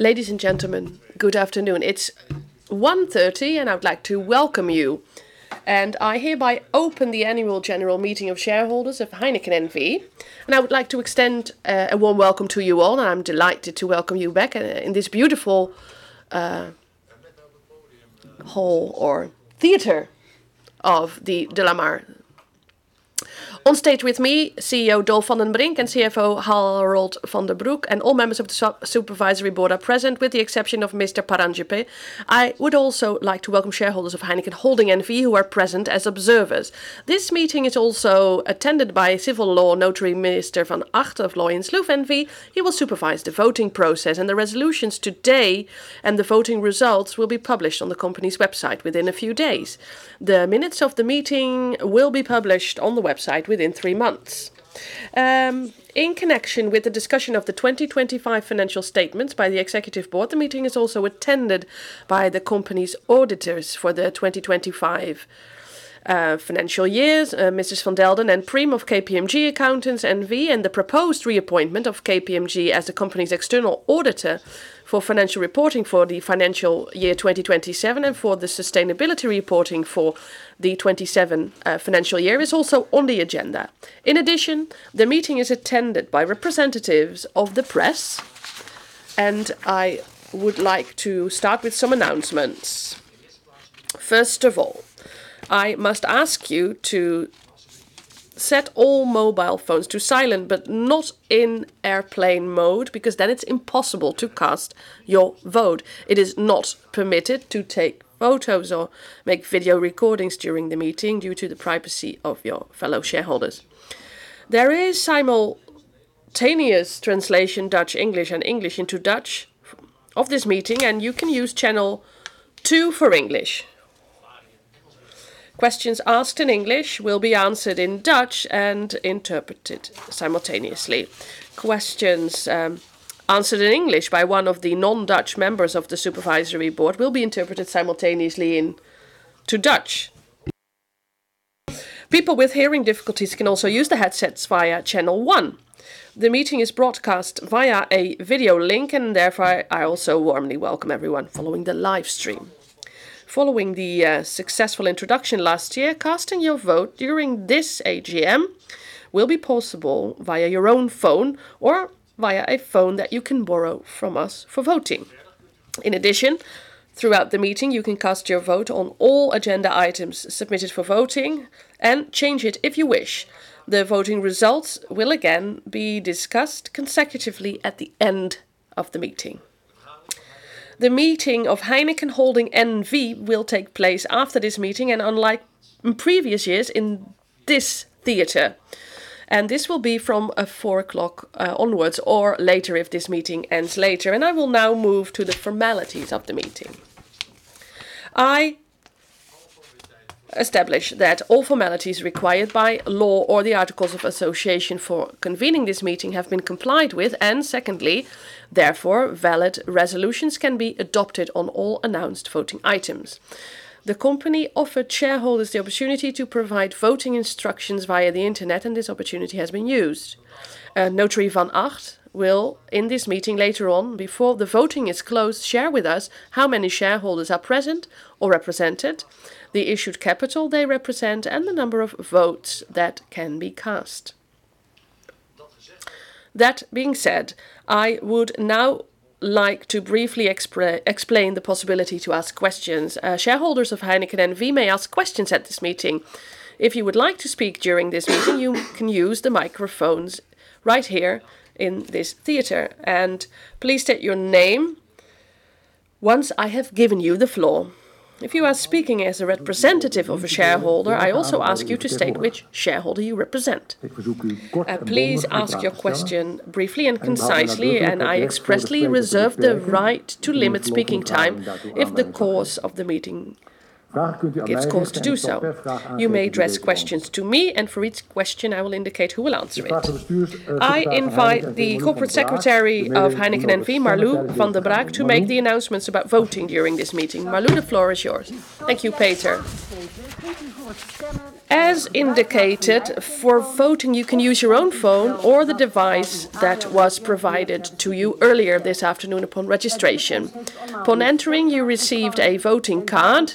Ladies and gentlemen, good afternoon. It's 1:30 P.M., and I would like to welcome you. I hereby open the annual general meeting of shareholders of Heineken N.V., and I would like to extend a warm welcome to you all, and I'm delighted to welcome you back in this beautiful hall or theater of the DeLaMar. On stage with me, CEO Dolf van den Brink and CFO Harold van den Broek, and all members of the Supervisory Board are present with the exception of Mr. Paranjpe. I would also like to welcome shareholders of Heineken Holding N.V., who are present as observers. This meeting is also attended by civil law notary Michel van Agt of Loyens & Loeff N.V. He will supervise the voting process and the resolutions today, and the voting results will be published on the company's website within a few days. The minutes of the meeting will be published on the website within three months. In connection with the discussion of the 2025 financial statements by the Executive Board, the meeting is also attended by the company's auditors for the 2025 financial years, Mr. van Delden and [Preem] of KPMG Accountants N.V. The proposed reappointment of KPMG as the company's external auditor for financial reporting for the financial year 2027 and for the sustainability reporting for the 2027 financial year is also on the agenda. In addition, the meeting is attended by representatives of the press, and I would like to start with some announcements. First of all, I must ask you to set all mobile phones to silent, but not in airplane mode, because then it's impossible to cast your vote. It is not permitted to take photos or make video recordings during the meeting due to the privacy of your fellow shareholders. There is simultaneous translation, Dutch to English and English into Dutch of this meeting, and you can use channel two for English. Questions asked in English will be answered in Dutch and interpreted simultaneously. Questions answered in English by one of the non-Dutch members of the Supervisory Board will be interpreted simultaneously into Dutch. People with hearing difficulties can also use the headsets via channel one. The meeting is broadcast via a video link, and therefore I also warmly welcome everyone following the live stream. Following the successful introduction last year, casting your vote during this AGM will be possible via your own phone or via a phone that you can borrow from us for voting. In addition, throughout the meeting, you can cast your vote on all agenda items submitted for voting and change it if you wish. The voting results will again be discussed consecutively at the end of the meeting. The meeting of Heineken Holding N.V. will take place after this meeting and, unlike in previous years, in this theater. This will be from 4:00 P.M. onwards or later if this meeting ends later. I will now move to the formalities of the meeting. I establish that all formalities required by law or the articles of association for convening this meeting have been complied with, and secondly, therefore, valid resolutions can be adopted on all announced voting items. The company offered shareholders the opportunity to provide voting instructions via the Internet, and this opportunity has been used. Notary van Agt will, in this meeting, later on before the voting is closed, share with us how many shareholders are present or represented, the issued capital they represent, and the number of votes that can be cast. That being said, I would now like to briefly explain the possibility to ask questions. Shareholders of Heineken N.V. may ask questions at this meeting. If you would like to speak during this meeting, you can use the microphones right here in this theater, and please state your name once I have given you the floor. If you are speaking as a representative of a shareholder, I also ask you to state which shareholder you represent. Please ask your question briefly and concisely, and I expressly reserve the right to limit speaking time if the course of the meeting gives cause to do so. You may address questions to me, and for each question, I will indicate who will answer it. I invite the Corporate Secretary of Heineken N.V., Marlou van der Braak, to make the announcements about voting during this meeting. Marlou, the floor is yours. Thank you, Peter. As indicated, for voting, you can use your own phone or the device that was provided to you earlier this afternoon upon registration. Upon entering, you received a voting card,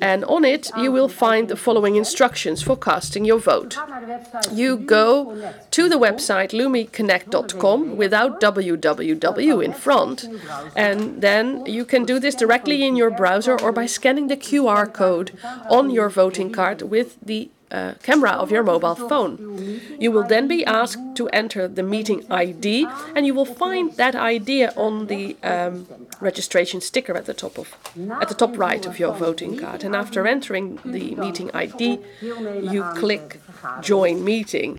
and on it, you will find the following instructions for casting your vote. You go to the website lumiconnect.com, without www in front, and then you can do this directly in your browser or by scanning the QR code on your voting card with the camera of your mobile phone. You will then be asked to enter the meeting ID, and you will find that ID on the registration sticker at the top right of your voting card. After entering the meeting ID, you click Join Meeting.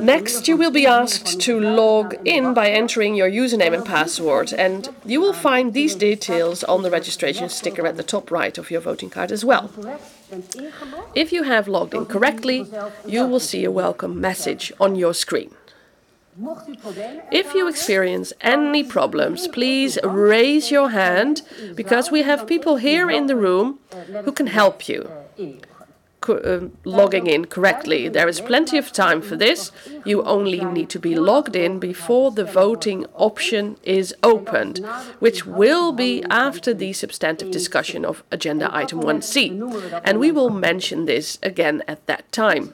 Next, you will be asked to log in by entering your username and password, and you will find these details on the registration sticker at the top right of your voting card as well. If you have logged in correctly, you will see a welcome message on your screen. If you experience any problems, please raise your hand because we have people here in the room who can help you. Logging in correctly. There is plenty of time for this. You only need to be logged in before the voting option is opened, which will be after the substantive discussion of agenda item 1C, and we will mention this again at that time.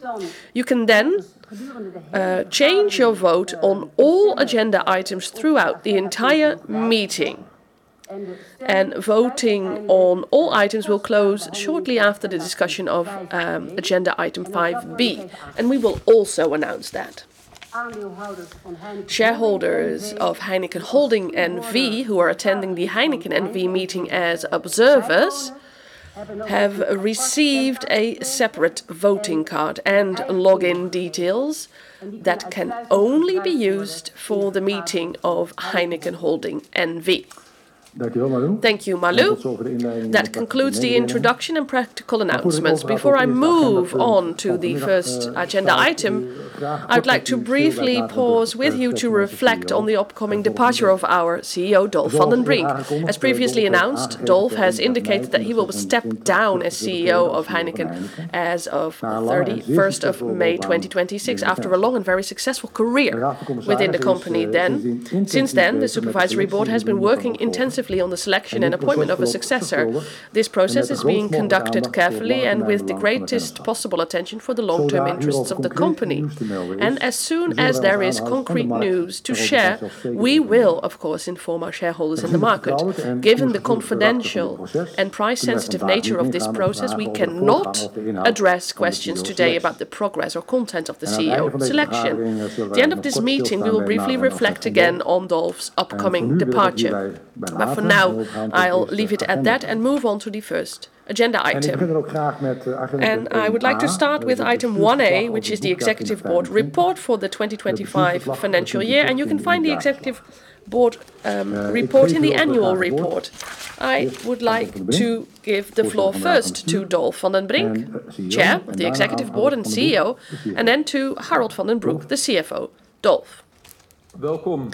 You can then change your vote on all agenda items throughout the entire meeting, and voting on all items will close shortly after the discussion of agenda item 5B, and we will also announce that. Shareholders of Heineken Holding N.V. who are attending the Heineken N.V. meeting as observers have received a separate voting card and login details that can only be used for the meeting of Heineken Holding N.V. Thank you, Marlou. That concludes the introduction and practical announcements. Before I move on to the first agenda item, I'd like to briefly pause with you to reflect on the upcoming departure of our CEO, Dolf van den Brink. As previously announced, Dolf has indicated that he will step down as CEO of Heineken as of 31st of May 2026, after a long and very successful career within the company. Since then, the supervisory board has been working intensively on the selection and appointment of a successor. This process is being conducted carefully and with the greatest possible attention for the long-term interests of the company. As soon as there is concrete news to share, we will of course inform our shareholders in the market. Given the confidential and price-sensitive nature of this process, we cannot address questions today about the progress or content of the CEO selection. At the end of this meeting, we will briefly reflect again on Dolf's upcoming departure. For now, I'll leave it at that and move on to the first agenda item. I would like to start with item 1A, which is the Executive Board report for the 2025 financial year. You can find the Executive Board report in the annual report. I would like to give the floor first to Dolf van den Brink, Chair of the Executive Board and CEO, and then to Harold van den Broek, the CFO. Dolf. Welcome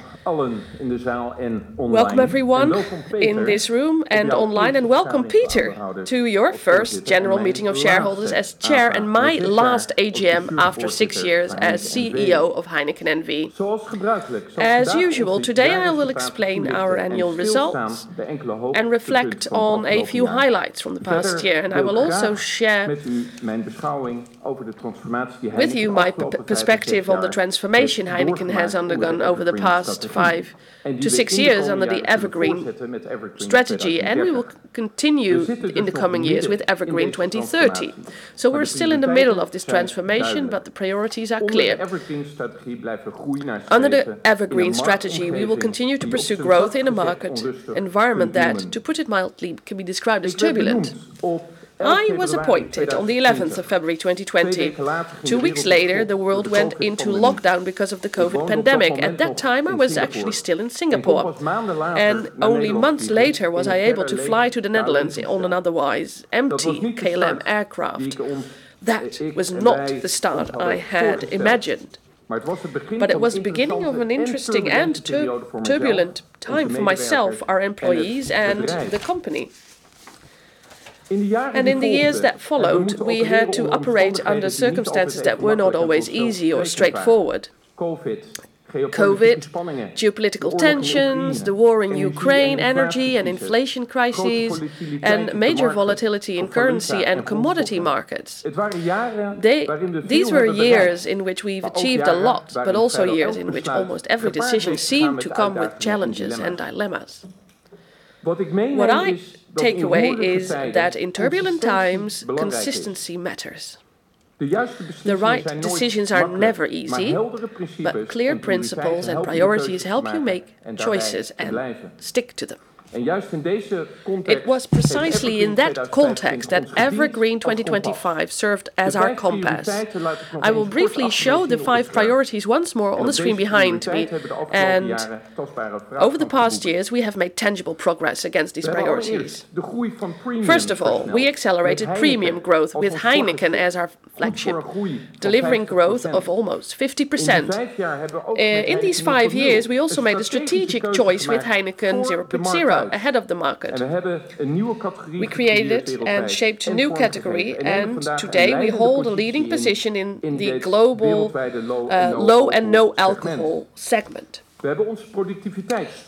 everyone in this room and online, and welcome, Peter, to your first general meeting of shareholders as Chair and my last AGM after six years as CEO of Heineken N.V. As usual, today I will explain our annual results and reflect on a few highlights from the past year. I will also share with you my perspective on the transformation Heineken has undergone over the past 5-6 years under the EverGreen strategy, and we will continue in the coming years with EverGreen 2030. We're still in the middle of this transformation, but the priorities are clear. Under the EverGreen strategy, we will continue to pursue growth in a market environment that, to put it mildly, can be described as turbulent. I was appointed on the 11th of February 2020. Two weeks later, the world went into lockdown because of the COVID pandemic. At that time, I was actually still in Singapore, and only months later was I able to fly to the Netherlands on an otherwise empty KLM aircraft. That was not the start I had imagined, but it was the beginning of an interesting and turbulent time for myself, our employees, and the company. In the years that followed, we had to operate under circumstances that were not always easy or straightforward. COVID, geopolitical tensions, the war in Ukraine, energy and inflation crises, and major volatility in currency and commodity markets. These were years in which we've achieved a lot, but also years in which almost every decision seemed to come with challenges and dilemmas. What I take away is that in turbulent times, consistency matters. The right decisions are never easy, but clear principles and priorities help you make choices and stick to them. It was precisely in that context that EverGreen 2025 served as our compass. I will briefly show the five priorities once more on the screen behind me. Over the past years, we have made tangible progress against these priorities. First of all, we accelerated premium growth with Heineken as our flagship, delivering growth of almost 50%. In these five years, we also made a strategic choice with Heineken 0.0 ahead of the market. We created and shaped a new category, and today we hold a leading position in the global low and no alcohol segment.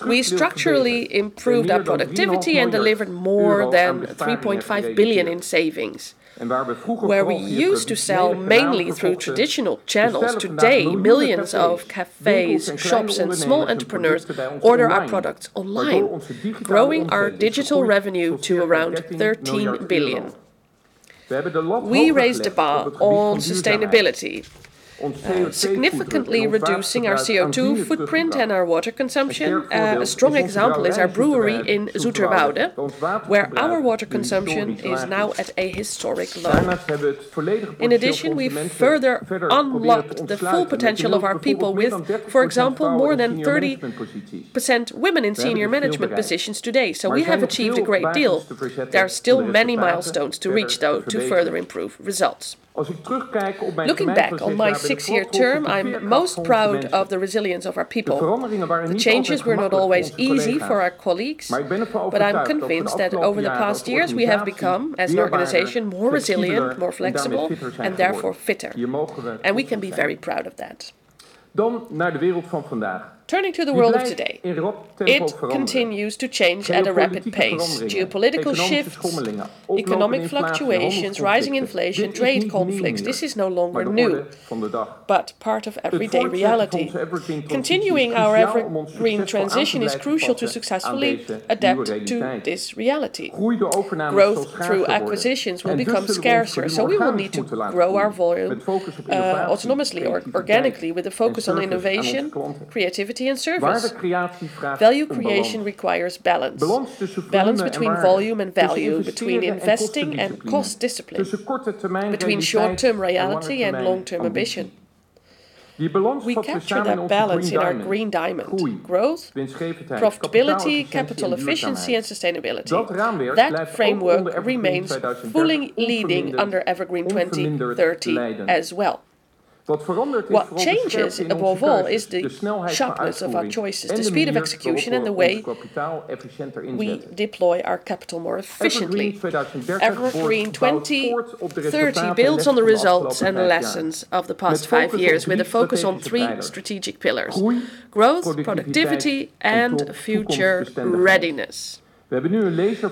We structurally improved our productivity and delivered more than 3.5 billion in savings. Where we used to sell mainly through traditional channels, today, millions of cafes, shops, and small entrepreneurs order our products online, growing our digital revenue to around 13 billion. We raised the bar on sustainability, significantly reducing our CO2 footprint and our water consumption. A strong example is our brewery in Zoeterwoude, where our water consumption is now at a historic low. In addition, we've further unlocked the full potential of our people with, for example, more than 30% women in senior management positions today. We have achieved a great deal. There are still many milestones to reach, though, to further improve results. Looking back on my six-year term, I'm most proud of the resilience of our people. The changes were not always easy for our colleagues, but I'm convinced that over the past years we have become, as an organization, more resilient, more flexible, and therefore fitter, and we can be very proud of that. To the world of today. It continues to change at a rapid pace. Geopolitical shifts, economic fluctuations, rising inflation, trade conflicts. This is no longer new, but part of everyday reality. Continuing our EverGreen transition is crucial to successfully adapt to this reality. Growth through acquisitions will become scarcer, so we will need to grow our volume autonomously or organically with a focus on innovation, creativity, and service. Value creation requires balance. Balance between volume and value, between investing and cost discipline, between short-term reality, and long-term ambition. We capture that balance in our Green Diamond. Growth, profitability, capital efficiency, and sustainability. That framework remains fully leading under EverGreen 2030 as well. What changes, above all, is the sharpness of our choices, the speed of execution, and the way we deploy our capital more efficiently. EverGreen 2030 builds on the results and lessons of the past five years with a focus on three strategic pillars. Growth, productivity, and future readiness.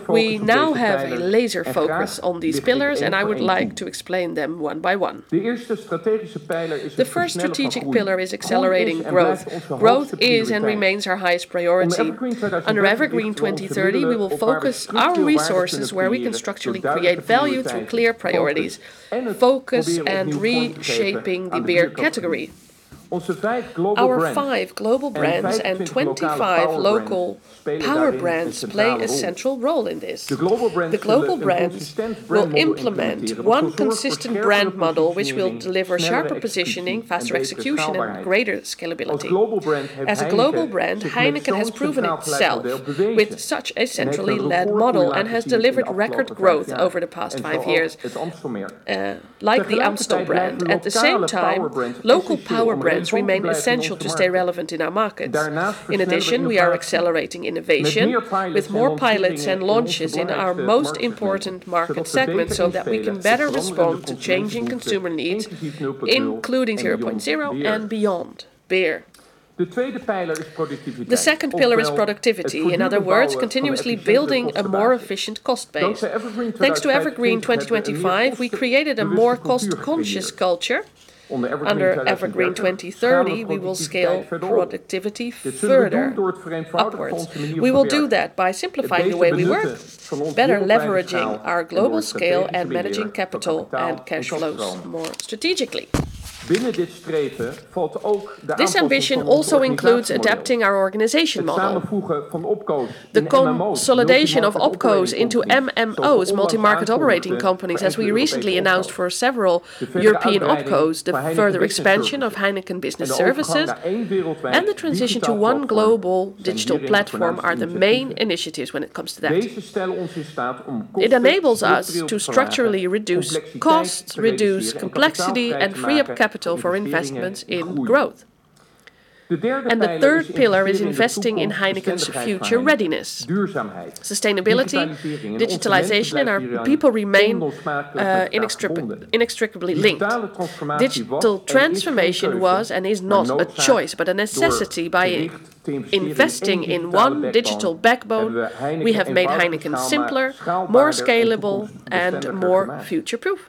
We now have a laser focus on these pillars, and I would like to explain them one by one. The first strategic pillar is accelerating growth. Growth is and remains our highest priority. Under EverGreen 2030, we will focus our resources where we can structurally create value through clear priorities, focus, and reshaping the beer category. Our five global brands and 25 local power brands play an essential role in this. The global brands will implement one consistent brand model which will deliver sharper positioning, faster execution, and greater scalability. As a global brand, Heineken has proven itself with such a centrally led model and has delivered record growth over the past five years, like the Amstel brand. At the same time, local power brands remain essential to stay relevant in our markets. In addition, we are accelerating innovation with more pilots and launches in our most important market segments so that we can better respond to changing consumer needs, including 0.0 and beyond beer. The second pillar is productivity. In other words, continuously building a more efficient cost base. Thanks to EverGreen 2025, we created a more cost-conscious culture. Under EverGreen 2030, we will scale productivity further upwards. We will do that by simplifying the way we work, better leveraging our global scale, and managing capital and cash flows more strategically. This ambition also includes adapting our organization model. The consolidation of OpCos into MMOs, multi-market operating companies, as we recently announced for several European OpCos. The further expansion of Heineken Business Services and the transition to one global digital platform are the main initiatives when it comes to that. It enables us to structurally reduce costs, reduce complexity, and free up capital for investments in growth. The third pillar is investing in Heineken's future readiness. Sustainability, digitalization, and our people remain inextricably linked. Digital transformation was and is not a choice, but a necessity. By investing in one digital backbone, we have made Heineken simpler, more scalable, and more future-proof.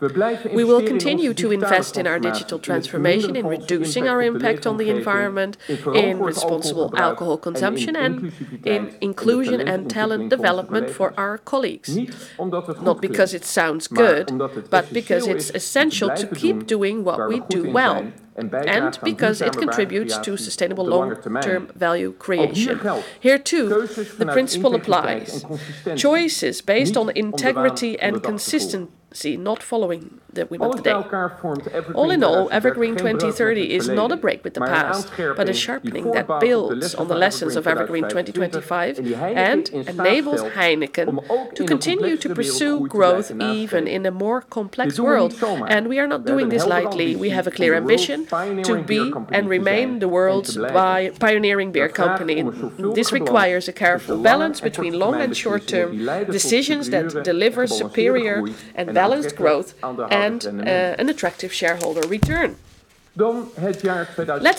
We will continue to invest in our digital transformation, in reducing our impact on the environment, in responsible alcohol consumption, and in inclusion and talent development for our colleagues. Not because it sounds good, but because it's essential to keep doing what we do well, and because it contributes to sustainable long-term value creation. Here, too, the principle applies. Choices based on integrity and consistency, not following the wind of the day. All in all, EverGreen 2030 is not a break with the past, but a sharpening that builds on the lessons of EverGreen 2025 and enables Heineken to continue to pursue growth even in a more complex world. We are not doing this lightly. We have a clear ambition to be and remain the world's pioneering beer company. This requires a careful balance between long and short-term decisions that deliver superior and balanced growth and an attractive shareholder return. Let's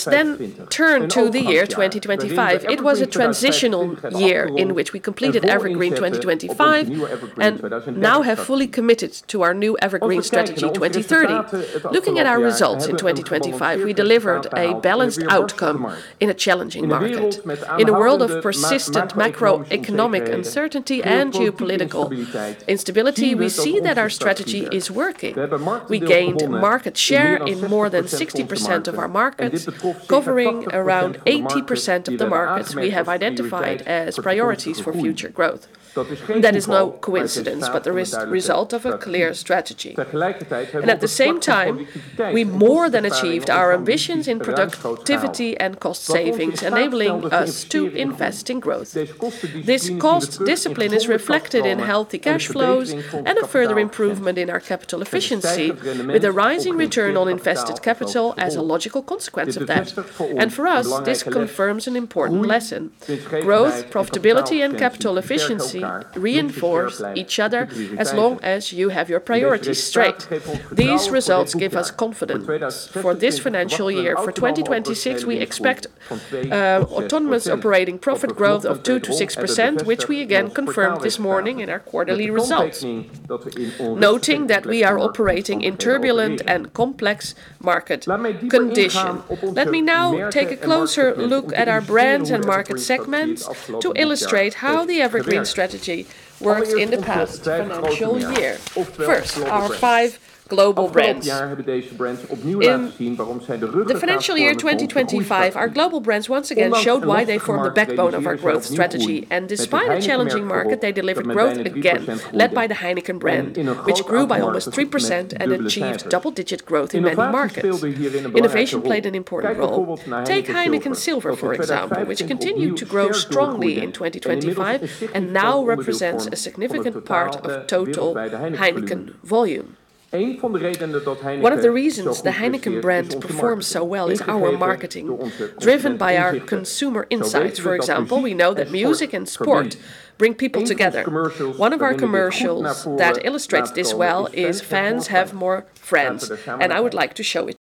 turn to the year 2025. It was a transitional year in which we completed EverGreen 2025 and now have fully committed to our new EverGreen 2030 strategy. Looking at our results in 2025, we delivered a balanced outcome in a challenging market. In a world of persistent macroeconomic uncertainty and geopolitical instability, we see that our strategy is working. We gained market share in more than 60% of our markets, covering around 80% of the markets we have identified as priorities for future growth. That is no coincidence, but the result of a clear strategy. At the same time, we more than achieved our ambitions in productivity and cost savings, enabling us to invest in growth. This cost discipline is reflected in healthy cash flows and a further improvement in our capital efficiency, with a rising return on invested capital as a logical consequence of that. For us, this confirms an important lesson. Growth, profitability, and capital efficiency reinforce each other as long as you have your priorities straight. These results give us confidence. For this financial year, for 2026, we expect autonomous operating profit growth of 2%-6%, which we again confirmed this morning in our quarterly results, noting that we are operating in turbulent and complex market conditions. Let me now take a closer look at our brands and market segments to illustrate how the EverGreen strategy worked in the past financial year. First, our five global brands. In the financial year 2025, our global brands once again showed why they form the backbone of our growth strategy. Despite a challenging market, they delivered growth again, led by the Heineken brand, which grew by almost 3% and achieved double-digit growth in many markets. Innovation played an important role. Take Heineken Silver, for example, which continued to grow strongly in 2025 and now represents a significant part of total Heineken volume. One of the reasons the Heineken brand performs so well is our marketing, driven by our consumer insights. For example, we know that music and sport bring people together. One of our commercials that illustrates this well is Fans Have More Friends, and I would like to show it.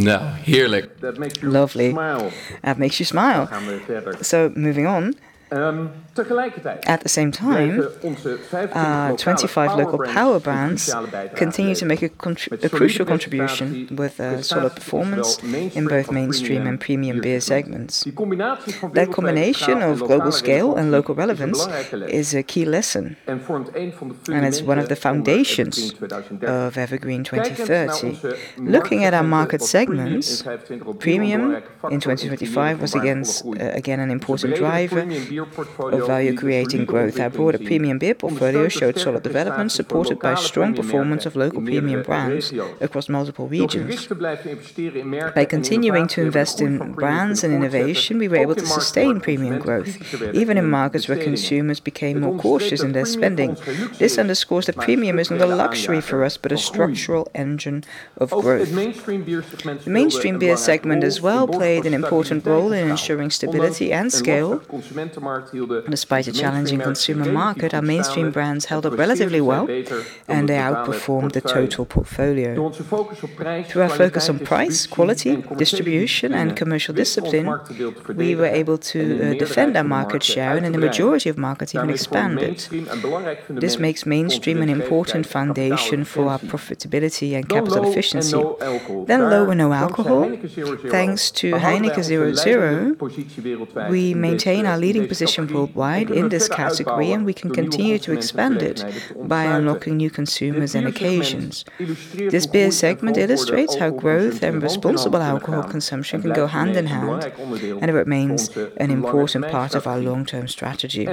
Lovely. That makes you smile. Moving on. At the same time, our 25 local power brands continue to make a crucial contribution with a solid performance in both mainstream and premium beer segments. That combination of global scale and local relevance is a key lesson, and it's one of the foundations of EverGreen 2030. Looking at our market segments, premium in 2025 was again an important driver of value-creating growth. Our broader premium beer portfolio showed solid development, supported by strong performance of local premium brands across multiple regions. By continuing to invest in brands and innovation, we were able to sustain premium growth, even in markets where consumers became more cautious in their spending. This underscores that premium is not a luxury for us, but a structural engine of growth. The mainstream beer segment as well played an important role in ensuring stability and scale. Despite a challenging consumer market, our mainstream brands held up relatively well, and they outperformed the total portfolio. Through our focus on price, quality, distribution, and commercial discipline, we were able to defend our market share, and in the majority of markets, even expand it. This makes mainstream an important foundation for our profitability and capital efficiency. Low and no alcohol. Thanks to Heineken 0.0, we maintain our leading position worldwide in this category, and we can continue to expand it by unlocking new consumers and occasions. This beer segment illustrates how growth and responsible alcohol consumption can go hand in hand and remains an important part of our long-term strategy.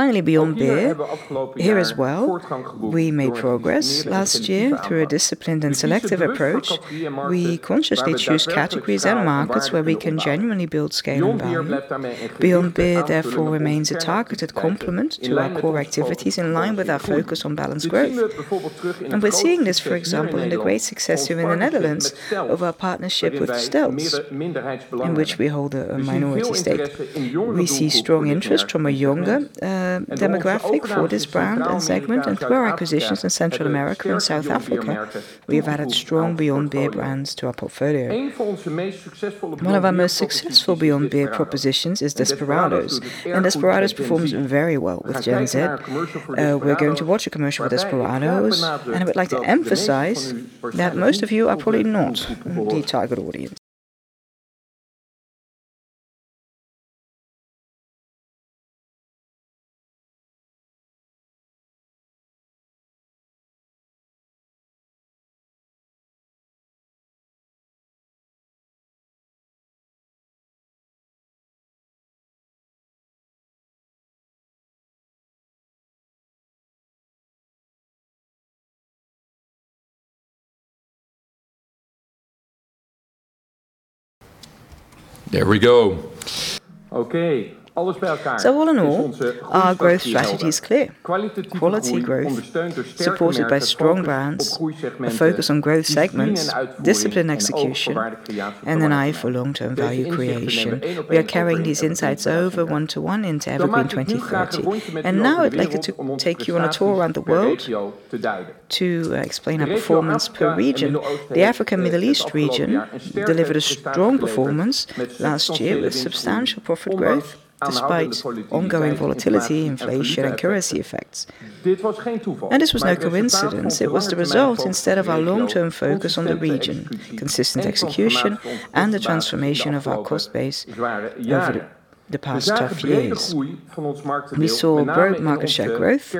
Finally, beyond beer. Here as well, we made progress last year through a disciplined and selective approach. We consciously choose categories and markets where we can genuinely build scale and value. Beyond beer, therefore, remains a targeted complement to our core activities in line with our focus on balanced growth. We're seeing this, for example, in the great success here in the Netherlands of our partnership with STËLZ, in which we hold a minority stake. We see strong interest from a younger demographic for this brand and segment. Through our acquisitions in Central America and South Africa, we have added strong beyond beer brands to our portfolio. One of our most successful beyond beer propositions is Desperados, and Desperados performs very well with Gen Z. We're going to watch a commercial for Desperados, and I would like to emphasize that most of you are probably not the target audience. There we go. All in all, our growth strategy is clear. Quality growth supported by strong brands, a focus on growth segments, disciplined execution, and an eye for long-term value creation. We are carrying these insights over one-to-one into EverGreen 2030. Now I'd like to take you on a tour around the world to explain our performance per region. The Africa and Middle East region delivered a strong performance last year with substantial profit growth despite ongoing volatility, inflation, and currency effects. This was no coincidence. It was the result instead of our long-term focus on the region, consistent execution, and the transformation of our cost base over the the past tough years. We saw great market share growth,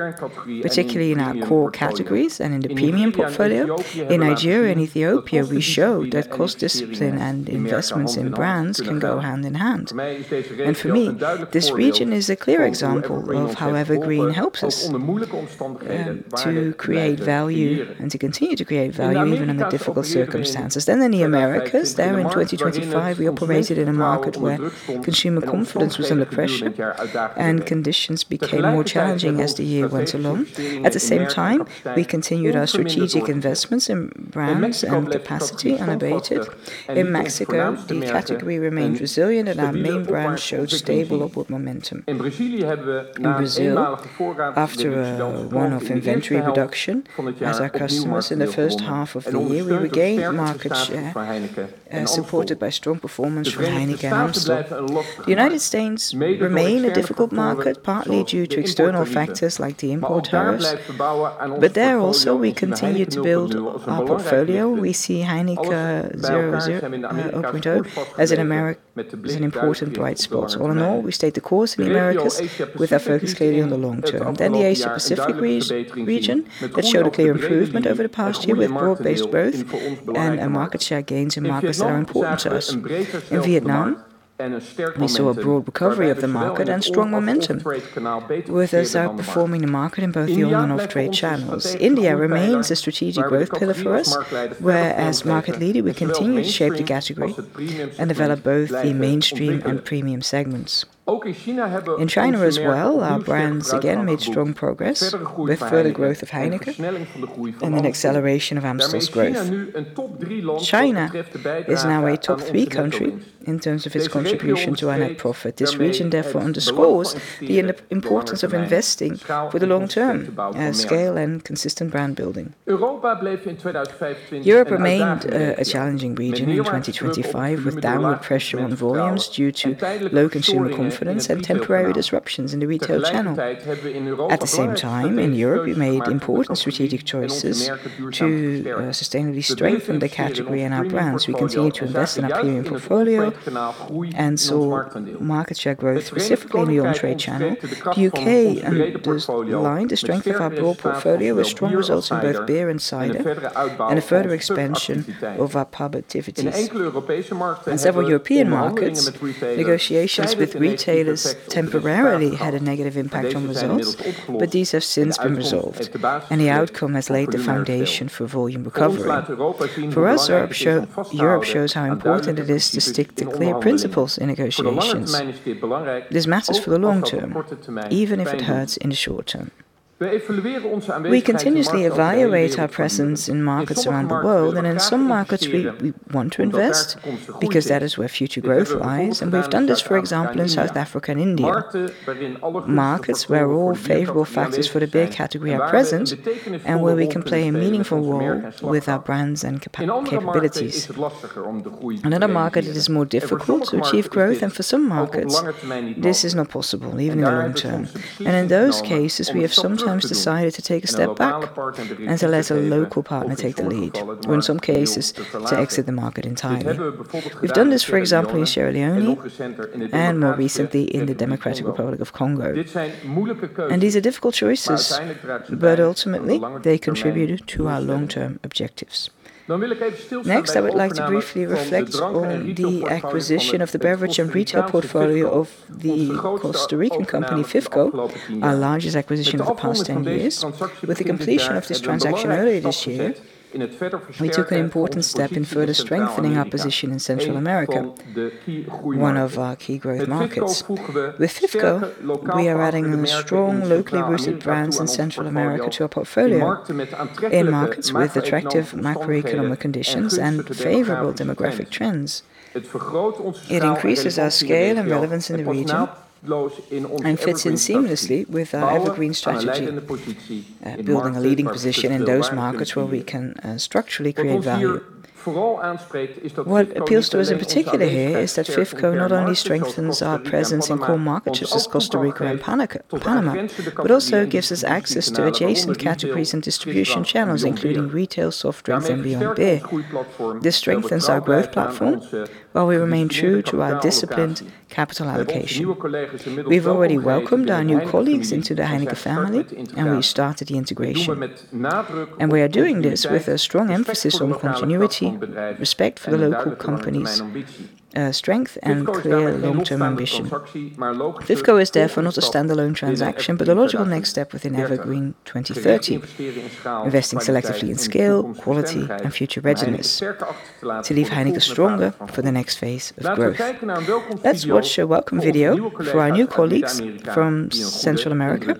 particularly in our core categories and in the premium portfolio. In Nigeria and Ethiopia, we showed that cost discipline and investments in brands can go hand in hand. For me, this region is a clear example of how EverGreen helps us to create value and to continue to create value even under difficult circumstances. In the Americas, in 2025, we operated in a market where consumer confidence was under pressure, and conditions became more challenging as the year went along. At the same time, we continued our strategic investments in brands and capacity unabated. In Mexico, the category remained resilient, and our main brands showed stable upward momentum. In Brazil, after a one-off inventory reduction by our customers in the first half of the year, we regained market share, supported by strong performance from Heineken and Amstel. The United States remain a difficult market, partly due to external factors like the import tariffs. There also, we continue to build our portfolio. We see Heineken 0.0 as an important bright spot. All in all, we stayed the course in the Americas with our focus clearly on the long term. The Asia Pacific region that showed a clear improvement over the past year with broad-based growth and our market share gains in markets that are important to us. In Vietnam, we saw a broad recovery of the market and strong momentum, with us outperforming the market in both the on and off-trade channels. India remains a strategic growth pillar for us, whereas market leader, we continue to shape the category and develop both the mainstream and premium segments. In China as well, our brands again made strong progress with further growth of Heineken and an acceleration of Amstel's growth. China is now a top three country in terms of its contribution to our net profit. This region therefore underscores the importance of investing for the long term at scale and consistent brand building. Europe remained a challenging region in 2025, with downward pressure on volumes due to low consumer confidence and temporary disruptions in the retail channel. At the same time, in Europe, we made important strategic choices to sustainably strengthen the category and our brands. We continue to invest in our premium portfolio and saw market share growth, specifically in the on-trade channel. The U.K. underlined the strength of our broad portfolio with strong results in both beer and cider and a further expansion of our pub activities. In several European markets, negotiations with retailers temporarily had a negative impact on results, but these have since been resolved, and the outcome has laid the foundation for volume recovery. For us, Europe shows how important it is to stick to clear principles in negotiations. This matters for the long term, even if it hurts in the short term. We continuously evaluate our presence in markets around the world, and in some markets, we want to invest because that is where future growth lies, and we've done this, for example, in South Africa and India, markets where all favorable factors for the beer category are present and where we can play a meaningful role with our brands and capabilities. In other markets, it is more difficult to achieve growth, and for some markets, this is not possible even in the long term. In those cases, we have sometimes decided to take a step back and to let a local partner take the lead or in some cases to exit the market entirely. We've done this, for example, in Sierra Leone and more recently in the Democratic Republic of Congo. These are difficult choices, but ultimately, they contribute to our long-term objectives. Next, I would like to briefly reflect on the acquisition of the beverage and retail portfolio of the Costa Rican company FIFCO, our largest acquisition of the past 10 years. With the completion of this transaction earlier this year, we took an important step in further strengthening our position in Central America, one of our key growth markets. With FIFCO, we are adding strong, locally rooted brands in Central America to our portfolio in markets with attractive macroeconomic conditions and favorable demographic trends. It increases our scale and relevance in the region and fits in seamlessly with our EverGreen strategy, building a leading position in those markets where we can structurally create value. What appeals to us in particular here is that FIFCO not only strengthens our presence in core markets such as Costa Rica and Panama, but also gives us access to adjacent categories and distribution channels, including retail, soft drinks, and beyond beer. This strengthens our growth platform while we remain true to our disciplined capital allocation. We've already welcomed our new colleagues into the Heineken family, and we started the integration. We are doing this with a strong emphasis on continuity, respect for the local company's strength, and clear long-term ambition. FIFCO is therefore not a standalone transaction but a logical next step within EverGreen 2030, investing selectively in scale, quality, and future readiness to leave Heineken stronger for the next phase of growth. Let's watch a welcome video for our new colleagues from Central America.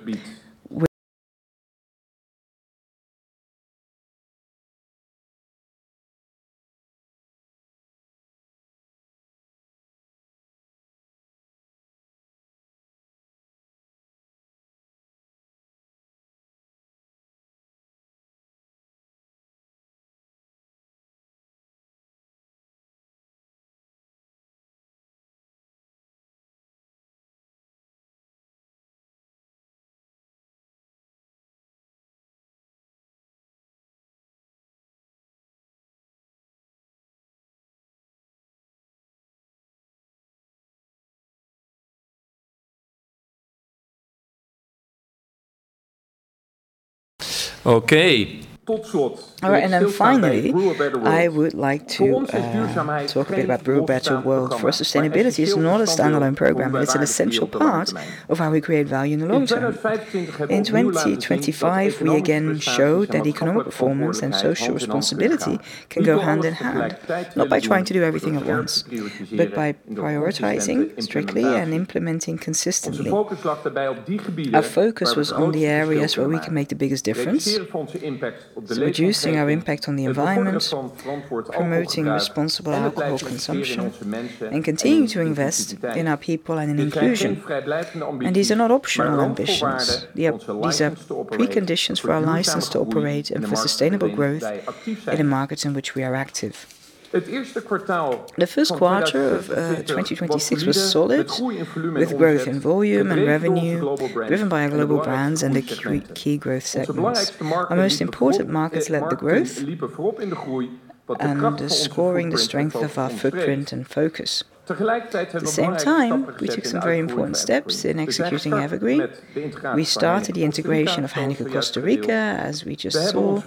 Okay. All right. Finally, I would like to talk a bit about Brew a Better World. For us, sustainability is not a standalone program. It's an essential part of how we create value in the long term. In 2025, we again showed that economic performance and social responsibility can go hand in hand, not by trying to do everything at once, but by prioritizing strictly and implementing consistently. Our focus was on the areas where we can make the biggest difference, reducing our impact on the environment, promoting responsible alcohol consumption, and continuing to invest in our people and in inclusion. These are not optional ambitions. These are preconditions for our license to operate and for sustainable growth in the markets in which we are active. The first quarter of 2026 was solid, with growth in volume and revenue driven by our global brands and the key growth segments. Our most important markets led the growth, showcasing the strength of our footprint and focus. At the same time, we took some very important steps in executing EverGreen. We started the integration of Heineken Costa Rica, as we just saw.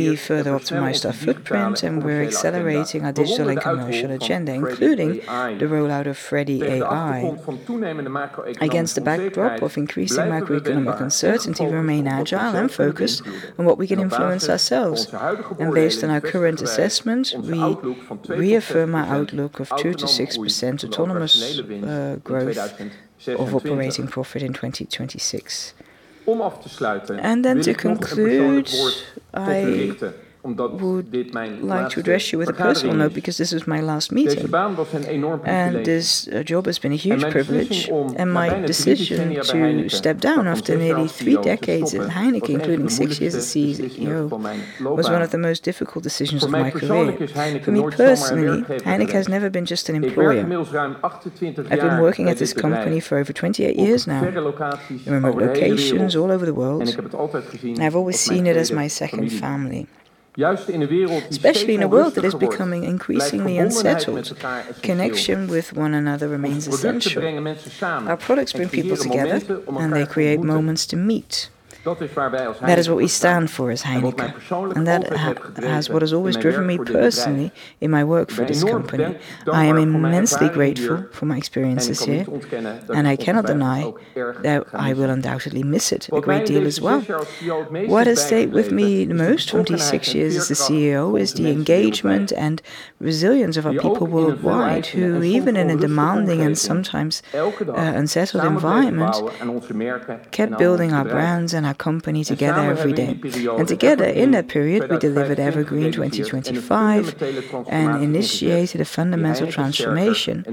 We further optimized our footprint, and we're accelerating our digital and commercial agenda, including the rollout of Freddy AI. Against the backdrop of increasing macroeconomic uncertainty, we remain agile and focused on what we can influence ourselves. Based on our current assessment, we reaffirm our outlook of 2%-6% autonomous growth of operating profit in 2026. Then to conclude, I would like to address you with a personal note because this is my last meeting, and this job has been a huge privilege. My decision to step down after nearly three decades at Heineken, including six years as CEO, was one of the most difficult decisions of my career. For me personally, Heineken has never been just an employer. I've been working at this company for over 28 years now, in remote locations all over the world, and I've always seen it as my second family. Especially in a world that is becoming increasingly unsettled, connection with one another remains essential. Our products bring people together, and they create moments to meet. That is what we stand for as Heineken, and that is what has always driven me personally in my work for this company. I am immensely grateful for my experiences here, and I cannot deny that I will undoubtedly miss it a great deal as well. What has stayed with me the most from these six years as the CEO is the engagement and resilience of our people worldwide, who even in a demanding and sometimes unsettled environment, kept building our brands and our company together every day. Together in that period, we delivered EverGreen 2025 and initiated a fundamental transformation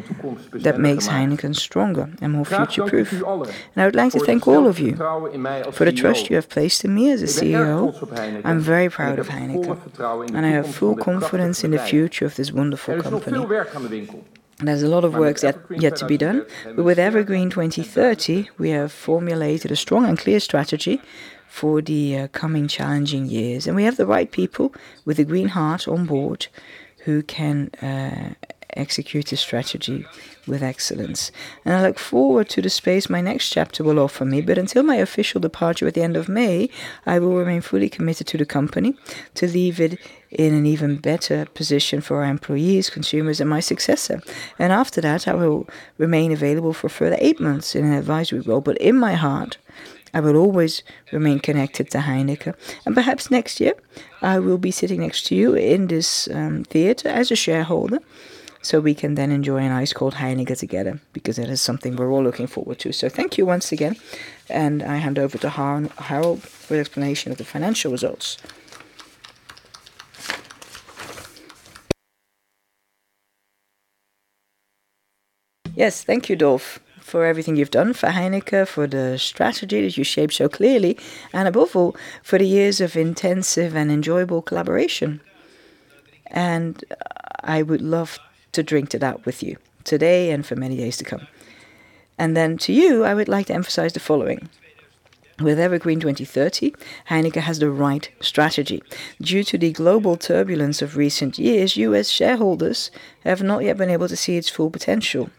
that makes Heineken stronger and more future-proof. I would like to thank all of you for the trust you have placed in me as the CEO. I'm very proud of Heineken, and I have full confidence in the future of this wonderful company. There's a lot of work yet to be done, but with EverGreen 2030, we have formulated a strong and clear strategy for the coming challenging years. We have the right people with a green heart on board who can execute this strategy with excellence. I look forward to the space my next chapter will offer me. Until my official departure at the end of May, I will remain fully committed to the company to leave it in an even better position for our employees, consumers, and my successor. After that, I will remain available for a further eight months in an advisory role. In my heart, I will always remain connected to Heineken. Perhaps next year, I will be sitting next to you in this theater as a shareholder, so we can then enjoy a nice cold Heineken together because it is something we're all looking forward to. Thank you once again, and I hand over to Harold for the explanation of the financial results. Yes. Thank you, Dolf, for everything you've done for Heineken, for the strategy that you shaped so clearly, and above all, for the years of intensive and enjoyable collaboration. I would love to drink to that with you today and for many years to come. To you, I would like to emphasize the following. With EverGreen 2030, Heineken has the right strategy. Due to the global turbulence of recent years, you as shareholders have not yet been able to see its full potential.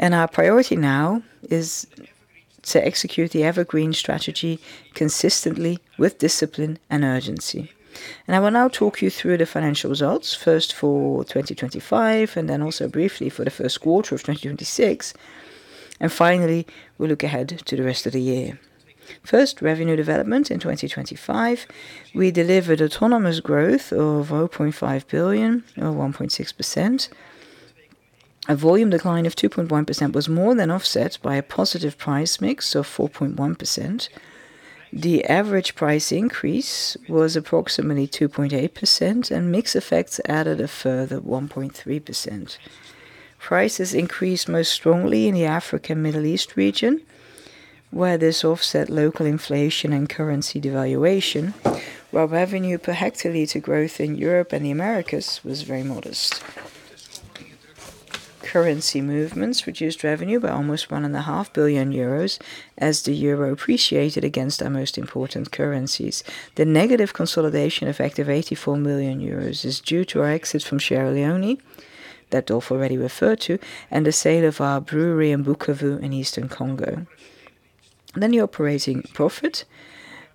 Our priority now is to execute the EverGreen strategy consistently with discipline and urgency. I will now talk you through the financial results, first for 2025, and then also briefly for the first quarter of 2026. Finally, we'll look ahead to the rest of the year. First, revenue development in 2025. We delivered autonomous growth of 0.5 billion or 1.6%. A volume decline of 2.1% was more than offset by a positive price mix of 4.1%. The average price increase was approximately 2.8%, and mix effects added a further 1.3%. Prices increased most strongly in the Africa, Middle East region, where this offset local inflation and currency devaluation, while revenue per hectoliter growth in Europe and the Americas was very modest. Currency movements reduced revenue by almost 1.5 billion euros as the euro appreciated against our most important currencies. The negative consolidation effect of 84 million euros is due to our exit from Sierra Leone, that Dolf already referred to, and the sale of our brewery in Bukavu in eastern Congo. The operating profit.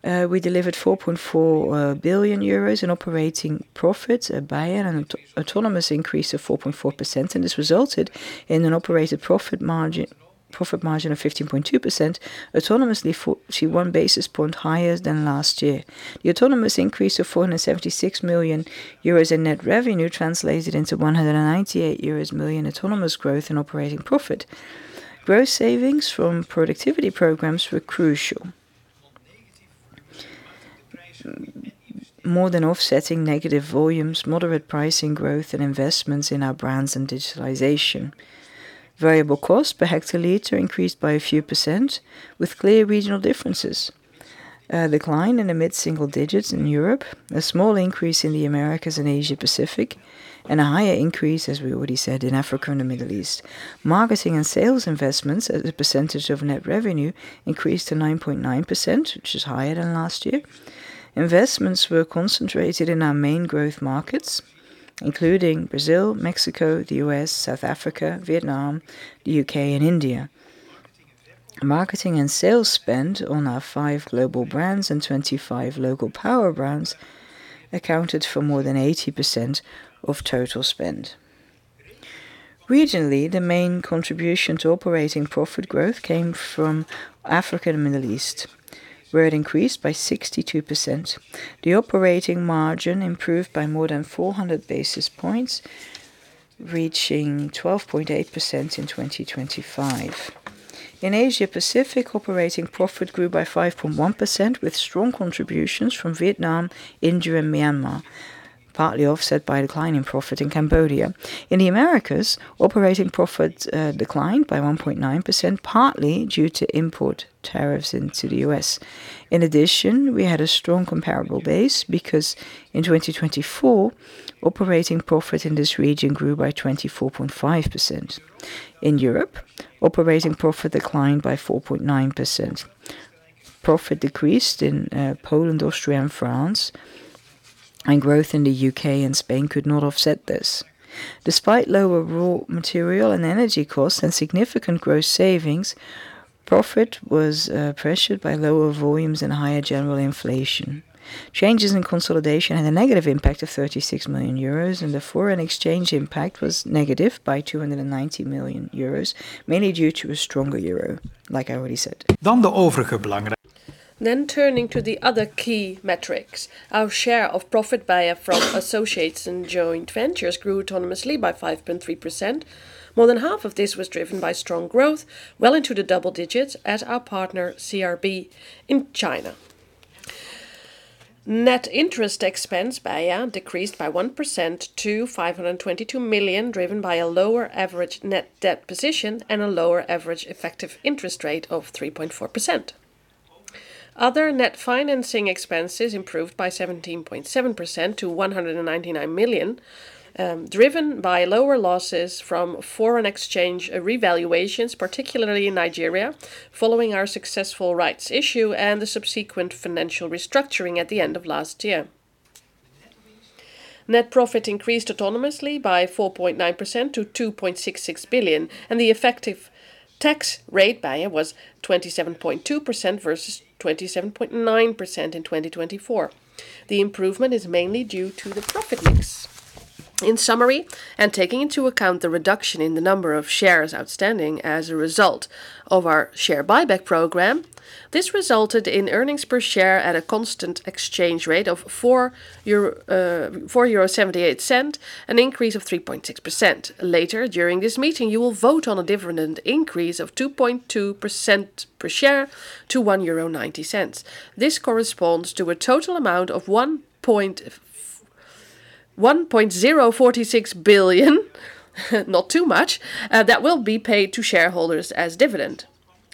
We delivered 4.4 billion euros in operating profits at BEIA, an autonomous increase of 4.4%, and this resulted in an operating profit margin of 15.2%, autonomously 41 basis points higher than last year. The autonomous increase of 476 million euros in net revenue translated into 198 million euros autonomous growth in operating profit. Gross savings from productivity programs were crucial, more than offsetting negative volumes, moderate pricing growth and investments in our brands and digitalization. Variable cost per hectoliter increased by a few percent with clear regional differences. A decline in the mid-single digits in Europe, a small increase in the Americas and Asia-Pacific, and a higher increase, as we already said, in Africa and the Middle East. Marketing and sales investments as a percentage of net revenue increased to 9.9%, which is higher than last year. Investments were concentrated in our main growth markets, including Brazil, Mexico, the U.S., South Africa, Vietnam, the U.K., and India. Marketing and sales spend on our five global brands and 25 local power brands accounted for more than 80% of total spend. Regionally, the main contribution to operating profit growth came from Africa and Middle East, where it increased by 62%. The operating margin improved by more than 400 basis points, reaching 12.8% in 2025. In Asia-Pacific, operating profit grew by 5.1%, with strong contributions from Vietnam, India and Myanmar, partly offset by a decline in profit in Cambodia. In the Americas, operating profit declined by 1.9%, partly due to import tariffs into the U.S. In addition, we had a strong comparable base because in 2024, operating profit in this region grew by 24.5%. In Europe, operating profit declined by 4.9%. Profit decreased in Poland, Austria and France, and growth in the U.K. and Spain could not offset this. Despite lower raw material and energy costs and significant gross savings, profit was pressured by lower volumes and higher general inflation. Changes in consolidation had a negative impact of 36 million euros, and the foreign exchange impact was negative by 290 million euros, mainly due to a stronger euro, like I already said. Turning to the other key metrics. Our share of profit BEIA from associates and joint ventures grew autonomously by 5.3%. More than half of this was driven by strong growth, well into the double digits at our partner CRB in China. Net interest expense BEIA decreased by 1% to 522 million, driven by a lower average net debt position and a lower average effective interest rate of 3.4%. Other net financing expenses improved by 17.7% to 199 million, driven by lower losses from foreign exchange revaluations, particularly in Nigeria, following our successful rights issue and the subsequent financial restructuring at the end of last year. Net profit increased autonomously by 4.9% to 2.66 billion, and the effective tax rate BEIA was 27.2% versus 27.9% in 2024. The improvement is mainly due to the profit mix. In summary, taking into account the reduction in the number of shares outstanding as a result of our share buyback program, this resulted in earnings per share at a constant exchange rate of 4.78 euro, an increase of 3.6%. Later during this meeting, you will vote on a dividend increase of 2.2% per share to 1.90 euro. This corresponds to a total amount of 1.046 billion, not too much, that will be paid to shareholders as dividend.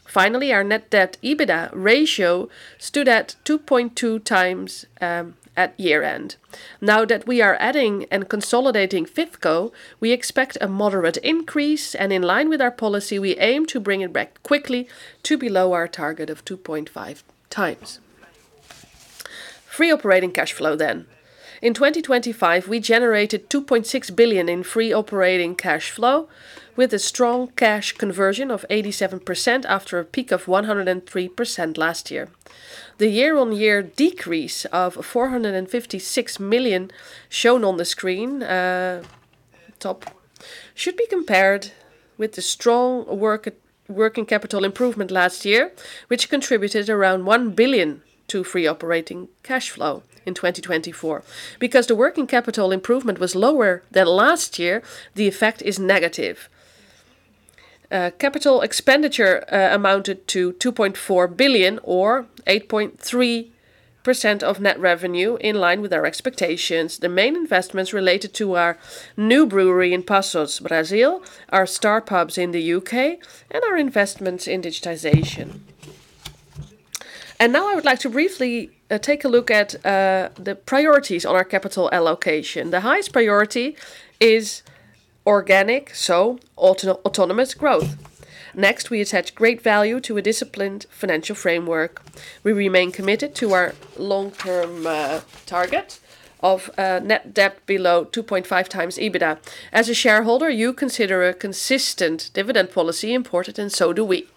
Finally, our net debt/EBITDA ratio stood at 2.2x at year-end. Now that we are adding and consolidating FIFCO, we expect a moderate increase, and in line with our policy, we aim to bring it back quickly to below our target of 2.5x. Free operating cash flow then. In 2025, we generated 2.6 billion in free operating cash flow with a strong cash conversion of 87% after a peak of 103% last year. The year-on-year decrease of 456 million shown on the screen, top, should be compared with the strong working capital improvement last year, which contributed around 1 billion to free operating cash flow in 2024. Because the working capital improvement was lower than last year, the effect is negative. Capital expenditure amounted to 2.4 billion or 8.3% of net revenue, in line with our expectations. The main investments related to our new brewery in Passos, Brazil, our Star Pubs in the U.K. and our investments in digitization. Now I would like to briefly take a look at the priorities on our capital allocation. The highest priority is organic, so autonomous growth. Next, we attach great value to a disciplined financial framework. We remain committed to our long-term target of net debt below 2.5x EBITDA. As a shareholder, you consider a consistent dividend policy important, and so do we.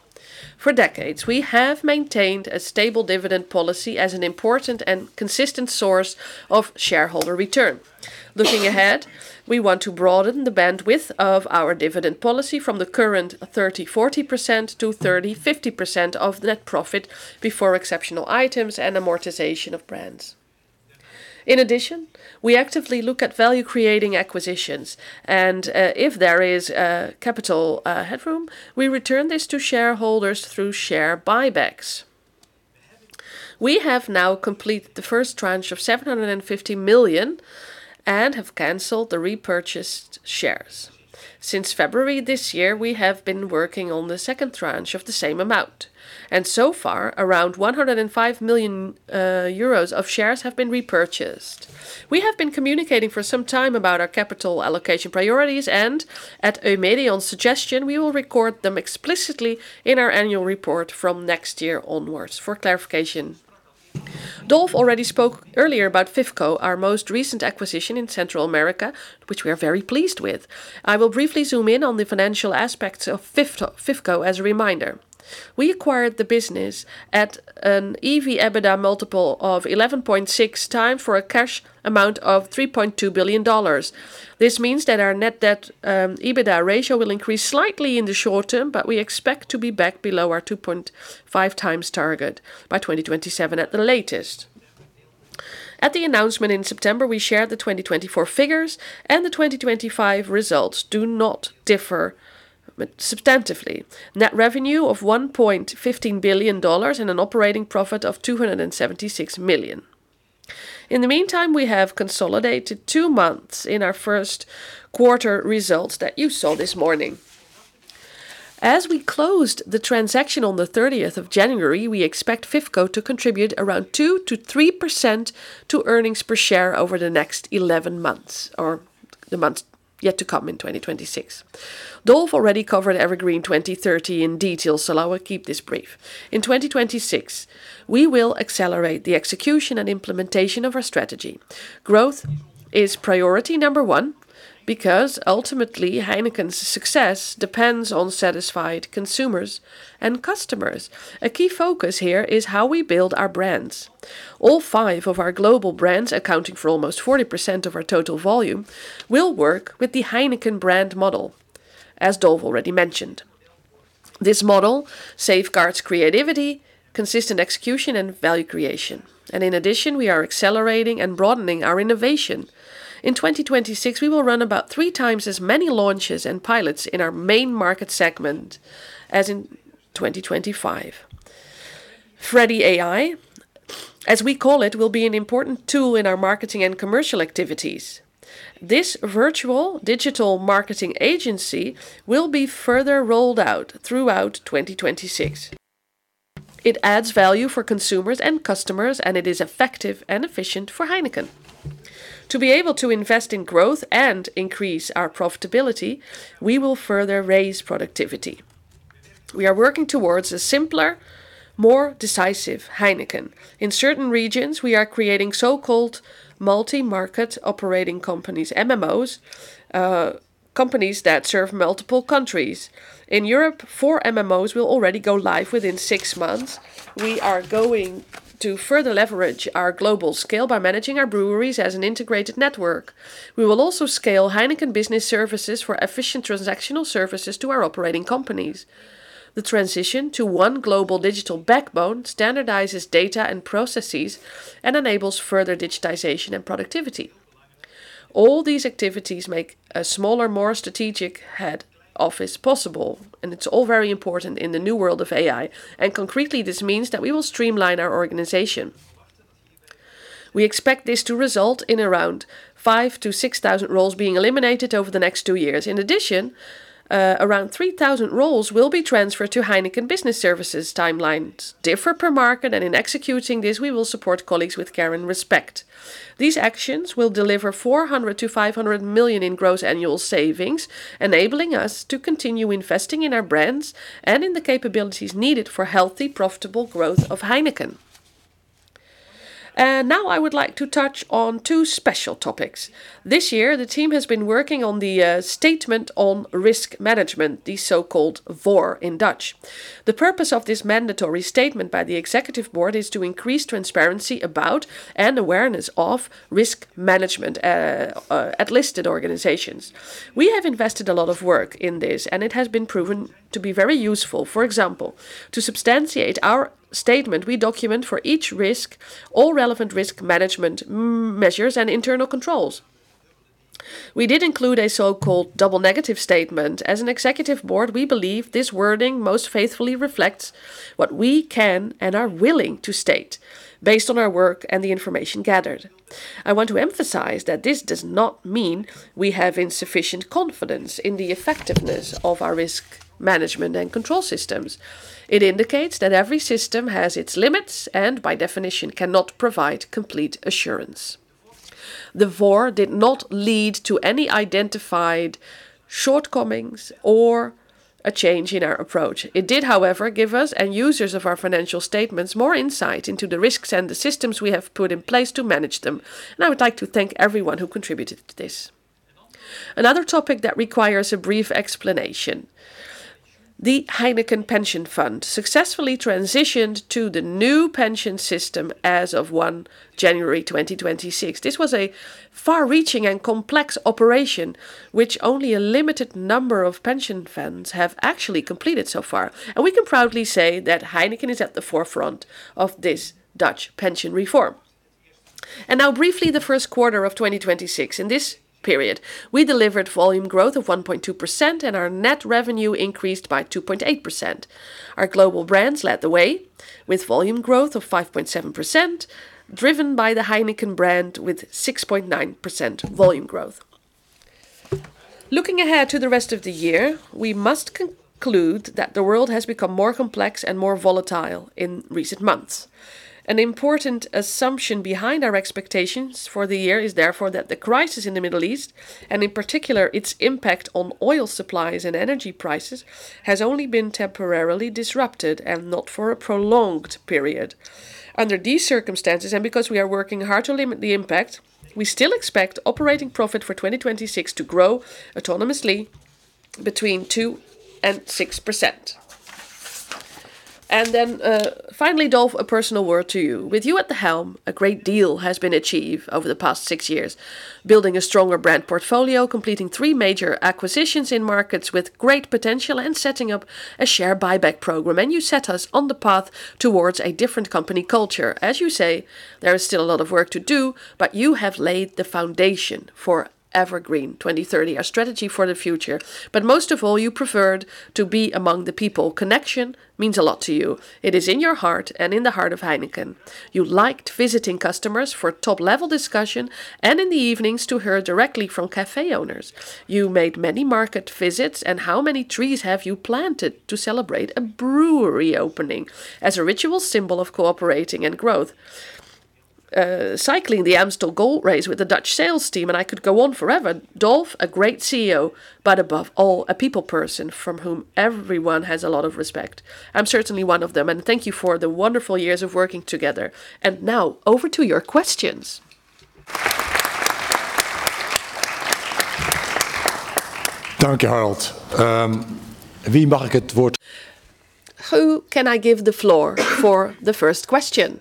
For decades, we have maintained a stable dividend policy as an important and consistent source of shareholder return. Looking ahead, we want to broaden the bandwidth of our dividend policy from the current 30%-40% to 30%-50% of net profit before exceptional items and amortization of brands. In addition, we actively look at value-creating acquisitions and if there is capital headroom, we return this to shareholders through share buybacks. We have now completed the first tranche of 750 million and have canceled the repurchased shares. Since February this year, we have been working on the second tranche of the same amount, and so far, around 105 million euros of shares have been repurchased. We have been communicating for some time about our capital allocation priorities, and at Eumedion's suggestion, we will record them explicitly in our annual report from next year onwards for clarification. Dolf already spoke earlier about FIFCO, our most recent acquisition in Central America, which we are very pleased with. I will briefly zoom in on the financial aspects of FIFCO as a reminder. We acquired the business at an EV/EBITDA multiple of 11.6x for a cash amount of $3.2 billion. This means that our net debt/EBITDA ratio will increase slightly in the short term, but we expect to be back below our 2.5x target by 2027 at the latest. At the announcement in September, we shared the 2024 figures, and the 2025 results do not differ substantively. Net revenue of $1.15 billion and an operating profit of $276 million. In the meantime, we have consolidated two months in our first quarter results that you saw this morning. As we closed the transaction on the 30th of January, we expect FIFCO to contribute around 2%-3% to earnings per share over the next 11 months or the months yet to come in 2026. Dolf already covered EverGreen 2030 in detail, so I will keep this brief. In 2026, we will accelerate the execution and implementation of our strategy. Growth is priority number one because ultimately Heineken's success depends on satisfied consumers and customers. A key focus here is how we build our brands. All five of our global brands, accounting for almost 40% of our total volume, will work with the Heineken brand model, as Dolf already mentioned. This model safeguards creativity, consistent execution, and value creation. In addition, we are accelerating and broadening our innovation. In 2026, we will run about 3x as many launches and pilots in our main market segment as in 2025. Freddy AI, as we call it, will be an important tool in our marketing and commercial activities. This virtual digital marketing agency will be further rolled out throughout 2026. It adds value for consumers and customers, and it is effective and efficient for Heineken. To be able to invest in growth and increase our profitability, we will further raise productivity. We are working towards a simpler, more decisive Heineken. In certain regions, we are creating so-called multi-market operating companies, MMOs, companies that serve multiple countries. In Europe, four MMOs will already go live within six months. We are going to further leverage our global scale by managing our breweries as an integrated network. We will also scale Heineken Business Services for efficient transactional services to our operating companies. The transition to one global digital backbone standardizes data and processes and enables further digitization and productivity. All these activities make a smaller, more strategic head office possible, and it's all very important in the new world of AI. Concretely, this means that we will streamline our organization. We expect this to result in around 5,000-6,000 roles being eliminated over the next two years. In addition, around 3,000 roles will be transferred to Heineken Business Services. Timelines differ per market, and in executing this, we will support colleagues with care and respect. These actions will deliver 400 million-500 million in gross annual savings, enabling us to continue investing in our brands and in the capabilities needed for healthy, profitable growth of Heineken. Now I would like to touch on two special topics. This year, the team has been working on the statement on risk management, the so-called VOR in Dutch. The purpose of this mandatory statement by the Executive Board is to increase transparency about and awareness of risk management at listed organizations. We have invested a lot of work in this, and it has been proven to be very useful. For example, to substantiate our statement, we document for each risk, all relevant risk management measures, and internal controls. We did include a so-called double negative statement. As the Executive Board, we believe this wording most faithfully reflects what we can and are willing to state based on our work and the information gathered. I want to emphasize that this does not mean we have insufficient confidence in the effectiveness of our risk management and control systems. It indicates that every system has its limits and by definition cannot provide complete assurance. The VOR did not lead to any identified shortcomings or a change in our approach. It did, however, give us and users of our financial statements more insight into the risks and the systems we have put in place to manage them. I would like to thank everyone who contributed to this. Another topic that requires a brief explanation. The Heineken Pension Fund successfully transitioned to the new pension system as of 1 January 2026. This was a far-reaching and complex operation which only a limited number of pension funds have actually completed so far. We can proudly say that Heineken is at the forefront of this Dutch pension reform. Now briefly, the first quarter of 2026. In this period, we delivered volume growth of 1.2% and our net revenue increased by 2.8%. Our global brands led the way with volume growth of 5.7%, driven by the Heineken brand with 6.9% volume growth. Looking ahead to the rest of the year, we must conclude that the world has become more complex and more volatile in recent months. An important assumption behind our expectations for the year is therefore that the crisis in the Middle East, and in particular, its impact on oil supplies and energy prices, has only been temporarily disrupted and not for a prolonged period. Under these circumstances, and because we are working hard to limit the impact, we still expect operating profit for 2026 to grow autonomously between 2%-6%. Finally, Dolf, a personal word to you. With you at the helm, a great deal has been achieved over the past six years, building a stronger brand portfolio, completing three major acquisitions in markets with great potential, and setting up a share buyback program. You set us on the path towards a different company culture. As you say, there is still a lot of work to do, but you have laid the foundation for EverGreen 2030, our strategy for the future. Most of all, you preferred to be among the people. Connection means a lot to you. It is in your heart and in the heart of Heineken. You liked visiting customers for top-level discussion and in the evenings to hear directly from cafe owners. You made many market visits, and how many trees have you planted to celebrate a brewery opening as a ritual symbol of cooperating and growth? Cycling the Amstel Gold Race with the Dutch sales team, and I could go on forever. Dolf, a great CEO, but above all, a people person from whom everyone has a lot of respect. I'm certainly one of them, and thank you for the wonderful years of working together. Now over to your questions. Thank you, Harold. Who can I give the floor for the first question?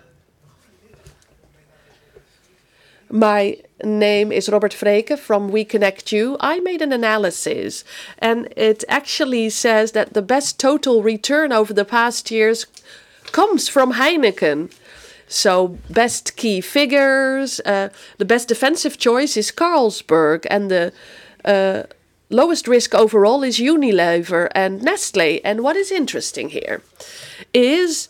My name is Robert Vreeken from We Connect You. I made an analysis, and it actually says that the best total return over the past years comes from Heineken. So best key figures, the best defensive choice is Carlsberg, and the lowest risk overall is Unilever and Nestlé. What is interesting here is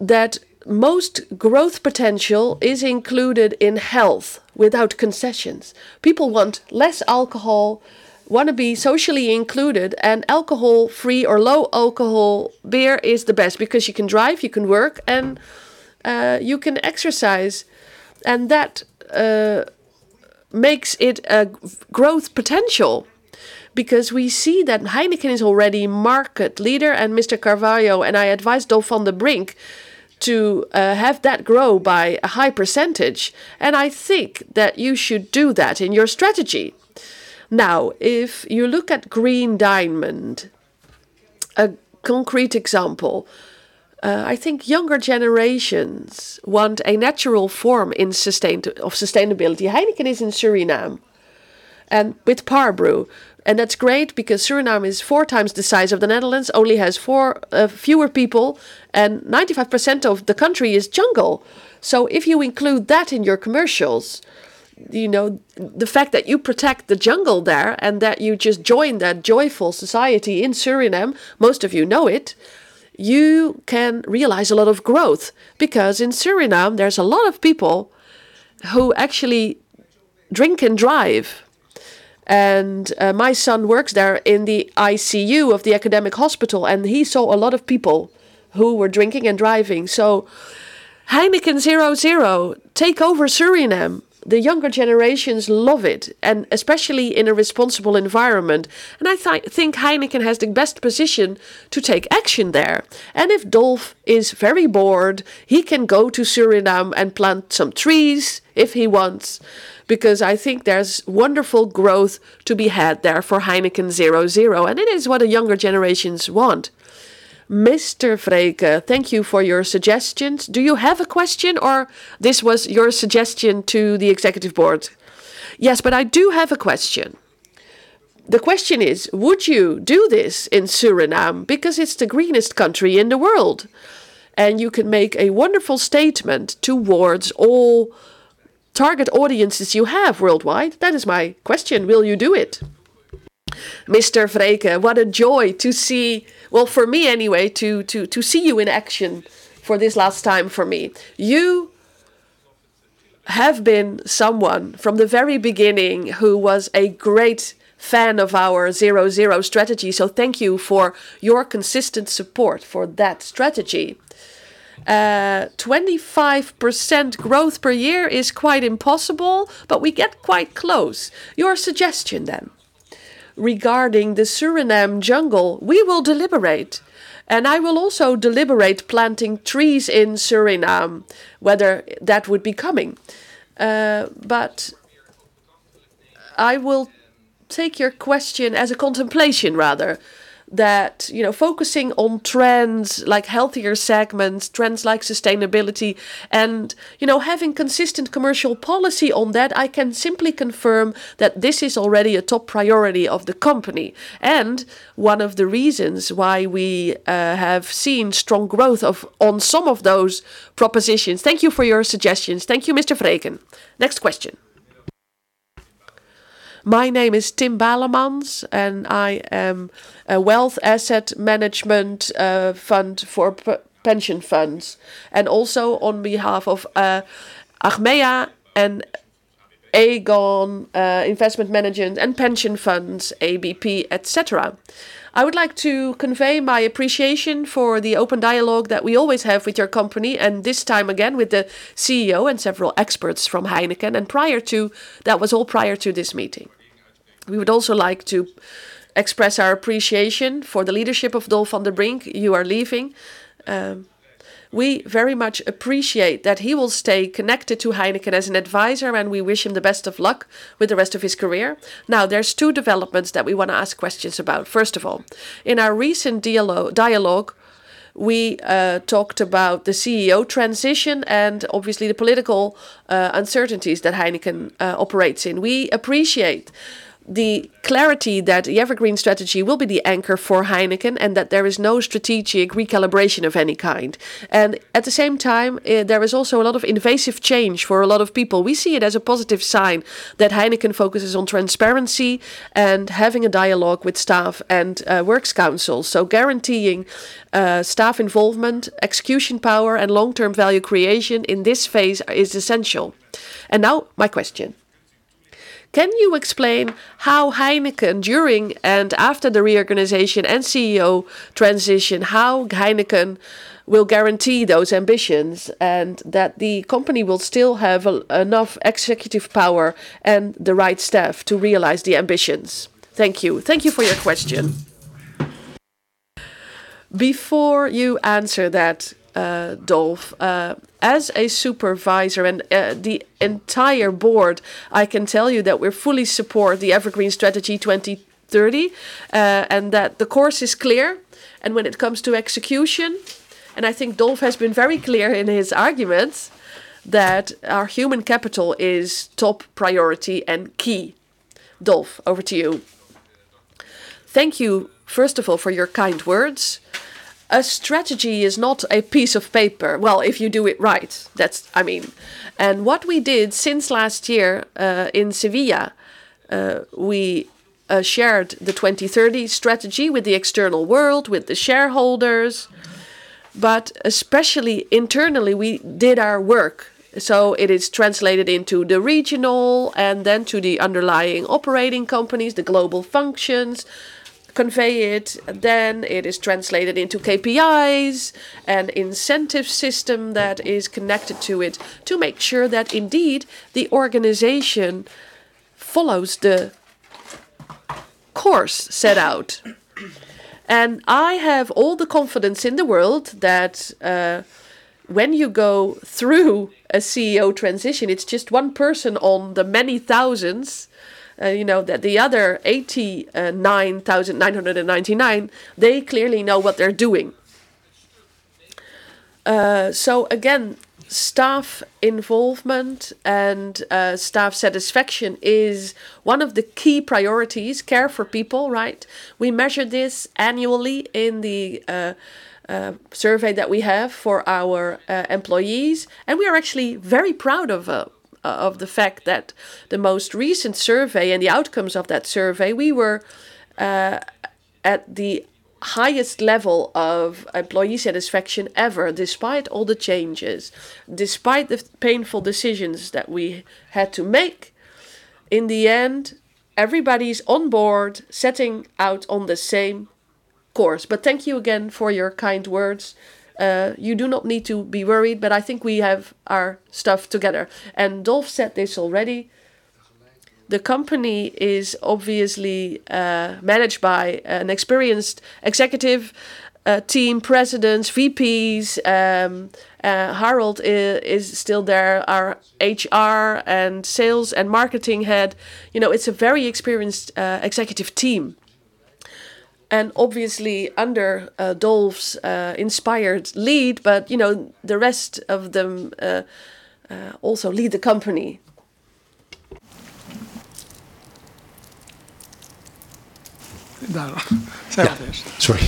that most growth potential is included in health without concessions. People want less alcohol, want to be socially included, and alcohol-free or low alcohol beer is the best because you can drive, you can work, and you can exercise. That makes it a growth potential because we see that Heineken is already market leader. Mr. Carvalho and I advised Dolf van den Brink to have that grow by a high percentage. I think that you should do that in your strategy. Now, if you look at Green Diamond, a concrete example, I think younger generations want a natural form of sustainability. Heineken is in Suriname with Parbo, and that's great because Suriname is four times the size of the Netherlands, only has four fewer people, and 95% of the country is jungle. If you include that in your commercials, the fact that you protect the jungle there and that you just join that joyful society in Suriname, most of you know it, you can realize a lot of growth. In Suriname, there's a lot of people who actually drink and drive. My son works there in the ICU of the academic hospital, and he saw a lot of people who were drinking and driving. Heineken 0.0, take over Suriname. The younger generations love it, and especially in a responsible environment. I think Heineken has the best position to take action there. If Dolf is very bored, he can go to Suriname and plant some trees if he wants, because I think there's wonderful growth to be had there for Heineken 0.0, and it is what the younger generations want. Mr. Vreeken, thank you for your suggestions. Do you have a question or this was your suggestion to the Executive Board? Yes, but I do have a question. The question is, would you do this in Suriname? Because it's the greenest country in the world, and you can make a wonderful statement towards all target audiences you have worldwide. That is my question. Will you do it? Mr. Vreeken, what a joy to see, well, for me anyway, to see you in action for this last time for me. You have been someone from the very beginning who was a great fan of our 0.0 strategy. So thank you for your consistent support for that strategy. 25% growth per year is quite impossible, but we get quite close. Your suggestion then regarding the Suriname jungle, we will deliberate, and I will also deliberate planting trees in Suriname, whether that would be coming. I will take your question as a contemplation rather than focusing on trends like healthier segments, trends like sustainability, and having consistent commercial policy on that. I can simply confirm that this is already a top priority of the company and one of the reasons why we have seen strong growth on some of those propositions. Thank you for your suggestions. Thank you, Mr. Vreeken. Next question. My name is Tim Balemans, and I am with asset management fund for pension funds, and also on behalf of Achmea and Aegon Investment Management and pension funds, ABP, et cetera. I would like to convey my appreciation for the open dialogue that we always have with your company, and this time again with the CEO and several experts from Heineken. That was all prior to this meeting. We would also like to express our appreciation for the leadership of Dolf van den Brink. You are leaving. We very much appreciate that he will stay connected to Heineken as an advisor, and we wish him the best of luck with the rest of his career. Now, there's two developments that we want to ask questions about. First of all, in our recent dialogue, we talked about the CEO transition and obviously the political uncertainties that Heineken operates in. We appreciate the clarity that the EverGreen strategy will be the anchor for Heineken, and that there is no strategic recalibration of any kind. At the same time, there is also a lot of invasive change for a lot of people. We see it as a positive sign that Heineken focuses on transparency and having a dialogue with staff and works councils. Guaranteeing staff involvement, execution power, and long-term value creation in this phase is essential. Now my question. Can you explain how Heineken, during and after the reorganization and CEO transition, how Heineken will guarantee those ambitions, and that the company will still have enough executive power and the right staff to realize the ambitions? Thank you. Thank you for your question. Before you answer that, Dolf, as a Supervisor and the entire board, I can tell you that we fully support the EverGreen 2030, and that the course is clear. When it comes to execution, and I think Dolf has been very clear in his arguments that our human capital is top priority and key. Dolf, over to you. Thank you first of all for your kind words. A strategy is not a piece of paper. Well, if you do it right, that's, I mean. What we did since last year, in Sevilla, we shared the 2030 strategy with the external world, with the shareholders, but especially internally, we did our work. It is translated into the regional, and then to the underlying operating companies, the global functions convey it, then it is translated into KPIs, an incentive system that is connected to it to make sure that indeed the organization follows the course set out. I have all the confidence in the world that when you go through a CEO transition, it's just one person on the many thousands, that the other 89,999, they clearly know what they're doing. Again, staff involvement and staff satisfaction is one of the key priorities. Care for people, right? We measure this annually in the survey that we have for our employees, and we are actually very proud of the fact that the most recent survey and the outcomes of that survey, we were at the highest level of employee satisfaction ever. Despite all the changes, despite the painful decisions that we had to make, in the end, everybody's on board setting out on the same course. Thank you again for your kind words. You do not need to be worried, but I think we have our stuff together. Dolf said this already, the company is obviously managed by an experienced executive team, Presidents, VPs. Harold is still there. Our HR and sales and marketing head. It's a very experienced executive team. Obviously under Dolf's inspired lead, but the rest of them also lead the company. Sorry.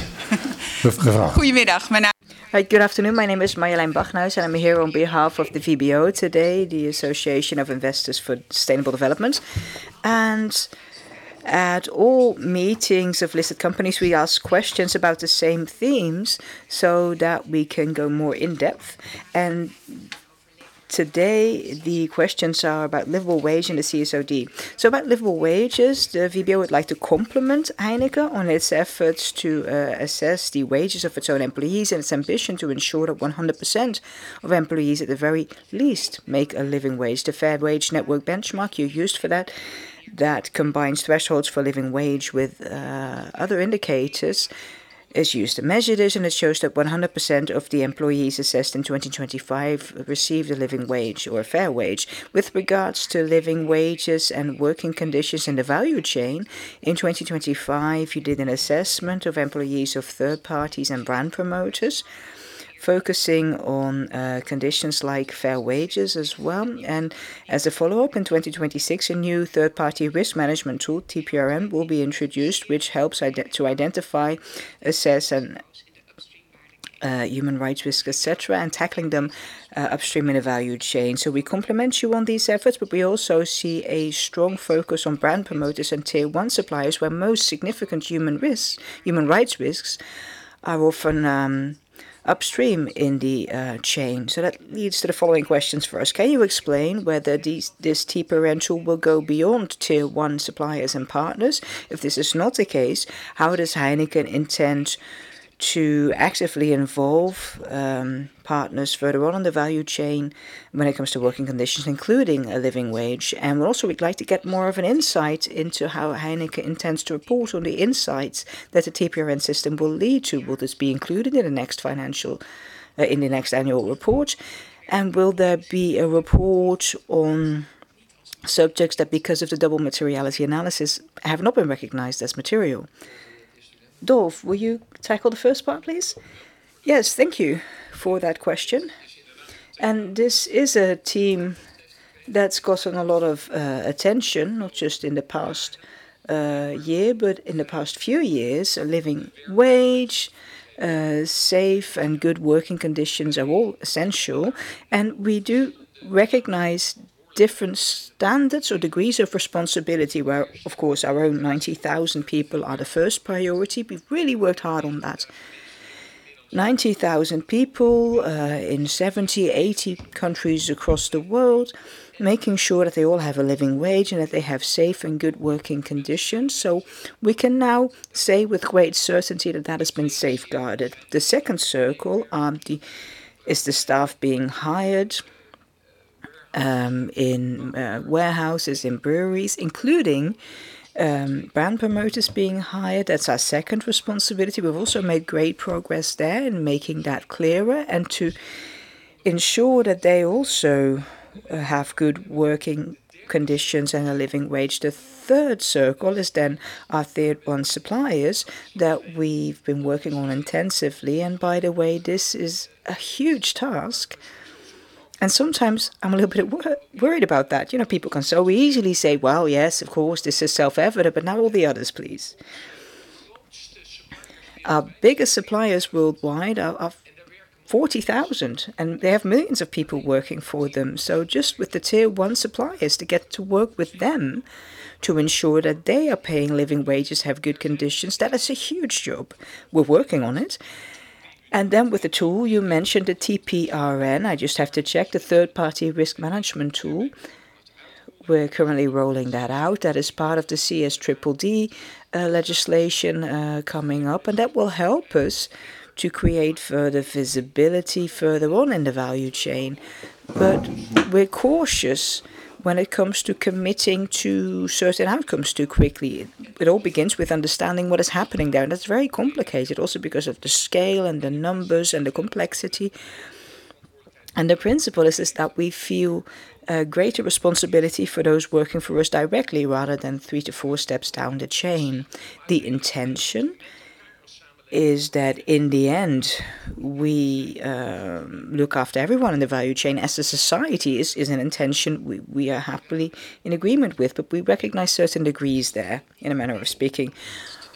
Good afternoon. My name is Marjolein Baghuis, and I'm here on behalf of the VBDO today, the Association of Investors for Sustainable Development. At all meetings of listed companies, we ask questions about the same themes so that we can go more in-depth. Today the questions are about living wage and the CSRD. About living wages, the VBDO would like to compliment Heineken on its efforts to assess the wages of its own employees and its ambition to ensure that 100% of employees at the very least make a living wage. The Fair Wage Network benchmark you used for that combines thresholds for living wage with other indicators, is used to measure this, and it shows that 100% of the employees assessed in 2025 received a living wage or a fair wage. With regards to living wages and working conditions in the value chain, in 2025, you did an assessment of employees of third parties and brand promoters, focusing on conditions like fair wages as well. As a follow-up, in 2026, a new third-party risk management tool, TPRM, will be introduced, which helps to identify, assess human rights risk, et cetera, and tackling them upstream in a value chain. We compliment you on these efforts, but we also see a strong focus on brand promoters and Tier 1 suppliers where most significant human rights risks are often upstream in the chain. That leads to the following questions for us. Can you explain whether this TPRM tool will go beyond Tier 1 suppliers and partners? If this is not the case, how does Heineken intend to actively involve partners further on in the value chain when it comes to working conditions, including a living wage? Also, we'd like to get more of an insight into how Heineken intends to report on the insights that the TPRM system will lead to. Will this be included in the next annual report? Will there be a report on subjects that, because of the double materiality analysis, have not been recognized as material? Dolf, will you tackle the first part, please? Yes. Thank you for that question. This is a team that's gotten a lot of attention, not just in the past year, but in the past few years. A living wage, safe and good working conditions are all essential. We do recognize different standards or degrees of responsibility where, of course, our own 90,000 people are the first priority. We've really worked hard on that. 90,000 people in 70-80 countries across the world, making sure that they all have a living wage and that they have safe and good working conditions. We can now say with great certainty that that has been safeguarded. The second circle is the staff being hired in warehouses, in breweries, including brand promoters being hired. That's our second responsibility. We've also made great progress there in making that clearer and to ensure that they also have good working conditions and a living wage. The third circle is then our Tier 1 suppliers that we've been working on intensively. By the way, this is a huge task, and sometimes I'm a little bit worried about that. People can so easily say, "Well, yes, of course, this is self-evident," but now all the others, please. Our biggest suppliers worldwide are 40,000, and they have millions of people working for them. So just with the Tier 1 suppliers to get to work with them to ensure that they are paying living wages, have good conditions, that is a huge job. We're working on it. With the tool you mentioned, the TPRM, I just have to check the third-party risk management tool. We're currently rolling that out. That is part of the CSDDD legislation coming up, and that will help us to create further visibility further on in the value chain. But we're cautious when it comes to committing to certain outcomes too quickly. It all begins with understanding what is happening there, and that's very complicated also because of the scale and the numbers and the complexity. The principle is that we feel a greater responsibility for those working for us directly rather than three to four steps down the chain. The intention is that in the end, we look after everyone in the value chain, as a societal intention we are happily in agreement with, but we recognize certain degrees there in a manner of speaking.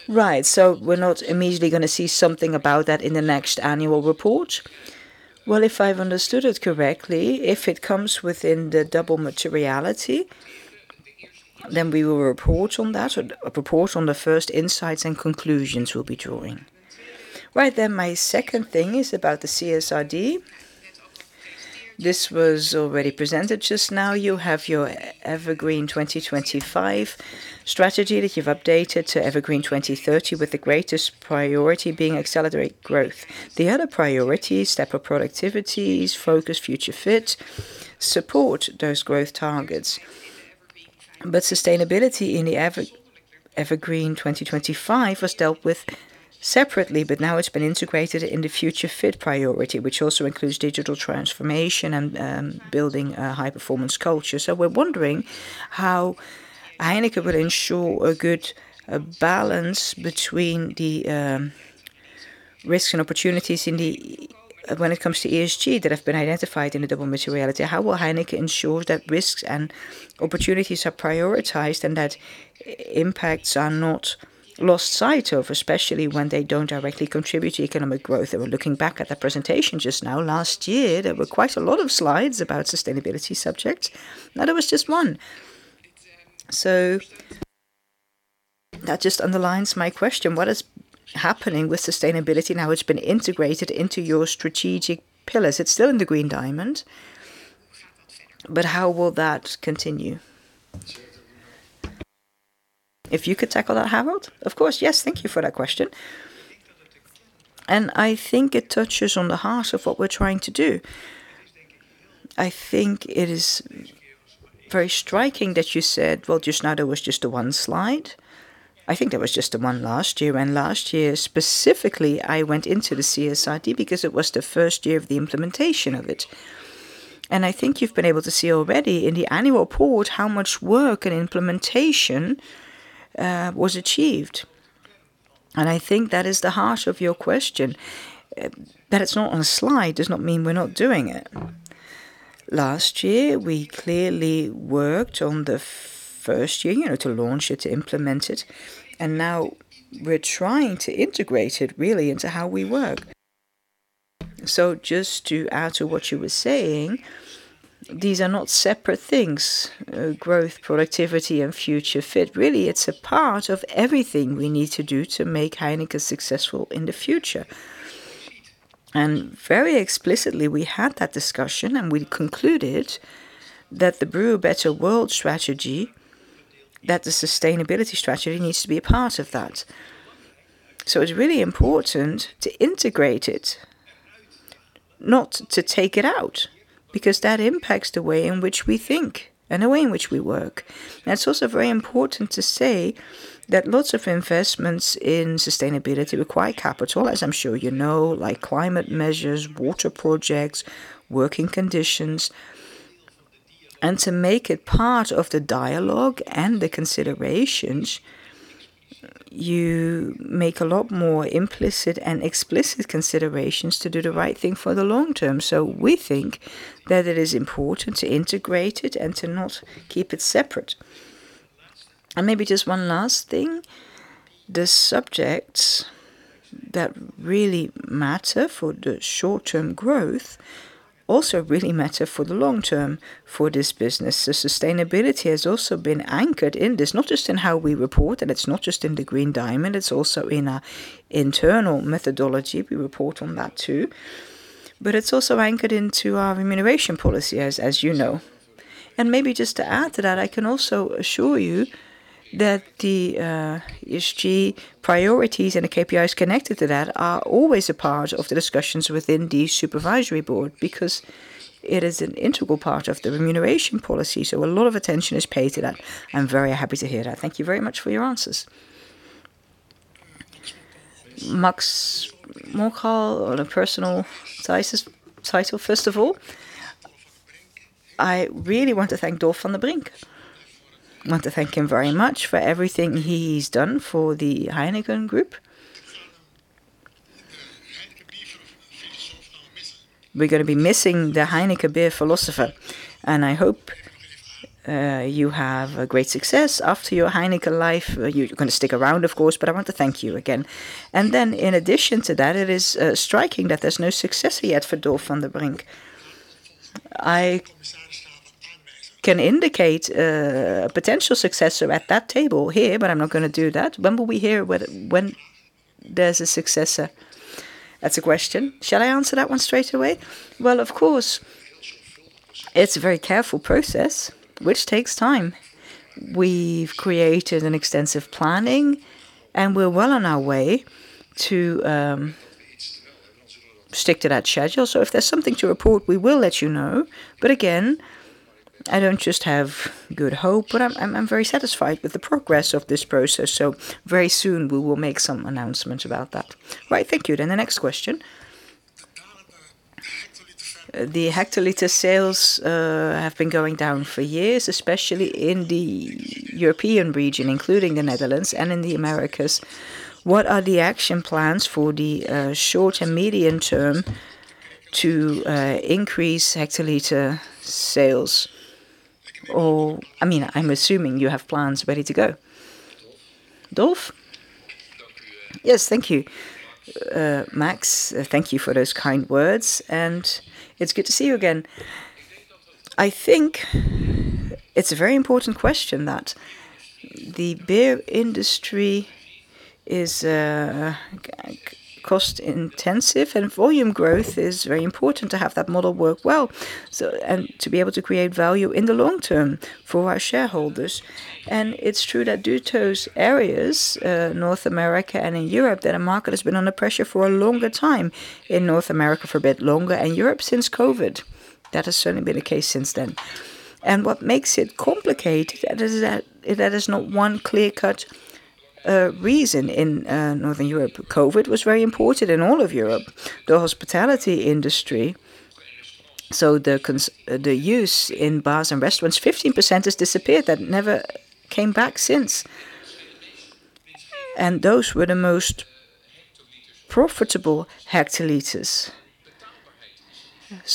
Right. We're not immediately going to see something about that in the next annual report? Well, if I've understood it correctly, if it comes within the double materiality, then we will report on that or report on the first insights and conclusions we'll be drawing. Right. My second thing is about the CSRD. This was already presented just now. You have your Evergreen 2025 strategy that you've updated to Evergreen 2030, with the greatest priority being accelerate growth. The other priorities, step up productivities, focus, future fit, support those growth targets. Sustainability in the Evergreen 2025 was dealt with separately, but now it's been integrated into future fit priority, which also includes digital transformation and building a high-performance culture. We're wondering how Heineken will ensure a good balance between the risks and opportunities when it comes to ESG that have been identified in the double materiality. How will Heineken ensure that risks and opportunities are prioritized and that impacts are not lost sight of, especially when they don't directly contribute to economic growth? Looking back at the presentation just now, last year, there were quite a lot of slides about sustainability subjects. Now there was just one. That just underlines my question. What is happening with sustainability now it's been integrated into your strategic pillars? It's still in the Green Diamond, but how will that continue? If you could tackle that, Harold? Of course, yes. Thank you for that question. I think it touches on the heart of what we're trying to do. I think it is very striking that you said, "Well, just now there was just the one slide." I think there was just the one last year, when last year specifically, I went into the CSRD because it was the first year of the implementation of it. I think you've been able to see already in the annual report how much work and implementation was achieved. I think that is the heart of your question. That it's not on a slide does not mean we're not doing it. Last year, we clearly worked on the first year to launch it, to implement it, and now we're trying to integrate it really into how we work. Just to add to what you were saying, these are not separate things, growth, productivity, and future fit. Really, it's a part of everything we need to do to make Heineken successful in the future. Very explicitly, we had that discussion, and we concluded that the Brew a Better World strategy, that the sustainability strategy needs to be a part of that. It's really important to integrate it, not to take it out, because that impacts the way in which we think and the way in which we work. It's also very important to say that lots of investments in sustainability require capital, as I'm sure you know, like climate measures, water projects, working conditions. To make it part of the dialogue and the considerations, you make a lot more implicit and explicit considerations to do the right thing for the long term. We think that it is important to integrate it and to not keep it separate. Maybe just one last thing. The subjects that really matter for the short-term growth also really matter for the long term for this business. The sustainability has also been anchored in this, not just in how we report, and it's not just in the Green Diamond, it's also in our internal methodology. We report on that too. It's also anchored into our remuneration policy, as you know. Maybe just to add to that, I can also assure you that the ESG priorities and the KPIs connected to that are always a part of the discussions within the Supervisory Board, because it is an integral part of the remuneration policy. A lot of attention is paid to that. I'm very happy to hear that. Thank you very much for your answers. Max Monkau on a personal title, first of all. I really want to thank Dolf van den Brink. I want to thank him very much for everything he's done for the Heineken group. We're going to be missing the Heineken beer philosopher, and I hope you have a great success after your Heineken life. You're going to stick around, of course, but I want to thank you again. In addition to that, it is striking that there's no successor yet for Dolf van den Brink. I can indicate a potential successor at that table here, but I'm not going to do that. When will we hear when there's a successor? That's a question. Shall I answer that one straight away? Well, of course, it's a very careful process which takes time. We've created an extensive planning, and we're well on our way to stick to that schedule. If there's something to report, we will let you know. Again, I don't just have good hope, but I'm very satisfied with the progress of this process. Very soon we will make some announcements about that. Right. Thank you. The next question. The hectoliter sales have been going down for years, especially in the European region, including the Netherlands and in the Americas. What are the action plans for the short and medium term to increase hectoliter sales? Or, I mean, I'm assuming you have plans ready to go. Dolf? Yes. Thank you. [Max], thank you for those kind words, and it's good to see you again. I think it's a very important question that the beer industry is cost intensive and volume growth is very important to have that model work well and to be able to create value in the long term for our shareholders. It's true that due to those areas, North America and in Europe, that the market has been under pressure for a longer time. In North America for a bit longer and Europe since COVID. That has certainly been the case since then. What makes it complicated is that there is not one clear-cut reason in Northern Europe. COVID was very important in all of Europe. The hospitality industry, so the use in bars and restaurants, 15% has disappeared. That never came back since. Those were the most profitable hectoliters.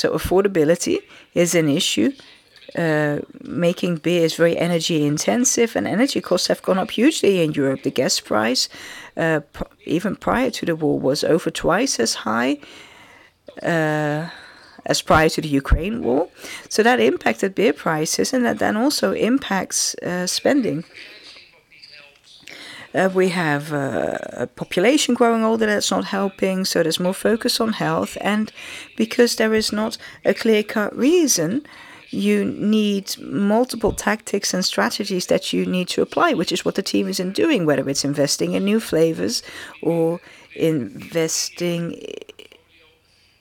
Affordability is an issue. Making beer is very energy intensive, and energy costs have gone up hugely in Europe. The gas price, even prior to the war, was over twice as high as prior to the Ukraine war. That impacted beer prices, and that then also impacts spending. We have a population growing older, that's not helping, so there's more focus on health. Because there is not a clear-cut reason, you need multiple tactics and strategies that you need to apply, which is what the team is doing, whether it's investing in new flavors or investing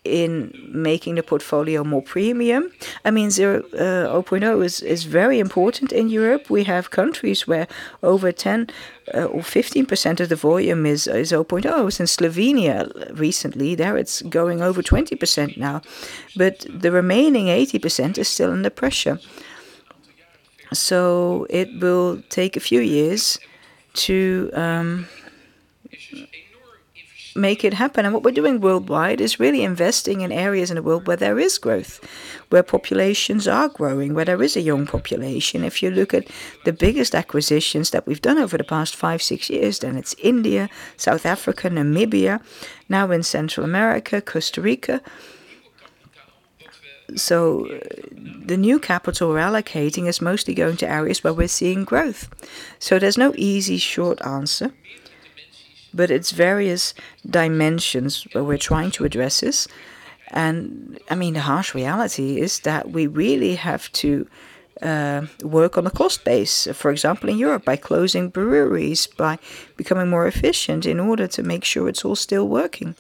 in making the portfolio more premium. Zero, 0.0 is very important in Europe. We have countries where over 10% or 15% of the volume is 0.0. In Slovenia recently, there it's going over 20% now. The remaining 80% is still under pressure. It will take a few years to make it happen. What we're doing worldwide is really investing in areas in the world where there is growth, where populations are growing, where there is a young population. If you look at the biggest acquisitions that we've done over the past five, six years, then it's India, South Africa, Namibia, now in Central America, Costa Rica. So the new capital we're allocating is mostly going to areas where we're seeing growth. So there's no easy, short answer, but it's various dimensions where we're trying to address this. And the harsh reality is that we really have to work on the cost base, for example, in Europe, by closing breweries, by becoming more efficient in order to make sure it's all still working.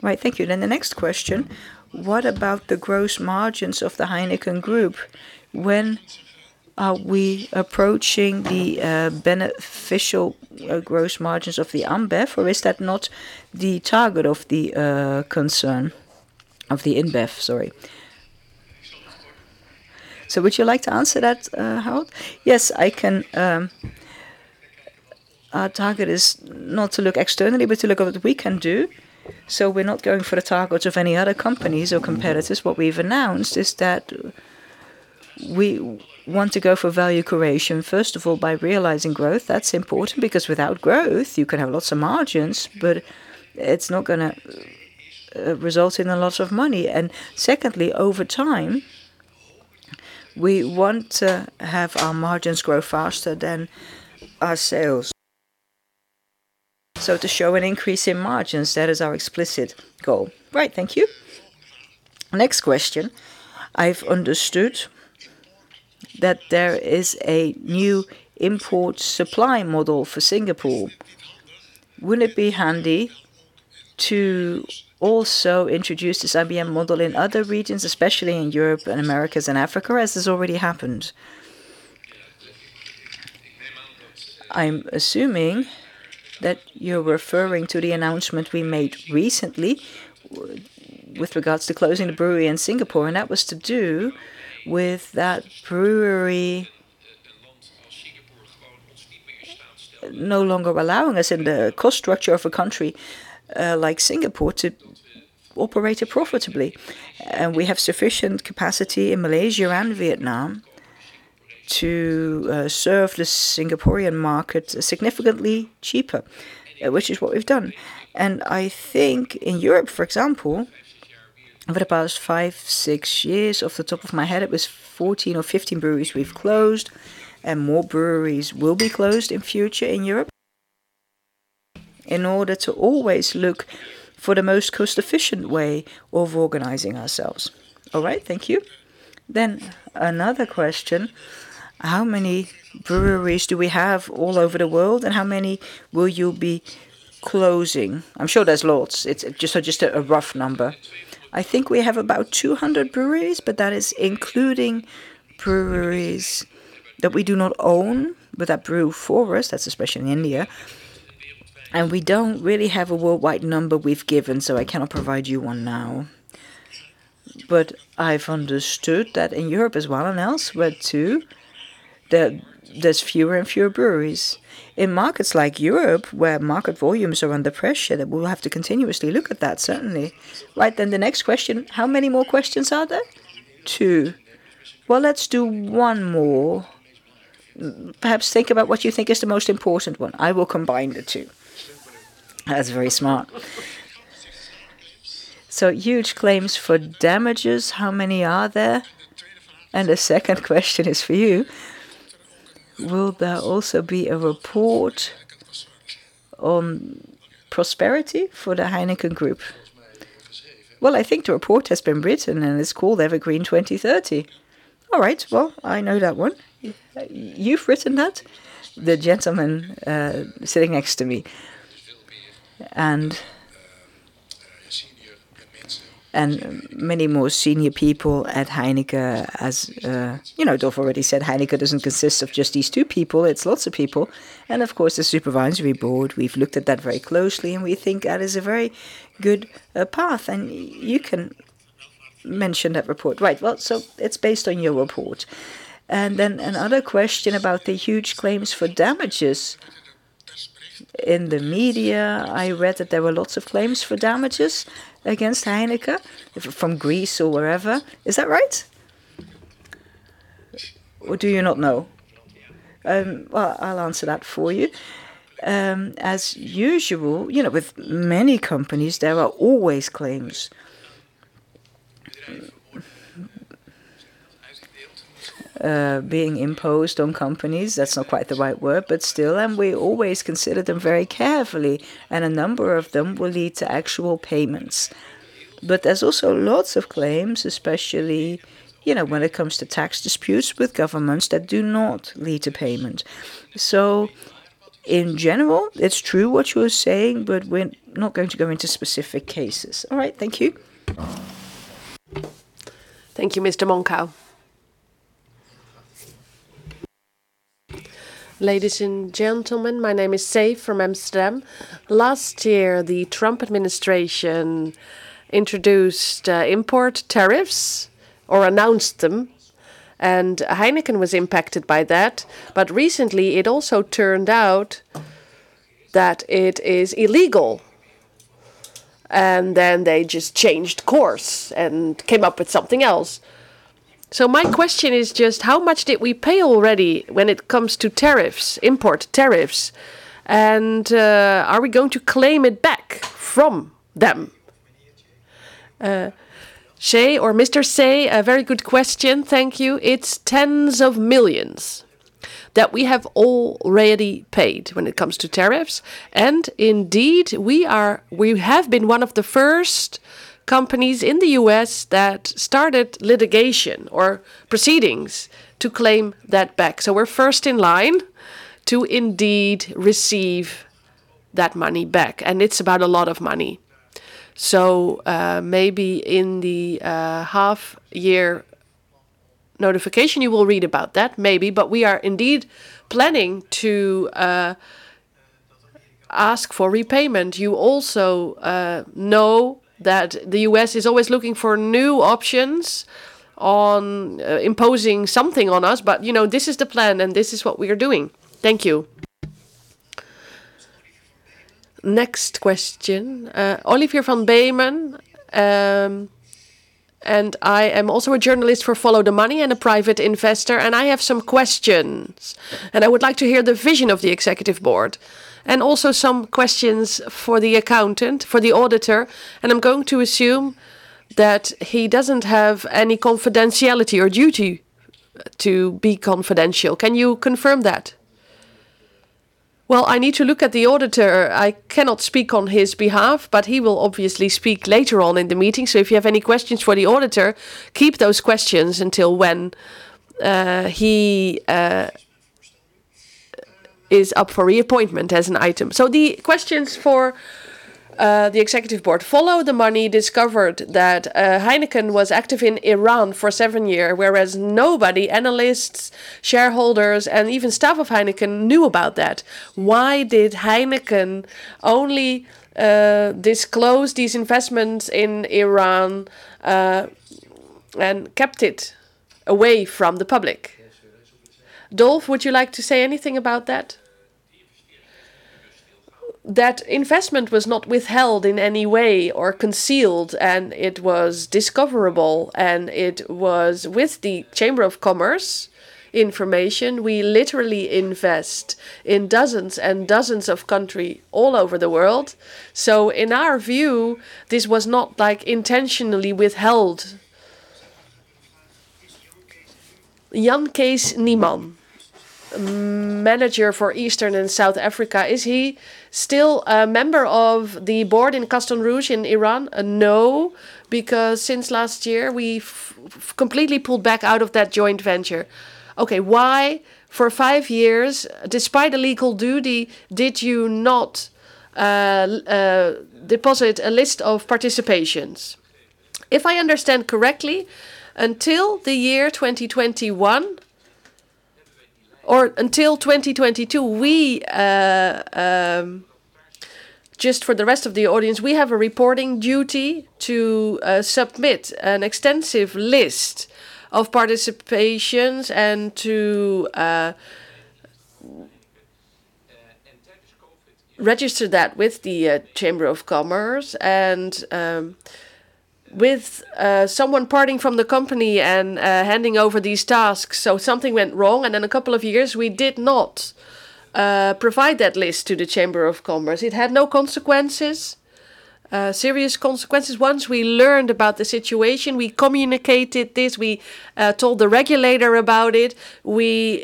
Right. Thank you. The next question, what about the gross margins of the Heineken group? When are we approaching the beneficial gross margins of the AB InBev, or is that not the target of the concern of the InBev? Sorry. Would you like to answer that, Harold? Yes. Our target is not to look externally, but to look at what we can do. We're not going for the targets of any other companies or competitors. What we've announced is that we want to go for value creation, first of all, by realizing growth. That's important because without growth, you can have lots of margins, but it's not going to result in a lot of money. Secondly, over time, we want to have our margins grow faster than our sales. To show an increase in margins, that is our explicit goal. Right. Thank you. Next question. I've understood that there is a new import supply model for Singapore. Wouldn't it be handy to also introduce this IBM model in other regions, especially in Europe and the Americas and Africa, as has already happened? I'm assuming that you're referring to the announcement we made recently with regards to closing the brewery in Singapore, and that was to do with that brewery no longer allowing us in the cost structure of a country like Singapore to operate it profitably. We have sufficient capacity in Malaysia and Vietnam to serve the Singaporean market significantly cheaper, which is what we've done. I think in Europe, for example, over the past five, six years, off the top of my head, it was 14 or 15 breweries we've closed, and more breweries will be closed in future in Europe in order to always look for the most cost-efficient way of organizing ourselves. All right, thank you. Another question. How many breweries do we have all over the world, and how many will you be closing? I'm sure there's lots. It's just a rough number. I think we have about 200 breweries, but that is including breweries that we do not own but that brew for us, that's especially in India. We don't really have a worldwide number we've given, so I cannot provide you one now. I've understood that in Europe as well and elsewhere, too, that there's fewer and fewer breweries. In markets like Europe, where market volumes are under pressure, that we'll have to continuously look at that, certainly. Right. The next question, how many more questions are there? Two. Well, let's do one more. Perhaps think about what you think is the most important one. I will combine the two. That's very smart. So huge claims for damages. How many are there? The second question is for you. Will there also be a report on prosperity for the Heineken group? Well, I think the report has been written, and it's called EverGreen 2030. All right. Well, I know that one. You've written that? The gentleman sitting next to me. Many more senior people at Heineken, as you know, Dolf already said, Heineken doesn't consist of just these two people. It's lots of people. Of course, the Supervisory Board, we've looked at that very closely, and we think that is a very good path. You can mention that report. Right. Well, it's based on your report. Another question about the huge claims for damages. In the media, I read that there were lots of claims for damages against Heineken from Greece or wherever. Is that right? Or do you not know? Well, I'll answer that for you. As usual, with many companies, there are always claims being imposed on companies. That's not quite the right word, but still, and we always consider them very carefully, and a number of them will lead to actual payments. There's also lots of claims, especially, when it comes to tax disputes with governments that do not lead to payment. In general, it's true what you're saying, but we're not going to go into specific cases. All right. Thank you. Thank you. Mr. Monkau. Ladies and gentlemen, my name is [Seve] from Amsterdam. Last year, the Trump administration introduced import tariffs or announced them, and Heineken was impacted by that. Recently it also turned out that it is illegal, and then they just changed course and came up with something else. My question is just how much did we pay already when it comes to tariffs, import tariffs, and are we going to claim it back from them? [Mr. Seve], a very good question. Thank you. It's $ tens of millions that we have already paid when it comes to tariffs. Indeed, we have been one of the first companies in the U.S. that started litigation or proceedings to claim that back. We're first in line to indeed receive that money back. It's about a lot of money. Maybe in the half year notification, you will read about that maybe, but we are indeed planning to ask for repayment. You also know that the U.S. is always looking for new options on imposing something on us. This is the plan and this is what we are doing. Thank you. Next question. Olivier van Beemen. I am also a journalist for Follow the Money and a private investor, and I have some questions, and I would like to hear the vision of the Executive Board and also some questions for the accountant, for the auditor, and I'm going to assume that he doesn't have any confidentiality or duty to be confidential. Can you confirm that? Well, I need to look at the auditor. I cannot speak on his behalf, but he will obviously speak later on in the meeting. If you have any questions for the auditor, keep those questions until when he is up for reappointment as an item. The questions for the Executive Board. Follow the Money discovered that Heineken was active in Iran for seven years, whereas nobody, analysts, shareholders, and even staff of Heineken knew about that. Why did Heineken only disclose these investments in Iran, and kept it away from the public? Dolf, would you like to say anything about that? That investment was not withheld in any way or concealed, and it was discoverable, and it was with the Chamber of Commerce information. We literally invest in dozens and dozens of country all over the world. In our view, this was not intentionally withheld. Jan-Kees Nieman, manager for Eastern and South Africa. Is he still a member of the board in Castle Noush in Iran? No, because since last year we've completely pulled back out of that joint venture. Okay. Why, for five years, despite a legal duty, did you not deposit a list of participations? If I understand correctly, until the year 2021 or until 2022, just for the rest of the audience, we have a reporting duty to submit an extensive list of participations and to register that with the Chamber of Commerce and with someone parting from the company and handing over these tasks, so something went wrong, and in a couple of years, we did not provide that list to the Chamber of Commerce. It had no serious consequences. Once we learned about the situation, we communicated this, we told the regulator about it. We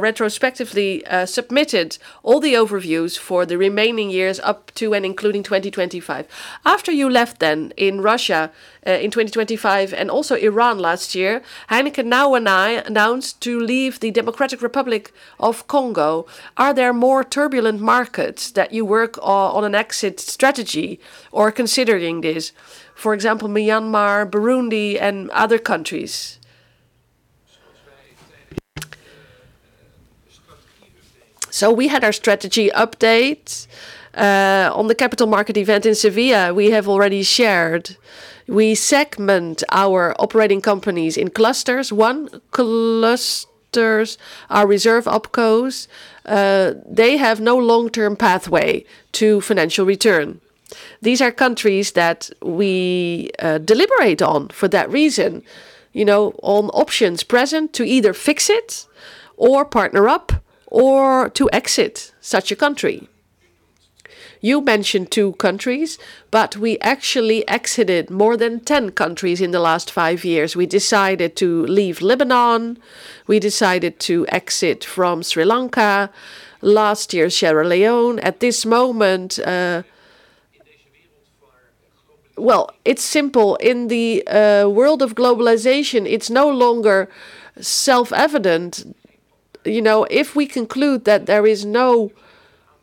retrospectively submitted all the overviews for the remaining years up to and including 2025. After you left then in Russia, in 2025 and also Iran last year, Heineken now announced to leave the Democratic Republic of Congo. Are there more turbulent markets that you work on an exit strategy or considering this, for example, Myanmar, Burundi and other countries? We had our strategy update, on the capital market event in Seville. We have already shared, we segment our operating companies in clusters. One cluster is reserved OpCos. They have no long-term pathway to financial return. These are countries that we deliberate on for that reason, on options present to either fix it or partner up or to exit such a country. You mentioned two countries, but we actually exited more than 10 countries in the last five years. We decided to leave Lebanon. We decided to exit from Sri Lanka. Last year, Sierra Leone. At this moment. Well, it's simple. In the world of globalization, it's no longer self-evident. If we conclude that there is no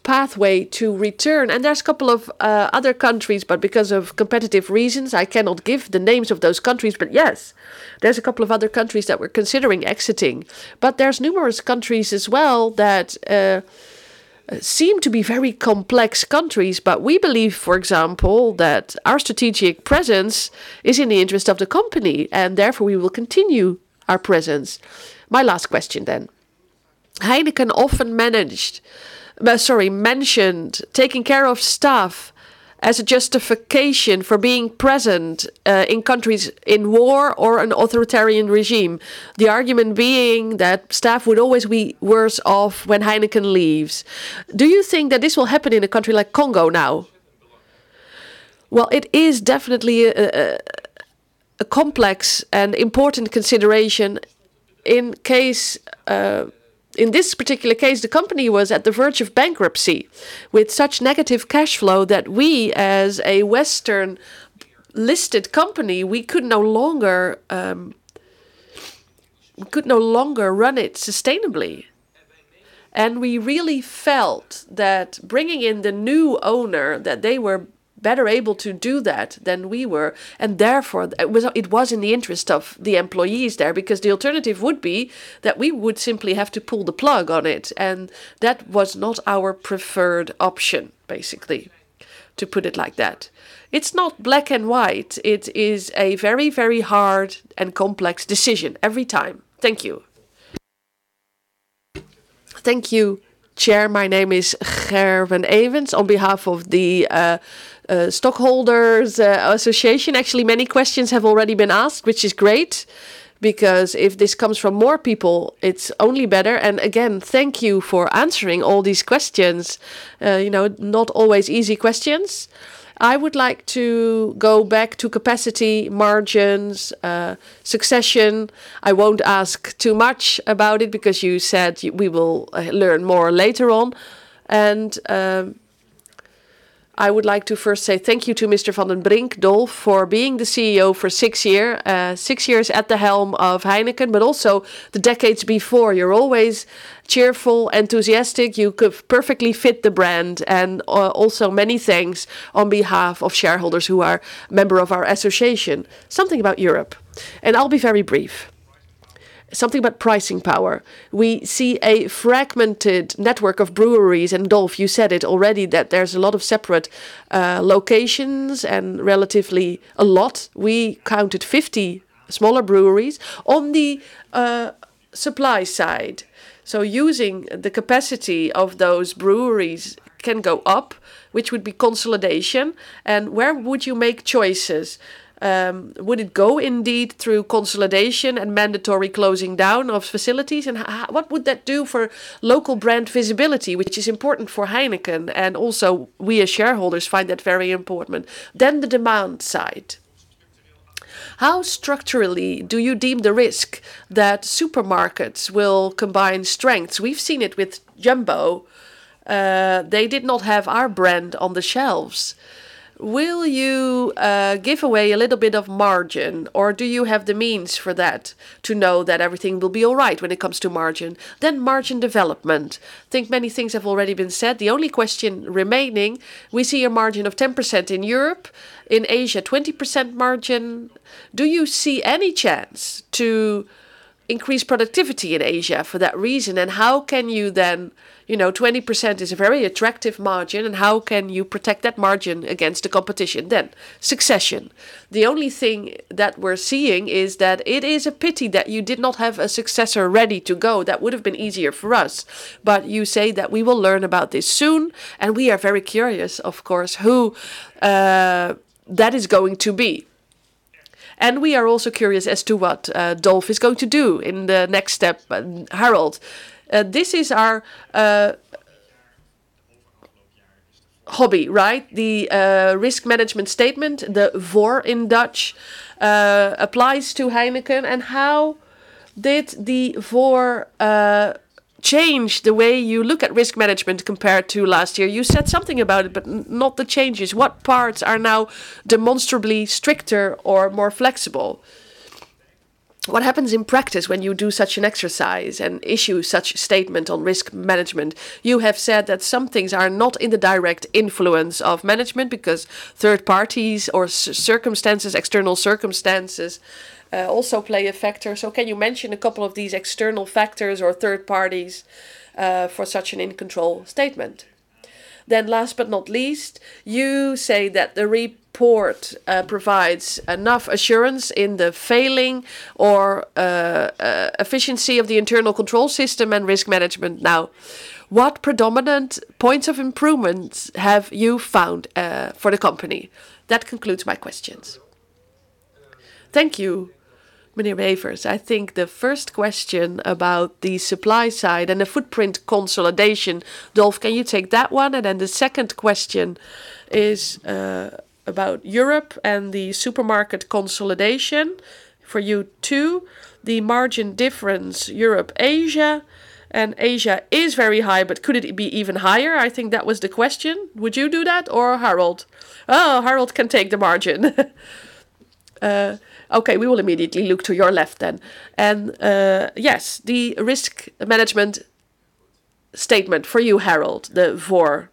pathway to return, and there's a couple of other countries, but because of competitive reasons, I cannot give the names of those countries. Yes, there's a couple of other countries that we're considering exiting. There's numerous countries as well that seem to be very complex countries. We believe, for example, that our strategic presence is in the interest of the company, and therefore we will continue our presence. My last question then. Heineken often mentioned taking care of staff as a justification for being present in countries in war or an authoritarian regime. The argument being that staff would always be worse off when Heineken leaves. Do you think that this will happen in a country like Congo now? Well, it is definitely a complex and important consideration. In this particular case, the company was on the verge of bankruptcy with such negative cash flow that we, as a Western-listed company, we could no longer run it sustainably. We really felt that bringing in the new owner, that they were better able to do that than we were. Therefore, it was in the interest of the employees there, because the alternative would be that we would simply have to pull the plug on it, and that was not our preferred option, basically, to put it like that. It's not black and white. It is a very hard and complex decision every time. Thank you. Thank you, Chair. My name is Ger van Ewens. On behalf of the Stockholders Association, actually, many questions have already been asked, which is great, because if this comes from more people, it's only better. Again, thank you for answering all these questions. Not always easy questions. I would like to go back to capacity margins, succession. I won't ask too much about it because you said we will learn more later on. I would like to first say thank you to Mr. van den Brink, Dolf, for being the CEO for six years at the helm of Heineken, but also the decades before. You're always cheerful, enthusiastic. You perfectly fit the brand, and also many thanks on behalf of shareholders who are member of our association. Something about Europe, and I'll be very brief. Something about pricing power. We see a fragmented network of breweries, and Dolf, you said it already that there's a lot of separate locations and relatively a lot. We counted 50 smaller breweries on the supply side. Using the capacity of those breweries can go up, which would be consolidation, and where would you make choices? Would it go indeed through consolidation and mandatory closing down of facilities? And what would that do for local brand visibility, which is important for Heineken, and also we as shareholders find that very important. The demand side. How structurally do you deem the risk that supermarkets will combine strengths? We've seen it with Jumbo. They did not have our brand on the shelves. Will you give away a little bit of margin, or do you have the means for that to know that everything will be all right when it comes to margin? Margin development. I think many things have already been said. The only question remaining, we see a margin of 10% in Europe, in Asia, 20% margin. Do you see any chance to increase productivity in Asia for that reason? How can you then, 20% is a very attractive margin, and how can you protect that margin against the competition? Succession. The only thing that we're seeing is that it is a pity that you did not have a successor ready to go. That would've been easier for us. You say that we will learn about this soon, and we are very curious, of course, who that is going to be. We are also curious as to what Dolf is going to do in the next step. Harold, this is our hobby. The risk management statement, the VOR in Dutch, applies to Heineken, and how did the VOR change the way you look at risk management compared to last year? You said something about it, but not the changes. What parts are now demonstrably stricter or more flexible? What happens in practice when you do such an exercise and issue such a statement on risk management? You have said that some things are not in the direct influence of management because third parties or external circumstances also play a factor. Can you mention a couple of these external factors or third parties for such an in-control statement? Last but not least, you say that the report provides enough assurance in the functioning and efficiency of the internal control system and risk management. Now, what predominant points of improvement have you found for the company? That concludes my questions. Thank you, Madame Ewens. I think the first question about the supply side and the footprint consolidation, Dolf, can you take that one? The second question is about Europe and the supermarket consolidation for you two. The margin difference, Europe, Asia. Asia is very high, but could it be even higher? I think that was the question. Would you do that or Harold? Oh, Harold can take the margin. Okay, we will immediately look to your left then. Yes, the risk management statement for you, Harold, the VOR.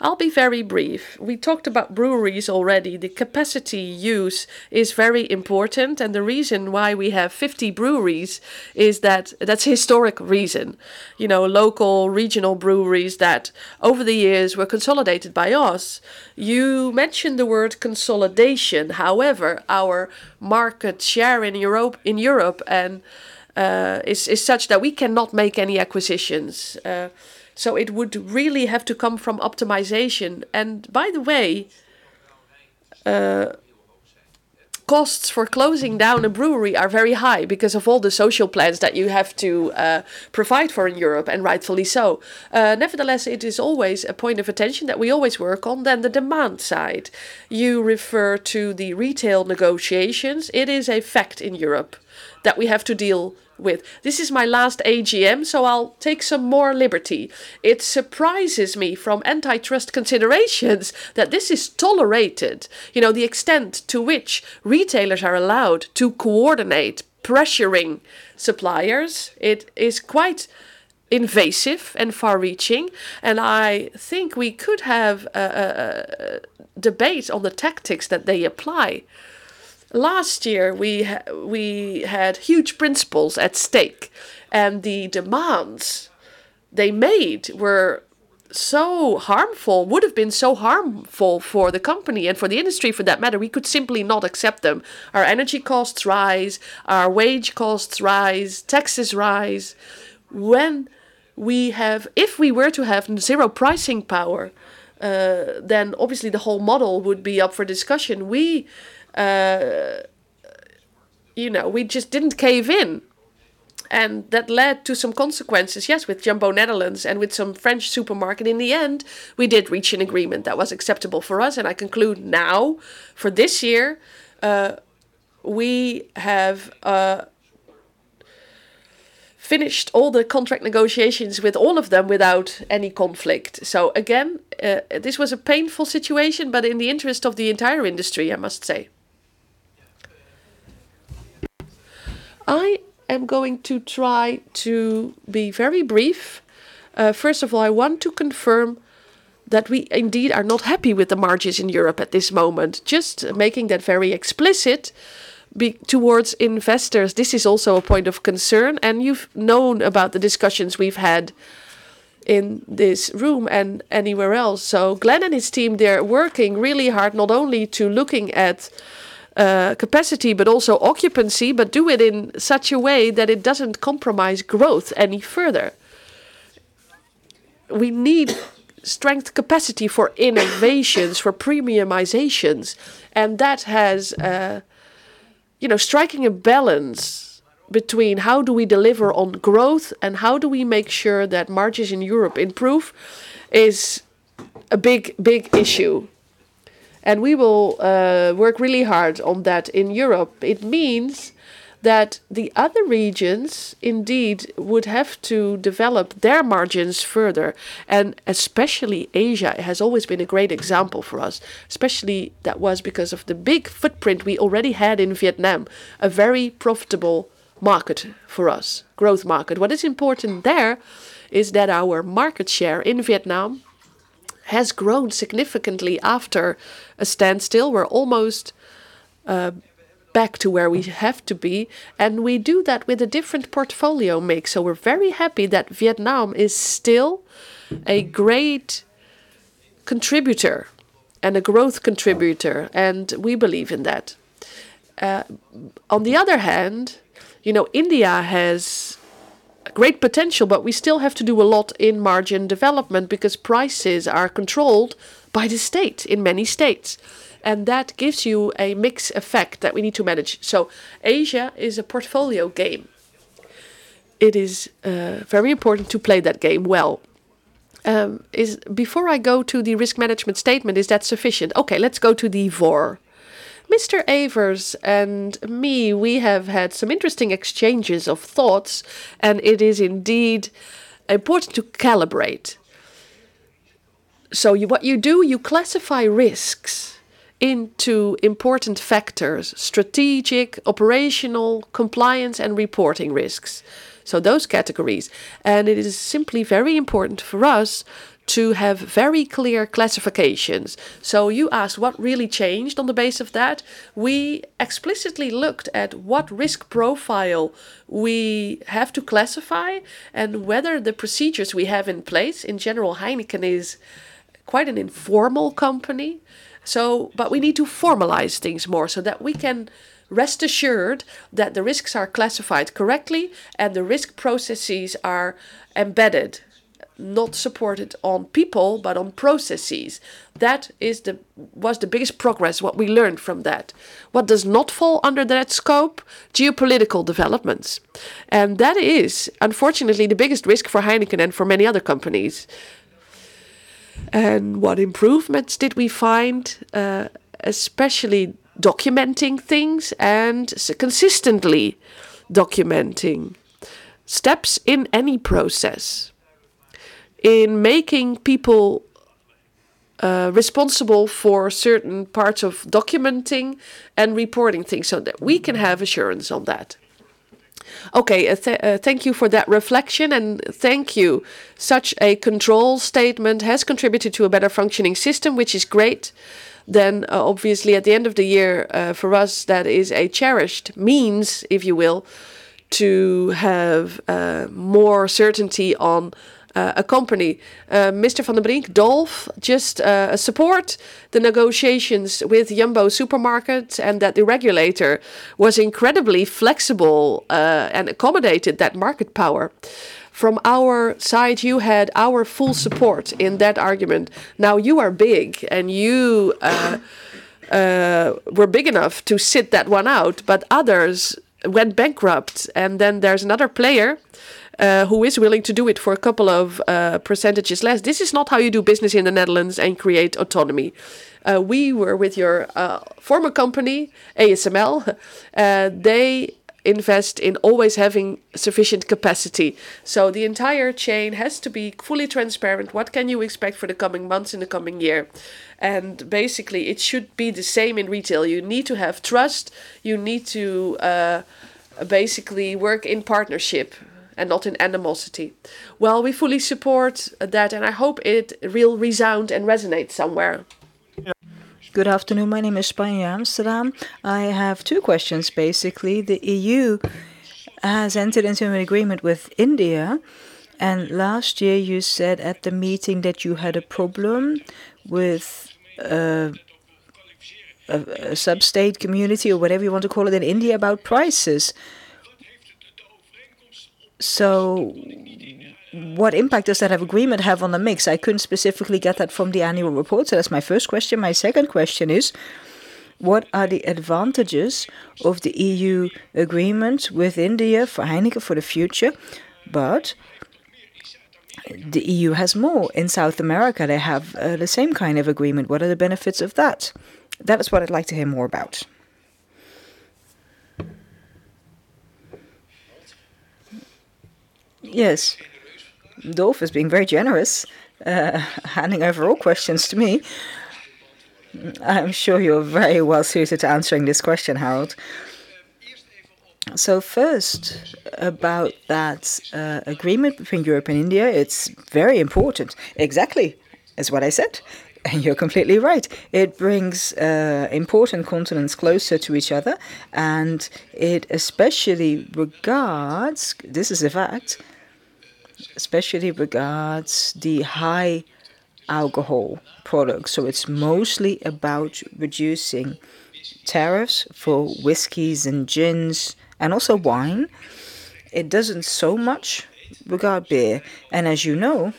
I'll be very brief. We talked about breweries already. The capacity use is very important, and the reason why we have 50 breweries is that's historic reason. Local regional breweries that over the years were consolidated by us. You mentioned the word consolidation, however, our market share in Europe is such that we cannot make any acquisitions. So it would really have to come from optimization. By the way, costs for closing down a brewery are very high because of all the social plans that you have to provide for in Europe, and rightfully so. Nevertheless, it is always a point of attention that we always work on. The demand side. You refer to the retail negotiations. It is a fact in Europe that we have to deal with. This is my last AGM, so I'll take some more liberty. It surprises me from antitrust considerations that this is tolerated. The extent to which retailers are allowed to coordinate pressuring suppliers, it is quite invasive and far-reaching, and I think we could have a debate on the tactics that they apply. Last year we had huge principles at stake and the demands they made were so harmful, would've been so harmful for the company and for the industry for that matter. We could simply not accept them. Our energy costs rise, our wage costs rise, taxes rise. If we were to have zero pricing power, then obviously the whole model would be up for discussion. We just didn't cave in, and that led to some consequences, yes, with Jumbo Netherlands and with some French supermarket. In the end, we did reach an agreement that was acceptable for us, and I conclude now for this year, we have finished all the contract negotiations with all of them without any conflict. Again, this was a painful situation, but in the interest of the entire industry, I must say. I am going to try to be very brief. First of all, I want to confirm that we indeed are not happy with the margins in Europe at this moment. Just making that very explicit towards investors, this is also a point of concern, and you've known about the discussions we've had in this room and anywhere else. Glenn and his team, they're working really hard not only to looking at capacity, but also occupancy, but do it in such a way that it doesn't compromise growth any further. We need strength capacity for innovations, for premiumizations. Striking a balance between how do we deliver on growth and how do we make sure that margins in Europe improve is a big issue. We will work really hard on that in Europe. It means that the other regions indeed would have to develop their margins further, and especially Asia has always been a great example for us, especially that was because of the big footprint we already had in Vietnam, a very profitable market for us, growth market. What is important there is that our market share in Vietnam has grown significantly after a standstill. We're almost back to where we have to be, and we do that with a different portfolio mix. We're very happy that Vietnam is still a great contributor and a growth contributor, and we believe in that. On the other hand, India has great potential, but we still have to do a lot in margin development because prices are controlled by the state in many states, and that gives you a mix effect that we need to manage. Asia is a portfolio game. It is very important to play that game well. Before I go to the risk management statement, is that sufficient? Okay, let's go to the VOR. [Mr. Ewens] and me, we have had some interesting exchanges of thoughts, and it is indeed important to calibrate. What you do, you classify risks into important factors, strategic, operational, compliance, and reporting risks. Those categories. It is simply very important for us to have very clear classifications. You ask, what really changed on the base of that? We explicitly looked at what risk profile we have to classify and whether the procedures we have in place. In general, Heineken is quite an informal company. We need to formalize things more so that we can rest assured that the risks are classified correctly and the risk processes are embedded. Not supported on people, but on processes. That was the biggest progress, what we learned from that. What does not fall under that scope? Geopolitical developments. That is unfortunately the biggest risk for Heineken and for many other companies. What improvements did we find? Especially documenting things and consistently documenting steps in any process. In making people responsible for certain parts of documenting and reporting things so that we can have assurance on that. Okay, thank you for that reflection and thank you. Such a control statement has contributed to a better functioning system, which is great. Obviously at the end of the year, for us, that is a cherished means, if you will, to have more certainty on a company. Mr. van den Brink, Dolf just support the negotiations with Jumbo supermarkets and that the regulator was incredibly flexible and accommodated that market power. From our side, you had our full support in that argument. Now you are big and you were big enough to sit that one out, but others went bankrupt. Then there's another player who is willing to do it for a couple of percentages less. This is not how you do business in the Netherlands and create autonomy. We were with your former company, ASML. They invest in always having sufficient capacity. The entire chain has to be fully transparent. What can you expect for the coming months and the coming year? Basically, it should be the same in retail. You need to have trust. You need to basically work in partnership and not in animosity. Well, we fully support that, and I hope it will resound and resonate somewhere. Good afternoon. My name is [Spanjar], Amsterdam. I have two questions basically. The EU has entered into an agreement with India, and last year you said at the meeting that you had a problem with a sub-state community, or whatever you want to call it, in India about prices. What impact does that agreement have on the mix? I couldn't specifically get that from the annual report. That's my first question. My second question is: what are the advantages of the EU agreement with India for Heineken for the future? The EU has more. In South America, they have the same kind of agreement. What are the benefits of that? That is what I'd like to hear more about. Yes. Dolf is being very generous, handing over all questions to me. I'm sure you're very well suited to answering this question, Harold. First, about that agreement between Europe and India. It's very important. Exactly, is what I said, and you're completely right. It brings important continents closer to each other, and it especially regards, this is a fact, especially regards the high alcohol products. It's mostly about reducing tariffs for whiskeys and gins and also wine. It doesn't so much regard beer. As you know,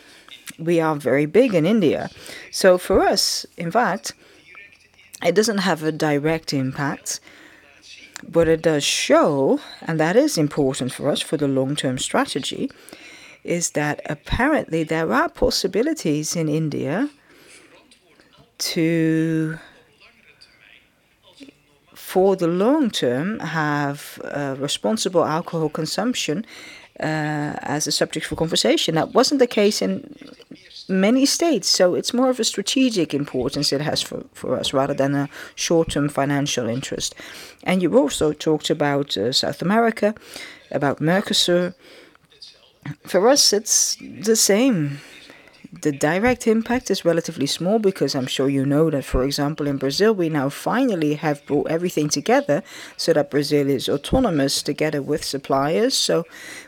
we are very big in India. For us, in fact, it doesn't have a direct impact, but it does show, and that is important for us for the long-term strategy, is that apparently there are possibilities in India to, for the long term, have responsible alcohol consumption as a subject for conversation. That wasn't the case in many states. It's more of a strategic importance it has for us rather than a short-term financial interest. You also talked about South America, about Mercosur. For us, it's the same. The direct impact is relatively small because I'm sure you know that, for example, in Brazil, we now finally have brought everything together so that Brazil is autonomous together with suppliers.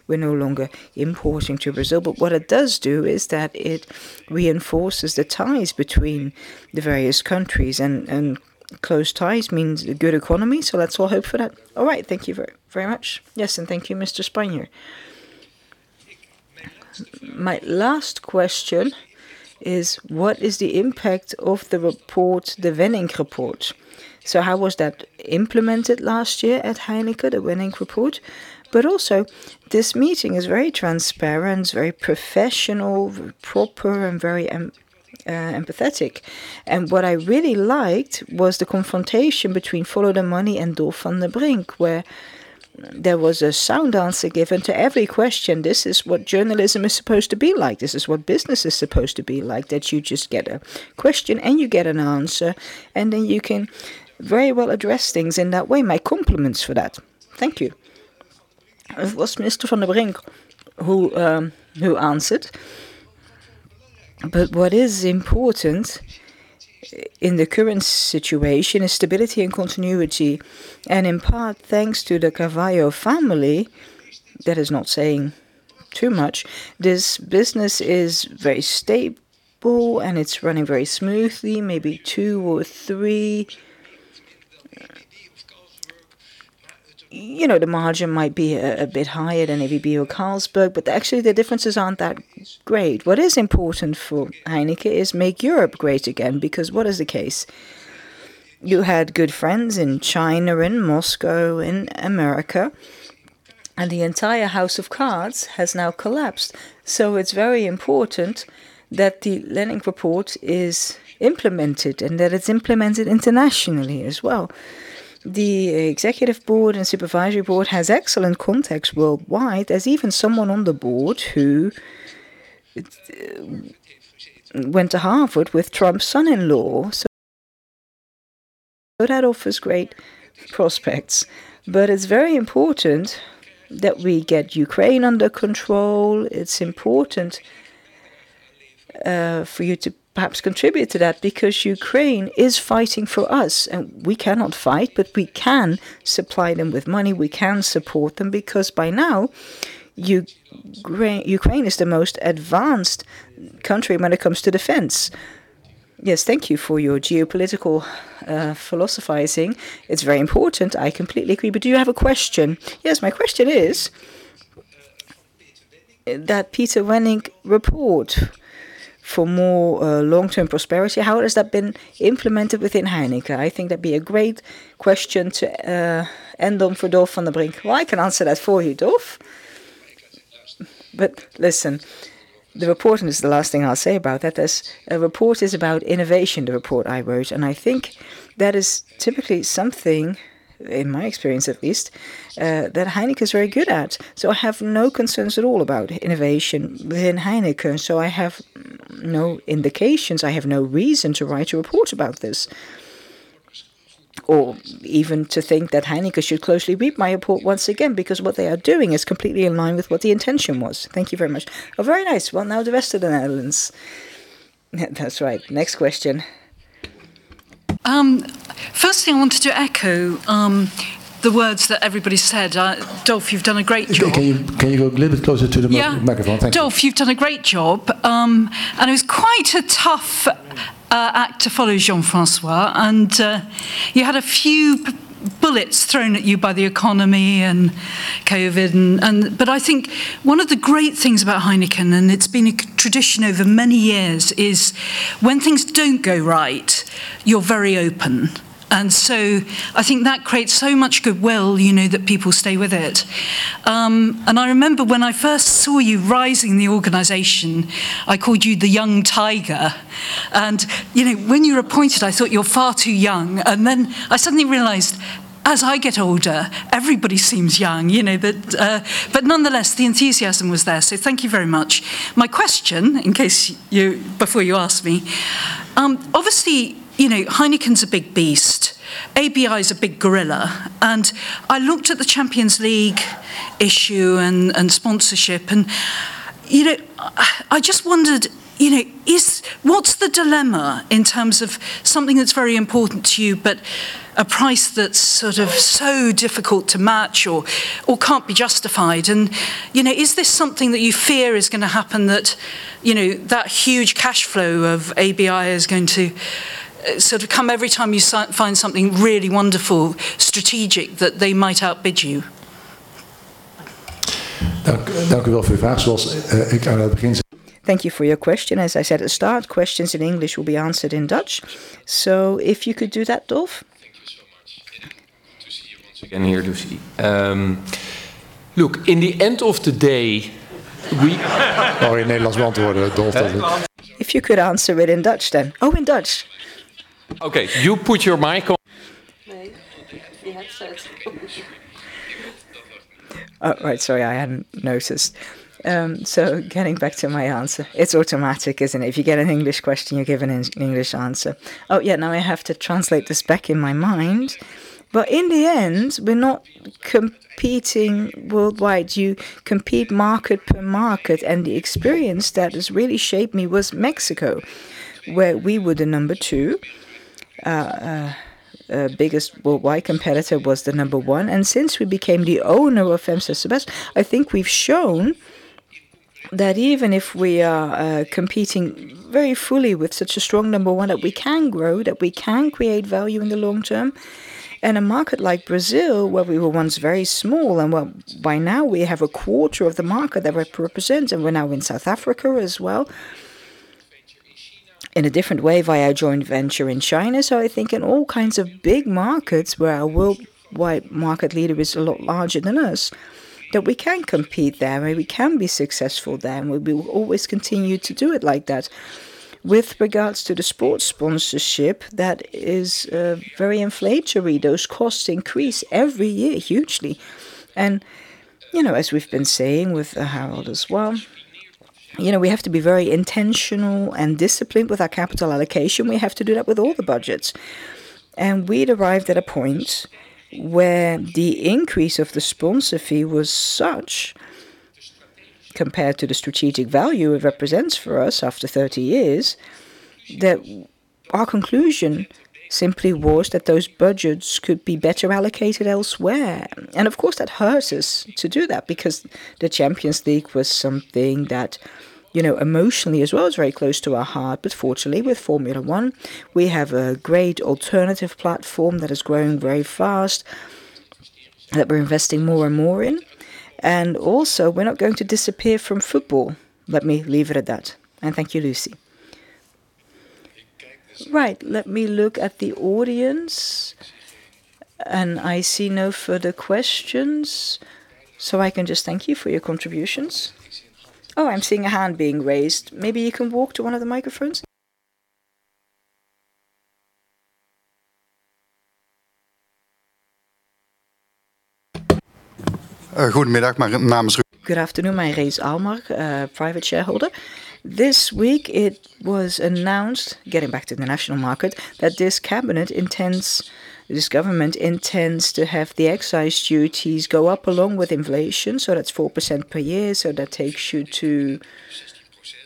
We're no longer importing to Brazil. What it does do is that it reinforces the ties between the various countries, and close ties means a good economy. Let's all hope for that. All right. Thank you very much. Yes, thank you, [Mr. Spanjer]. My last question is: what is the impact of the report, the [Wennink] report? How was that implemented last year at Heineken, the [Wennink] report? Also, this meeting is very transparent, very professional, proper, and very empathetic. What I really liked was the confrontation between Follow the Money and Dolf van den Brink, where there was a sound answer given to every question. This is what journalism is supposed to be like. This is what business is supposed to be like. That you just get a question, and you get an answer, and then you can very well address things in that way. My compliments for that. Thank you. It was Mr. van den Brink who answered. What is important in the current situation is stability and continuity. In part, thanks to the Carvalho family, that is not saying too much, this business is very stable, and it's running very smoothly, maybe two or three. The margin might be a bit higher than AB InBev or Carlsberg, but actually the differences aren't that great. What is important for Heineken is make Europe great again, because what is the case? You had good friends in China, in Moscow, in America, and the entire house of cards has now collapsed. It's very important that the [Wennink] report is implemented, and that it's implemented internationally as well. The Executive Board and supervisory board has excellent contacts worldwide. There's even someone on the board who went to Harvard with Trump's son-in-law, so that offers great prospects. It's very important that we get Ukraine under control. It's important for you to perhaps contribute to that because Ukraine is fighting for us, and we cannot fight, but we can supply them with money. We can support them because by now, Ukraine is the most advanced country when it comes to defense. Yes. Thank you for your geopolitical philosophizing. It's very important. I completely agree. Do you have a question? Yes. My question is, that Peter Wennink report for more long-term prosperity, how has that been implemented within Heineken? I think that'd be a great question to end on for Dolf van den Brink. Well, I can answer that for you, Dolf. Listen, the report, and this is the last thing I'll say about that, the report is about innovation, the report I wrote. I think that is typically something, in my experience at least, that Heineken is very good at. I have no concerns at all about innovation within Heineken. I have no indications, I have no reason to write a report about this, or even to think that Heineken should closely read my report once again, because what they are doing is completely in line with what the intention was. Thank you very much. Oh, very nice. Well, now the rest of the Netherlands. That's right. Next question. First thing I wanted to echo, the words that everybody said. Dolf, you've done a great job. Can you go a little bit closer to the microphone? Thank you. Dolf, you've done a great job, and it was quite a tough act to follow Jean-François, and you had a few bullets thrown at you by the economy and COVID. I think one of the great things about Heineken, and it's been a tradition over many years, is when things don't go right, you're very open. I think that creates so much goodwill, that people stay with it. I remember when I first saw you rising in the organization, I called you the young tiger. When you were appointed, I thought you're far too young. Then I suddenly realized, as I get older, everybody seems young. Nonetheless, the enthusiasm was there. Thank you very much. My question, in case before you ask me. Obviously, Heineken's a big beast. ABI is a big gorilla, and I looked at the Champions League issue and sponsorship, and I just wondered, what's the dilemma in terms of something that's very important to you, but a price that's sort of so difficult to match or can't be justified? Is this something that you fear is going to happen that huge cash flow of ABI is going to sort of come every time you find something really wonderful, strategic, that they might outbid you? Thank you for your question. As I said at start, questions in English will be answered in Dutch. If you could do that, Dolf. Thank you so much. Good to see you once again here, [Lucy]. Look, in the end of the day, we- Oh, in the Netherlands want to Dolf van den Brink. If you could answer it in Dutch, then. Oh, in Dutch. Okay. You put your mic on. Right. Sorry, I hadn't noticed. Getting back to my answer, it's automatic, isn't it? If you get an English question, you give an English answer. Oh, yeah. Now I have to translate this back in my mind. In the end, we're not competing worldwide. You compete market per market, and the experience that has really shaped me was Mexico, where we were the number two. Biggest worldwide competitor was the number one. Since we became the owner of FEMSA Cerveza, I think we've shown that even if we are competing very fully with such a strong number one, that we can grow, that we can create value in the long term. In a market like Brazil, where we were once very small, and by now we have a quarter of the market that we represent, and we're now in South Africa as well, in a different way, via a joint venture in China. I think in all kinds of big markets where our worldwide market leader is a lot larger than us, that we can compete there and we can be successful there, and we will always continue to do it like that. With regards to the sports sponsorship, that is very inflationary. Those costs increase every year hugely. As we've been saying with Harold as well, we have to be very intentional and disciplined with our capital allocation. We have to do that with all the budgets. We'd arrived at a point where the increase of the sponsor fee was such, compared to the strategic value it represents for us after 30 years, that our conclusion simply was that those budgets could be better allocated elsewhere. Of course, that hurts us to do that because the Champions League was something that emotionally as well is very close to our heart. Fortunately, with Formula 1, we have a great alternative platform that is growing very fast. That we're investing more and more in, and also we're not going to disappear from football. Let me leave it at that. Thank you, [Lucy]. Right. Let me look at the audience, and I see no further questions, so I can just thank you for your contributions. Oh, I'm seeing a hand being raised. Maybe you can walk to one of the microphones. Good afternoon. My name is Aalmark, private shareholder. This week it was announced, getting back to the national market, that this government intends to have the excise duties go up along with inflation, so that's 4% per year. That takes you to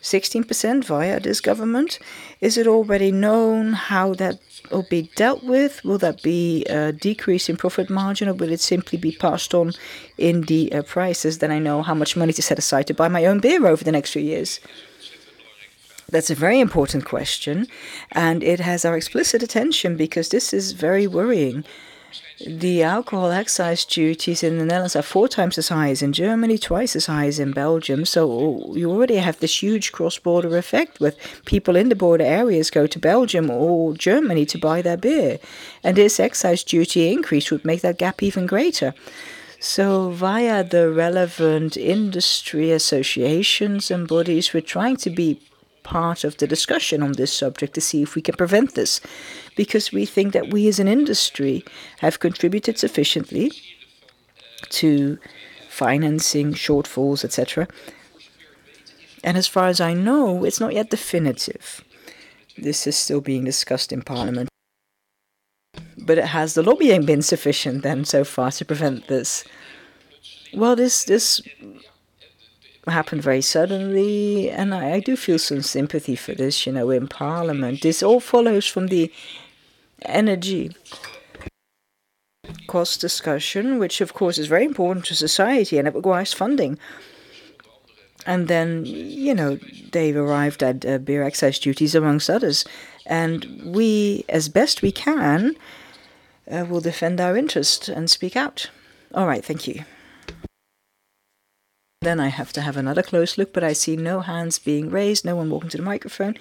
16% via this government. Is it already known how that will be dealt with? Will that be a decrease in profit margin or will it simply be passed on in the prices? Then I know how much money to set aside to buy my own beer over the next few years. That's a very important question, and it has our explicit attention because this is very worrying. The alcohol excise duties in the Netherlands are 4x as high as in Germany, 2x as high as in Belgium. You already have this huge cross-border effect with people in the border areas go to Belgium or Germany to buy their beer, and this excise duty increase would make that gap even greater. Via the relevant industry associations and bodies, we're trying to be part of the discussion on this subject to see if we can prevent this, because we think that we as an industry have contributed sufficiently to financing shortfalls, et cetera. As far as I know, it's not yet definitive. This is still being discussed in parliament. Has the lobbying been sufficient then so far to prevent this? Well, this happened very suddenly, and I do feel some sympathy for this in parliament. This all follows from the energy cost discussion, which of course is very important to society, and it requires funding. They've arrived at beer excise duties among others, and we, as best we can, will defend our interest and speak out. All right. Thank you. I have to have another close look, but I see no hands being raised, no one walking to the microphone.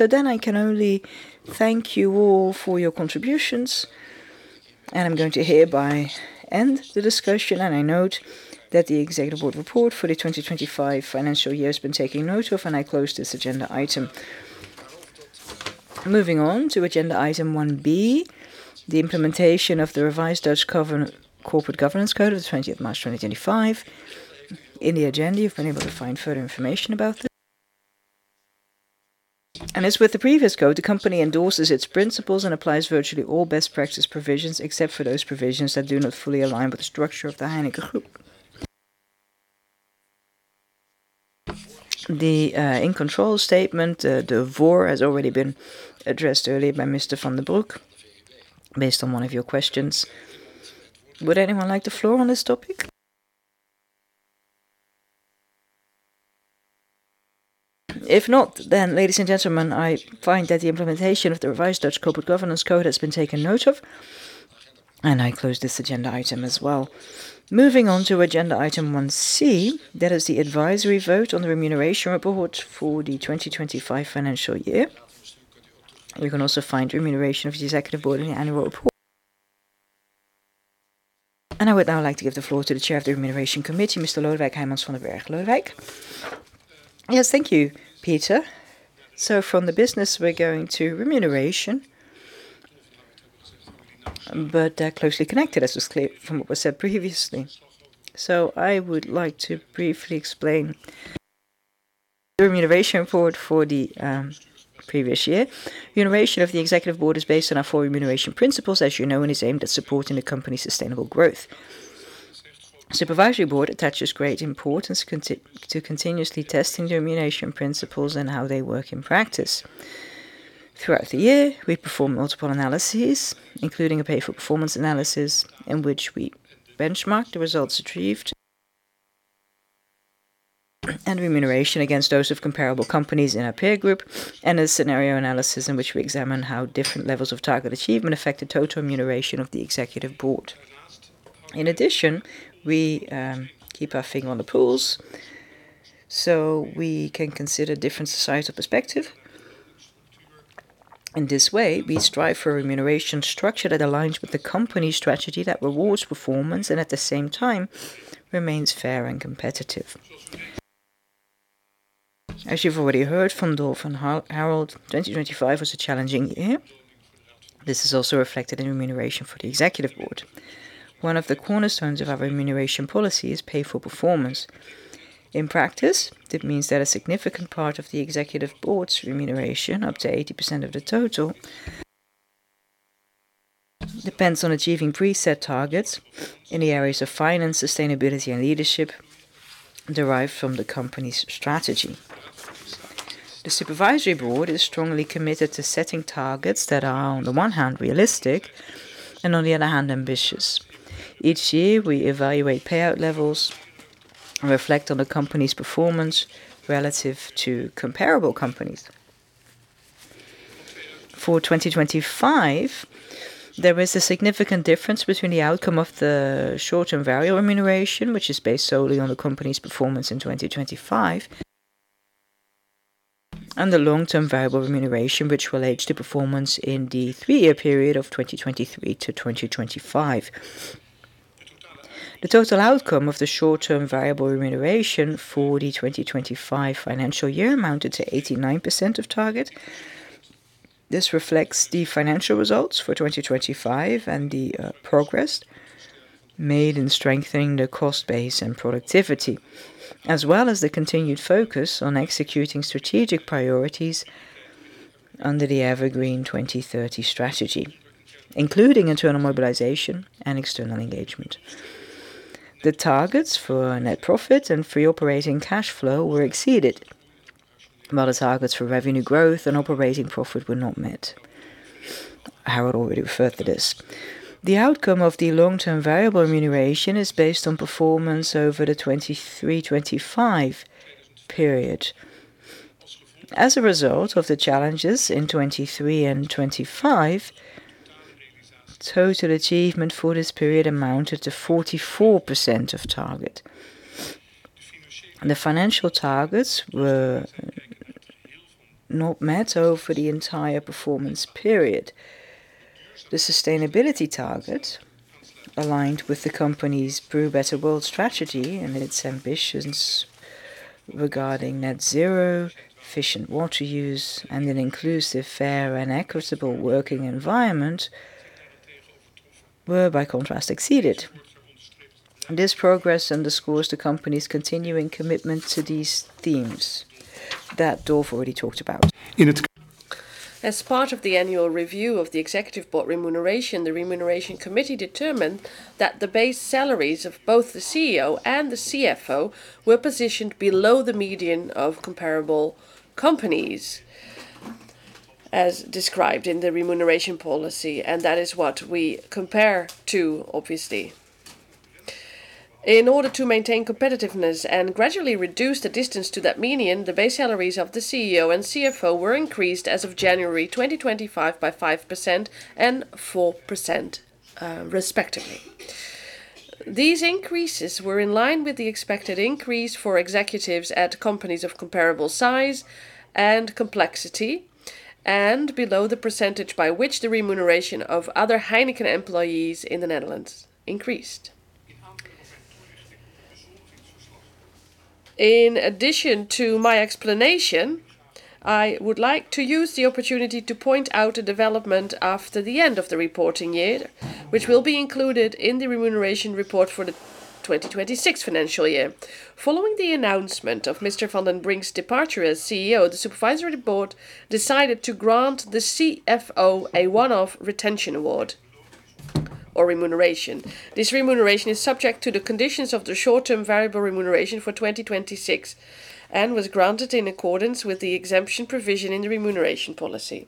I can only thank you all for your contributions, and I'm going to hereby end the discussion, and I note that the Executive Board report for the 2025 financial year has been taken note of, and I close this agenda item. Moving on to agenda item 1B, the implementation of the revised Dutch Corporate Governance Code of the 20th March 2025. In the agenda, you've been able to find further information about this. As with the previous code, the company endorses its principles and applies virtually all best practice provisions, except for those provisions that do not fully align with the structure of the Heineken group. The in-control statement, the VOR, has already been addressed earlier by Mr. Van den Broek based on one of your questions. Would anyone like the floor on this topic? If not, then, ladies and gentlemen, I find that the implementation of the revised Dutch Corporate Governance Code has been taken note of, and I close this agenda item as well. Moving on to agenda item 1C. That is the advisory vote on the remuneration report for the 2025 financial year. You can also find remuneration of the Executive Board in the annual report. I would now like to give the floor to the chair of the Remuneration Committee, Mr. Lodewijk Hijmans van den Bergh. Lodewijk. Yes. Thank you, Peter. From the business, we're going to remuneration, but they're closely connected, as was clear from what was said previously. I would like to briefly explain the remuneration report for the previous year. Remuneration of the Executive Board is based on our four remuneration principles, as you know, and is aimed at supporting the company's sustainable growth. Supervisory Board attaches great importance to continuously testing the remuneration principles and how they work in practice. Throughout the year, we've performed multiple analyses, including a pay for performance analysis in which we benchmarked the results achieved, and remuneration against those of comparable companies in our peer group, and a scenario analysis in which we examine how different levels of target achievement affect the total remuneration of the Executive Board. In addition, we keep our finger on the pulse, so we can consider different societal perspective. In this way, we strive for a remuneration structure that aligns with the company's strategy that rewards performance and at the same time remains fair and competitive. As you've already heard from Dolf and Harold, 2025 was a challenging year. This is also reflected in remuneration for the Executive Board. One of the cornerstones of our remuneration policy is pay for performance. In practice, it means that a significant part of the Executive Board's remuneration, up to 80% of the total, depends on achieving preset targets in the areas of finance, sustainability, and leadership derived from the company's strategy. The Supervisory Board is strongly committed to setting targets that are on the one hand realistic and on the other hand ambitious. Each year, we evaluate payout levels and reflect on the company's performance relative to comparable companies. For 2025, there is a significant difference between the outcome of the short-term variable remuneration, which is based solely on the company's performance in 2025, and the long-term variable remuneration, which relates to performance in the three-year period of 2023 to 2025. The total outcome of the short-term variable remuneration for the 2025 financial year amounted to 89% of target. This reflects the financial results for 2025 and the progress made in strengthening the cost base and productivity, as well as the continued focus on executing strategic priorities under the EverGreen 2030 strategy, including internal mobilization and external engagement. The targets for net profit and free operating cash flow were exceeded, while the targets for revenue growth and operating profit were not met. Harold already referred to this. The outcome of the long-term variable remuneration is based on performance over the 2023-2025 period. As a result of the challenges in 2023 and 2025, total achievement for this period amounted to 44% of target. The financial targets were not met over the entire performance period. The sustainability target, aligned with the company's Brew a Better World strategy and its ambitions regarding net zero, efficient water use, and an inclusive, fair, and equitable working environment, were by contrast exceeded. This progress underscores the company's continuing commitment to these themes that Dolf already talked about. As part of the annual review of the Executive Board remuneration, the Remuneration Committee determined that the base salaries of both the CEO and the CFO were positioned below the median of comparable companies, as described in the remuneration policy, and that is what we compare to, obviously. In order to maintain competitiveness and gradually reduce the distance to that median, the base salaries of the CEO and CFO were increased as of January 2025 by 5% and 4%, respectively. These increases were in line with the expected increase for executives at companies of comparable size and complexity, and below the percentage by which the remuneration of other Heineken employees in the Netherlands increased. In addition to my explanation, I would like to use the opportunity to point out a development after the end of the reporting year, which will be included in the remuneration report for the 2026 fiscal year. Following the announcement of Mr. van den Brink's departure as CEO, the Supervisory Board decided to grant the CFO a one-off retention award or remuneration. This remuneration is subject to the conditions of the short-term variable remuneration for 2026, and was granted in accordance with the exemption provision in the remuneration policy.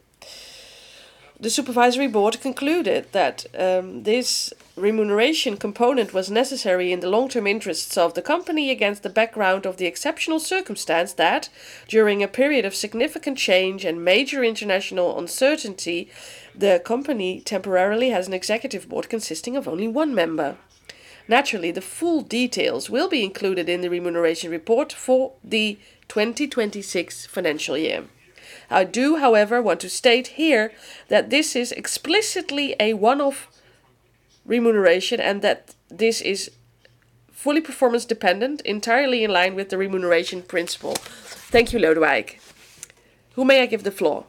The Supervisory Board concluded that this remuneration component was necessary in the long-term interests of the company against the background of the exceptional circumstance that during a period of significant change and major international uncertainty, the company temporarily has an Executive Board consisting of only one member. Naturally, the full details will be included in the remuneration report for the 2026 financial year. I do, however, want to state here that this is explicitly a one-off remuneration and that this is fully performance dependent, entirely in line with the remuneration principle. Thank you, Lodewijk. Who may I give the floor?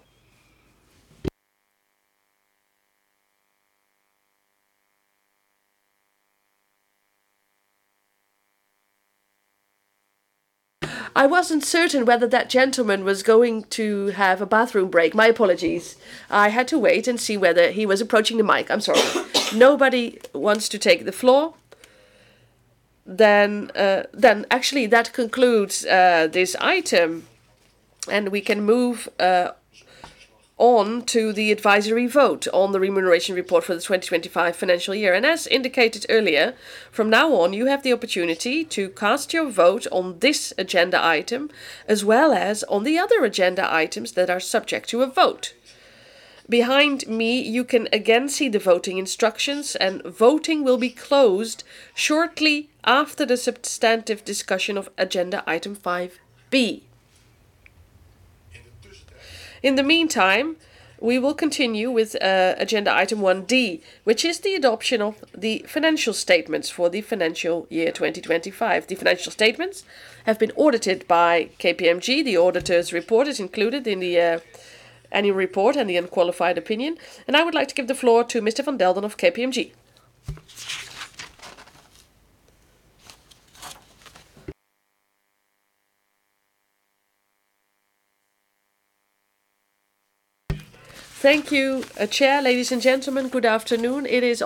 I wasn't certain whether that gentleman was going to have a bathroom break. My apologies. I had to wait and see whether he was approaching the mic. I'm sorry. Nobody wants to take the floor. Actually, that concludes this item, and we can move on to the advisory vote on the remuneration report for the 2025 financial year. As indicated earlier, from now on, you have the opportunity to cast your vote on this agenda item, as well as on the other agenda items that are subject to a vote. Behind me, you can again see the voting instructions, and voting will be closed shortly after the substantive discussion of agenda item 5B. In the meantime, we will continue with agenda item 1D, which is the adoption of the financial statements for the financial year 2025. The financial statements have been audited by KPMG. The auditor's report is included in the annual report and the unqualified opinion, and I would like to give the floor to Mr. van Delden of KPMG. Thank you, Chair. Ladies and gentlemen, good afternoon. It's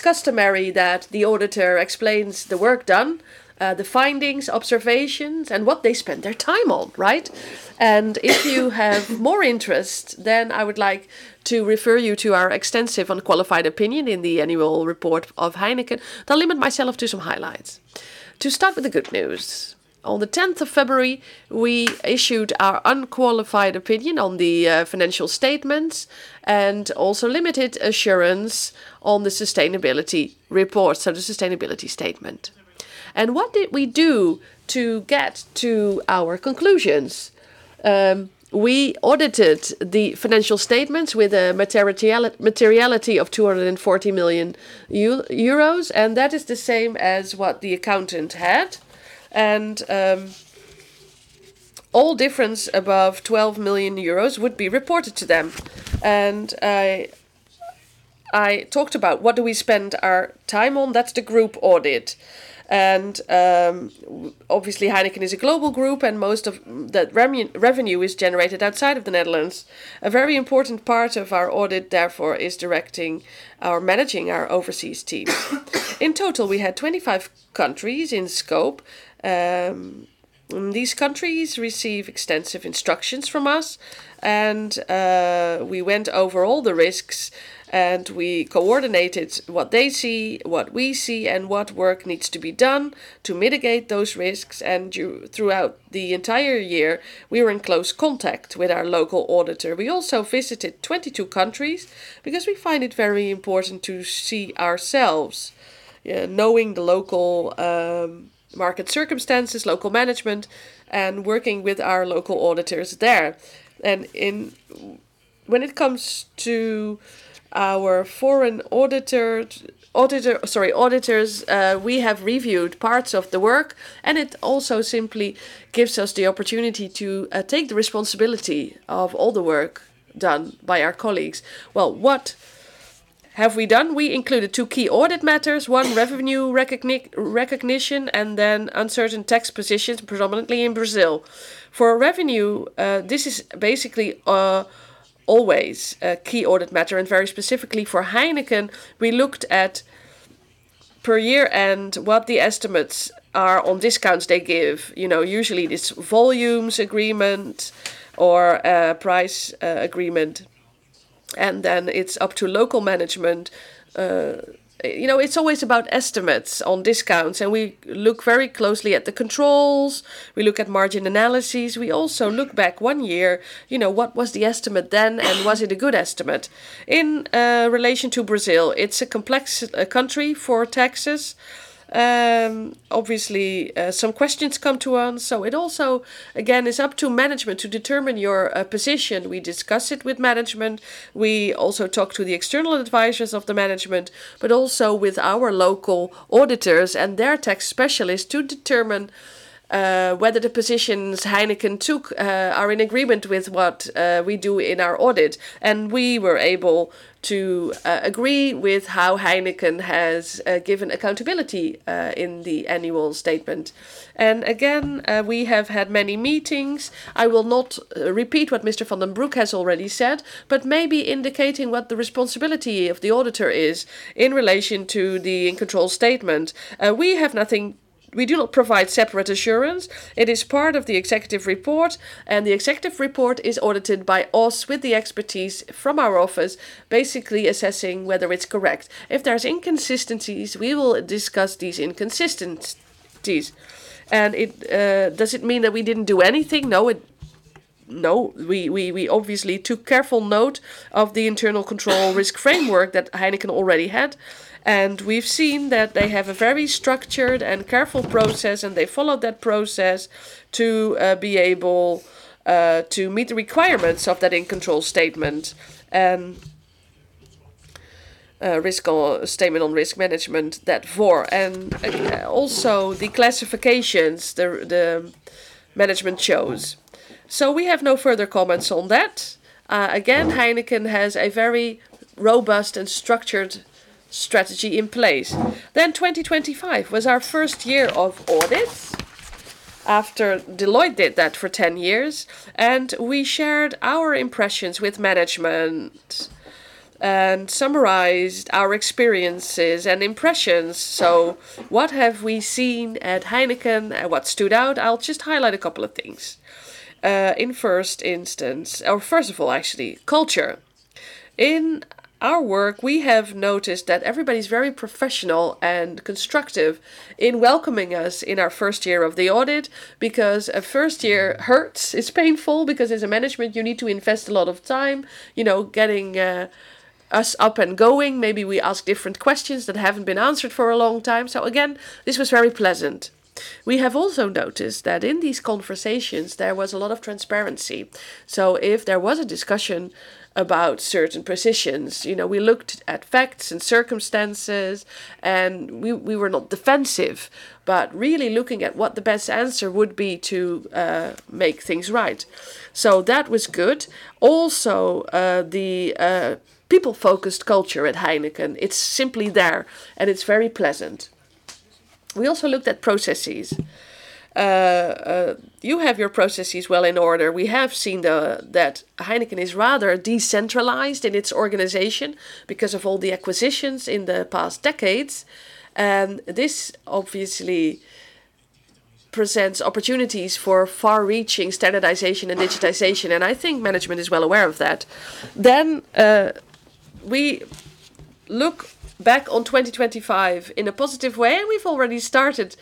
customary that the auditor explains the work done, the findings, observations, and what they spend their time on, right? If you have more interest, then I would like to refer you to our extensive unqualified opinion in the annual report of Heineken. I'll limit myself to some highlights. To start with the good news. On the 10th of February, we issued our unqualified opinion on the financial statements and also limited assurance on the sustainability report, so the sustainability statement. What did we do to get to our conclusions? We audited the financial statements with a materiality of 240 million euros, and that is the same as what the accountant had. All difference above 12 million euros would be reported to them. I talked about what do we spend our time on, that's the group audit. Obviously Heineken is a global group and most of that revenue is generated outside of the Netherlands. A very important part of our audit, therefore, is directing or managing our overseas team. In total, we had 25 countries in scope. These countries receive extensive instructions from us. We went over all the risks and we coordinated what they see, what we see, and what work needs to be done to mitigate those risks. Throughout the entire year, we were in close contact with our local auditor. We also visited 22 countries because we find it very important to see ourselves, knowing the local market circumstances, local management, and working with our local auditors there. When it comes to our foreign auditors, we have reviewed parts of the work, and it also simply gives us the opportunity to take the responsibility of all the work done by our colleagues. Well, what have we done? We included 2 key audit matters, 1, revenue recognition, and then uncertain tax positions, predominantly in Brazil. For revenue, this is basically always a key audit matter, and very specifically for Heineken, we looked at year-end, what the estimates are on discounts they give. Usually it's volume agreements or price agreements, and then it's up to local management. It's always about estimates on discounts, and we look very closely at the controls, we look at margin analyses. We also look back one year, what was the estimate then, and was it a good estimate? In relation to Brazil, it's a complex country for taxes. Obviously, some questions come to us, so it also, again, is up to management to determine your position. We discuss it with management. We also talk to the external advisors of the management, but also with our local auditors and their tax specialists to determine whether the positions Heineken took are in agreement with what we do in our audit. We were able to agree with how Heineken has given accountability in the annual statement. Again, we have had many meetings. I will not repeat what Mr. van den Broek has already said, but maybe indicating what the responsibility of the auditor is in relation to the in control statement. We do not provide separate assurance. It is part of the executive report, and the executive report is audited by us with the expertise from our office, basically assessing whether it's correct. If there's inconsistencies, we will discuss these inconsistencies. Does it mean that we didn't do anything? No. We obviously took careful note of the internal control risk framework that Heineken already had, and we've seen that they have a very structured and careful process, and they followed that process to be able to meet the requirements of that in control statement on risk management, that VOR, and also the classifications the management chose. We have no further comments on that. Again, Heineken has a very robust and structured strategy in place. 2025 was our first year of audits after Deloitte did that for 10 years, and we shared our impressions with management and summarized our experiences and impressions. What have we seen at Heineken and what stood out? I'll just highlight a couple of things. First of all, actually, culture. In our work, we have noticed that everybody's very professional and constructive in welcoming us in our first year of the audit, because a first year hurts. It's painful because as a management, you need to invest a lot of time, getting us up and going. Maybe we ask different questions that haven't been answered for a long time. Again, this was very pleasant. We have also noticed that in these conversations, there was a lot of transparency. If there was a discussion about certain positions, we looked at facts and circumstances, and we were not defensive, but really looking at what the best answer would be to make things right. That was good. The people-focused culture at Heineken, it's simply there and it's very pleasant. We also looked at processes. You have your processes well in order. We have seen that Heineken is rather decentralized in its organization because of all the acquisitions in the past decades. This obviously presents opportunities for far-reaching standardization and digitization, and I think management is well aware of that. We look back on 2025 in a positive way, and we've already started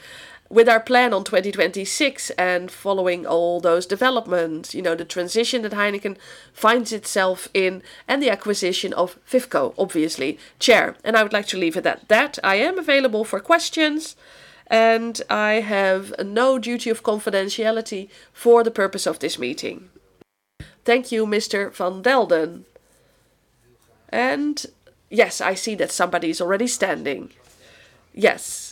with our plan on 2026 and following all those developments, the transition that Heineken finds itself in and the acquisition of FIFCO, obviously. Chair, I would like to leave it at that. I am available for questions, and I have no duty of confidentiality for the purpose of this meeting. Thank you, Mr. van Delden. Yes, I see that somebody is already standing. Yes.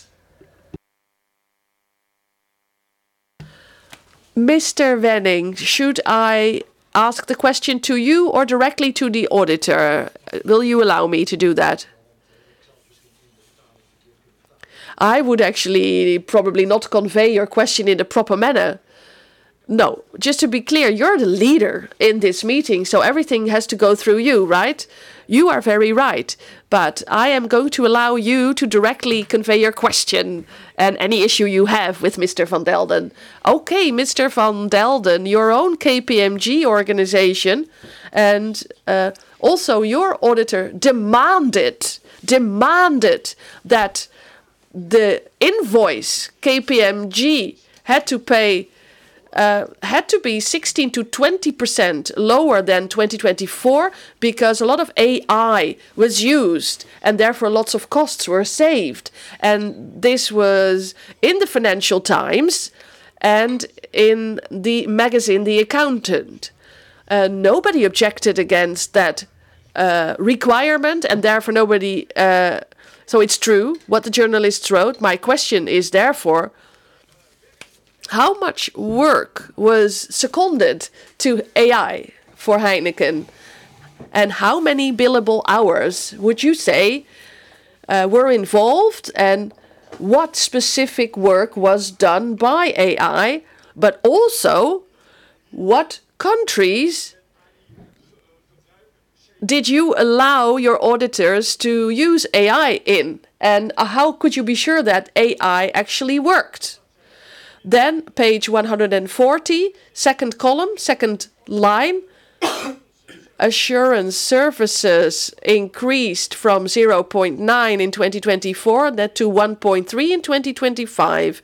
Mr. Wennink, should I ask the question to you or directly to the auditor? Will you allow me to do that? I would actually probably not convey your question in the proper manner. No. Just to be clear, you're the leader in this meeting, so everything has to go through you, right? You are very right, but I am going to allow you to directly convey your question and any issue you have with Mr. van Delden. Okay, Mr. van Delden, your own KPMG organization and also your auditor demanded that the invoice KPMG had to be 16%-20% lower than 2024 because a lot of AI was used, and therefore lots of costs were saved. This was in the Financial Times and in the magazine, The Accountant. Nobody objected against that requirement. So it's true what the journalists wrote. My question is therefore, how much work was seconded to AI for Heineken, and how many billable hours would you say were involved, and what specific work was done by AI, but also what countries did you allow your auditors to use AI in, and how could you be sure that AI actually worked? Page 140, second column, second line, assurance services increased from 0.9 in 2024 to 1.3 in 2025.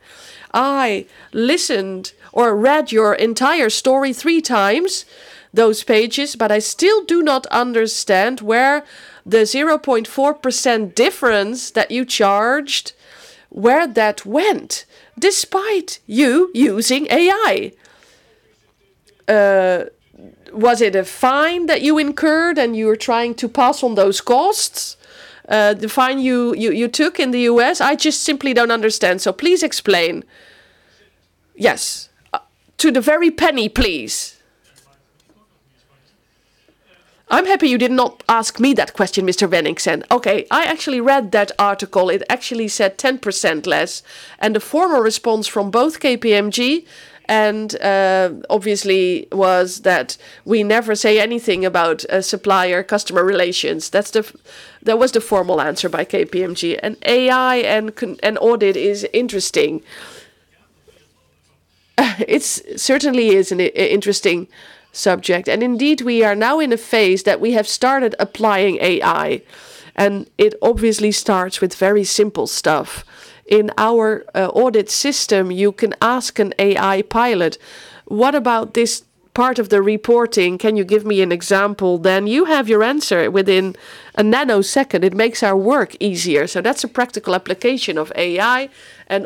I listened or read your entire story three times, those pages, but I still do not understand where the 0.4% difference that you charged, where that went, despite you using AI. Was it a fine that you incurred and you were trying to pass on those costs? The fine you took in the U.S.? I just simply don't understand, so please explain. Yes. To the very penny, please. I'm happy you did not ask me that question, Mr. Wennink said. Okay, I actually read that article. It actually said 10% less. The formal response from both KPMG and the company was that we never say anything about supplier-customer relations. That was the formal answer by KPMG. AI and audit is interesting. It certainly is an interesting subject. Indeed, we are now in a phase that we have started applying AI. It obviously starts with very simple stuff. In our audit system, you can ask an AI pilot, "What about this part of the reporting? Can you give me an example then?" You have your answer within a nanosecond. It makes our work easier. That's a practical application of AI.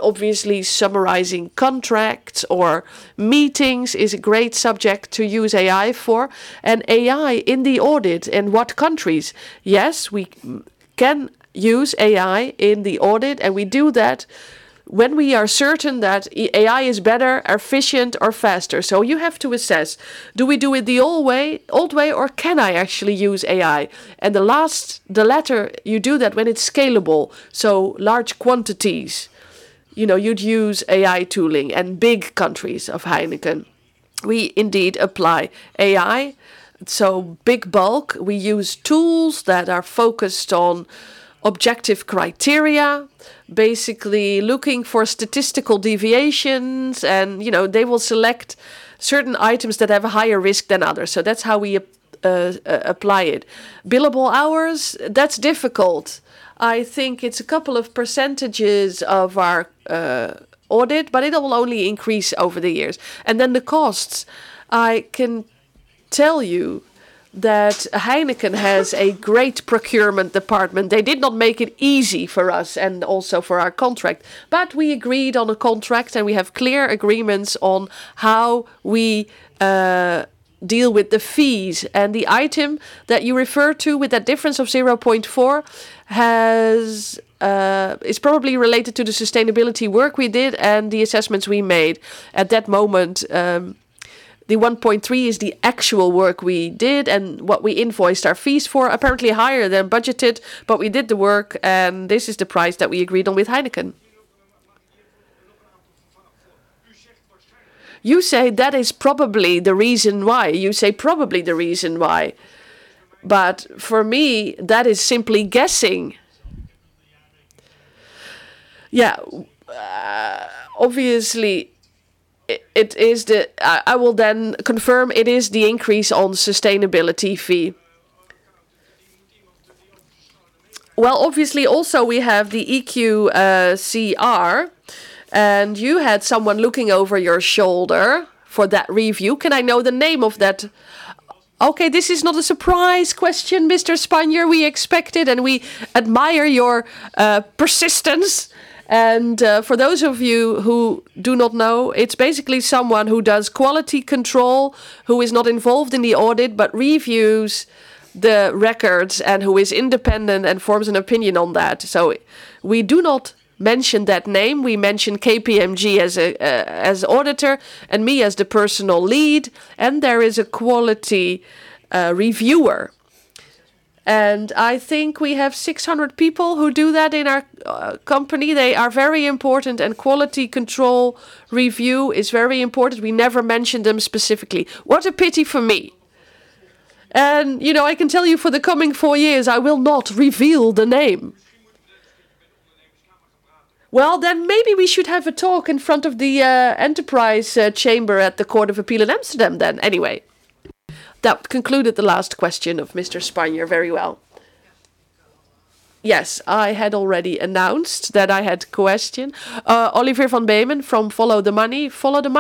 Obviously summarizing contracts or meetings is a great subject to use AI for. AI in the audit, in what countries? Yes, we can use AI in the audit, and we do that when we are certain that AI is better, efficient, or faster. You have to assess, do we do it the old way, or can I actually use AI? The latter, you do that when it's scalable, so large quantities. You'd use AI tooling and big countries of Heineken. We indeed apply AI. Big bulk, we use tools that are focused on objective criteria, basically looking for statistical deviations, and they will select certain items that have a higher risk than others. That's how we apply it. Billable hours, that's difficult. I think it's a couple of percentages of our audit, but it will only increase over the years. Then the costs. I can tell you that Heineken has a great procurement department. They did not make it easy for us and also for our contract. We agreed on a contract and we have clear agreements on how we deal with the fees. The item that you refer to with that difference of 0.4 is probably related to the sustainability work we did and the assessments we made. At that moment, the 1.3 is the actual work we did and what we invoiced our fees for, apparently higher than budgeted, but we did the work and this is the price that we agreed on with Heineken. You say that is probably the reason why. For me, that is simply guessing. Yeah. Obviously, I will then confirm it is the increase on sustainability fee. Well, obviously also we have the EQCR, and you had someone looking over your shoulder for that review. Can i know the name? Okay, this is not a surprise question, [Mr. Spanjer]. We expect it and we admire your persistence. For those of you who do not know, it's basically someone who does quality control, who is not involved in the audit, but reviews the records, and who is independent and forms an opinion on that. We do not mention that name. We mention KPMG as auditor and me as the personal lead, and there is a quality reviewer. I think we have 600 people who do that in our company. They are very important and quality control review is very important. We never mention them specifically. What a pity for me. I can tell you for the coming four years, I will not reveal the name. Well, then maybe we should have a talk in front of the Enterprise Chamber of the Amsterdam Court of Appeal then anyway. That concluded the last question of Mr. Spanjar very well. Yes. I had already announced that I had a question. Olivier van Beemen from Follow the Money. For the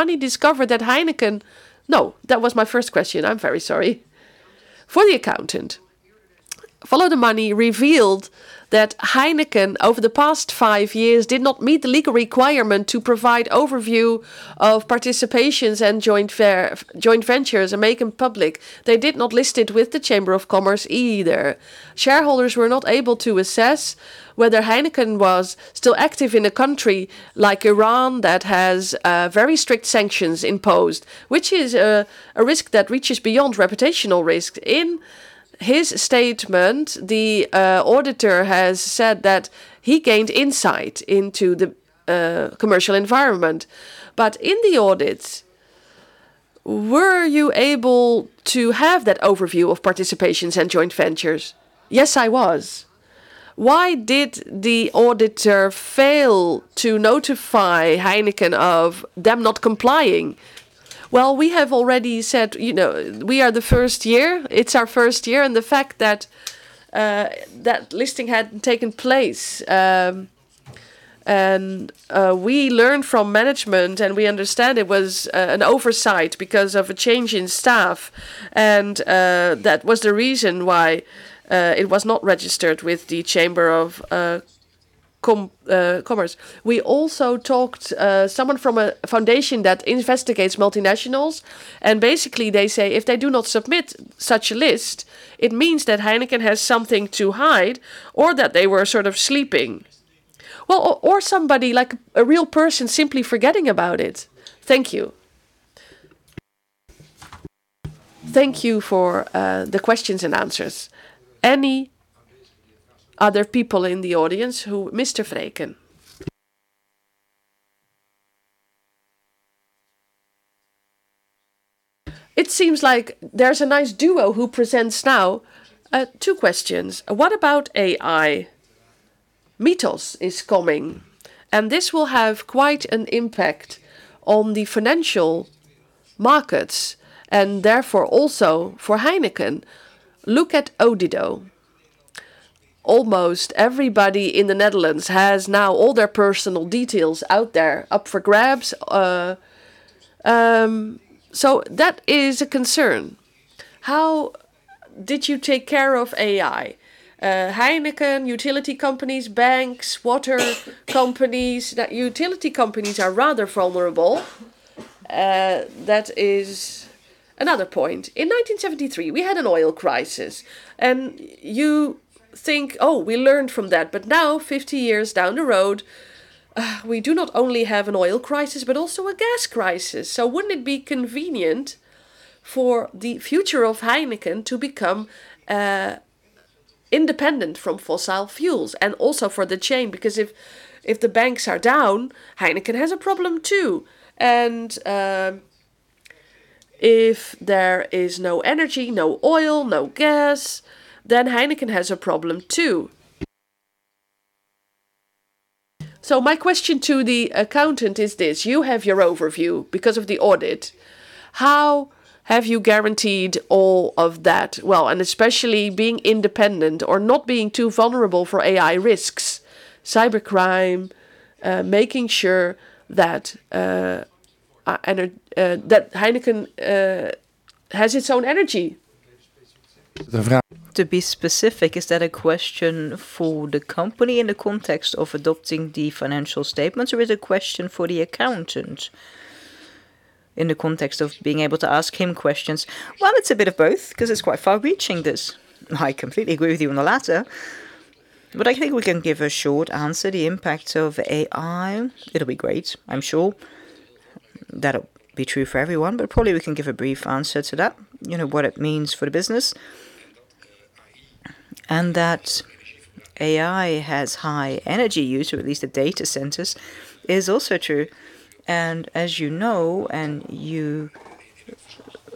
accountant, Follow the Money revealed that Heineken, over the past five years, did not meet the legal requirement to provide overview of participations and joint ventures and make them public. They did not list it with the Chamber of Commerce either. Shareholders were not able to assess whether Heineken was still active in a country like Iran that has very strict sanctions imposed, which is a risk that reaches beyond reputational risk. In his statement, the auditor has said that he gained insight into the commercial environment. In the audit, were you able to have that overview of participations and joint ventures? Yes, I was. Why did the auditor fail to notify Heineken of them not complying? Well, we have already said, we are the first year. It's our first year, and the fact that listing hadn't taken place. We learned from management, and we understand it was an oversight because of a change in staff, and that was the reason why it was not registered with the Chamber of Commerce. We also talked, someone from a foundation that investigates multinationals, and basically they say if they do not submit such a list, it means that Heineken has something to hide or that they were sort of sleeping. Well, or somebody, like a real person simply forgetting about it. Thank you. Thank you for the questions and answers. Any other people in the audience? Mr. Vreeken. It seems like there's a nice duo who presents now. Two questions. What about AI? Mythos is coming, and this will have quite an impact on the financial markets and therefore also for Heineken. Look at Odido. Almost everybody in the Netherlands has now all their personal details out there up for grabs. So that is a concern. How did you take care of AI? Heineken, utility companies, banks, water companies, utility companies are rather vulnerable. That is another point. In 1973, we had an oil crisis. You think, "Oh, we learned from that." Now, 50 years down the road, we do not only have an oil crisis, but also a gas crisis. Wouldn't it be convenient for the future of Heineken to become independent from fossil fuels and also for the chain? Because if the banks are down, Heineken has a problem too. If there is no energy, no oil, no gas, then Heineken has a problem too. My question to the accountant is this. You have your overview because of the audit. How have you guaranteed all of that? Well, and especially being independent or not being too vulnerable for AI risks, cybercrime, making sure that Heineken has its own energy. To be specific, is that a question for the company in the context of adopting the financial statements, or is it a question for the accountant in the context of being able to ask him questions? Well, it's a bit of both because it's quite far-reaching this. I completely agree with you on the latter. I think we can give a short answer. The impact of AI, it'll be great. I'm sure that'll be true for everyone, but probably we can give a brief answer to that. What it means for the business. That AI has high energy use, or at least the data centers, is also true. As you know, and you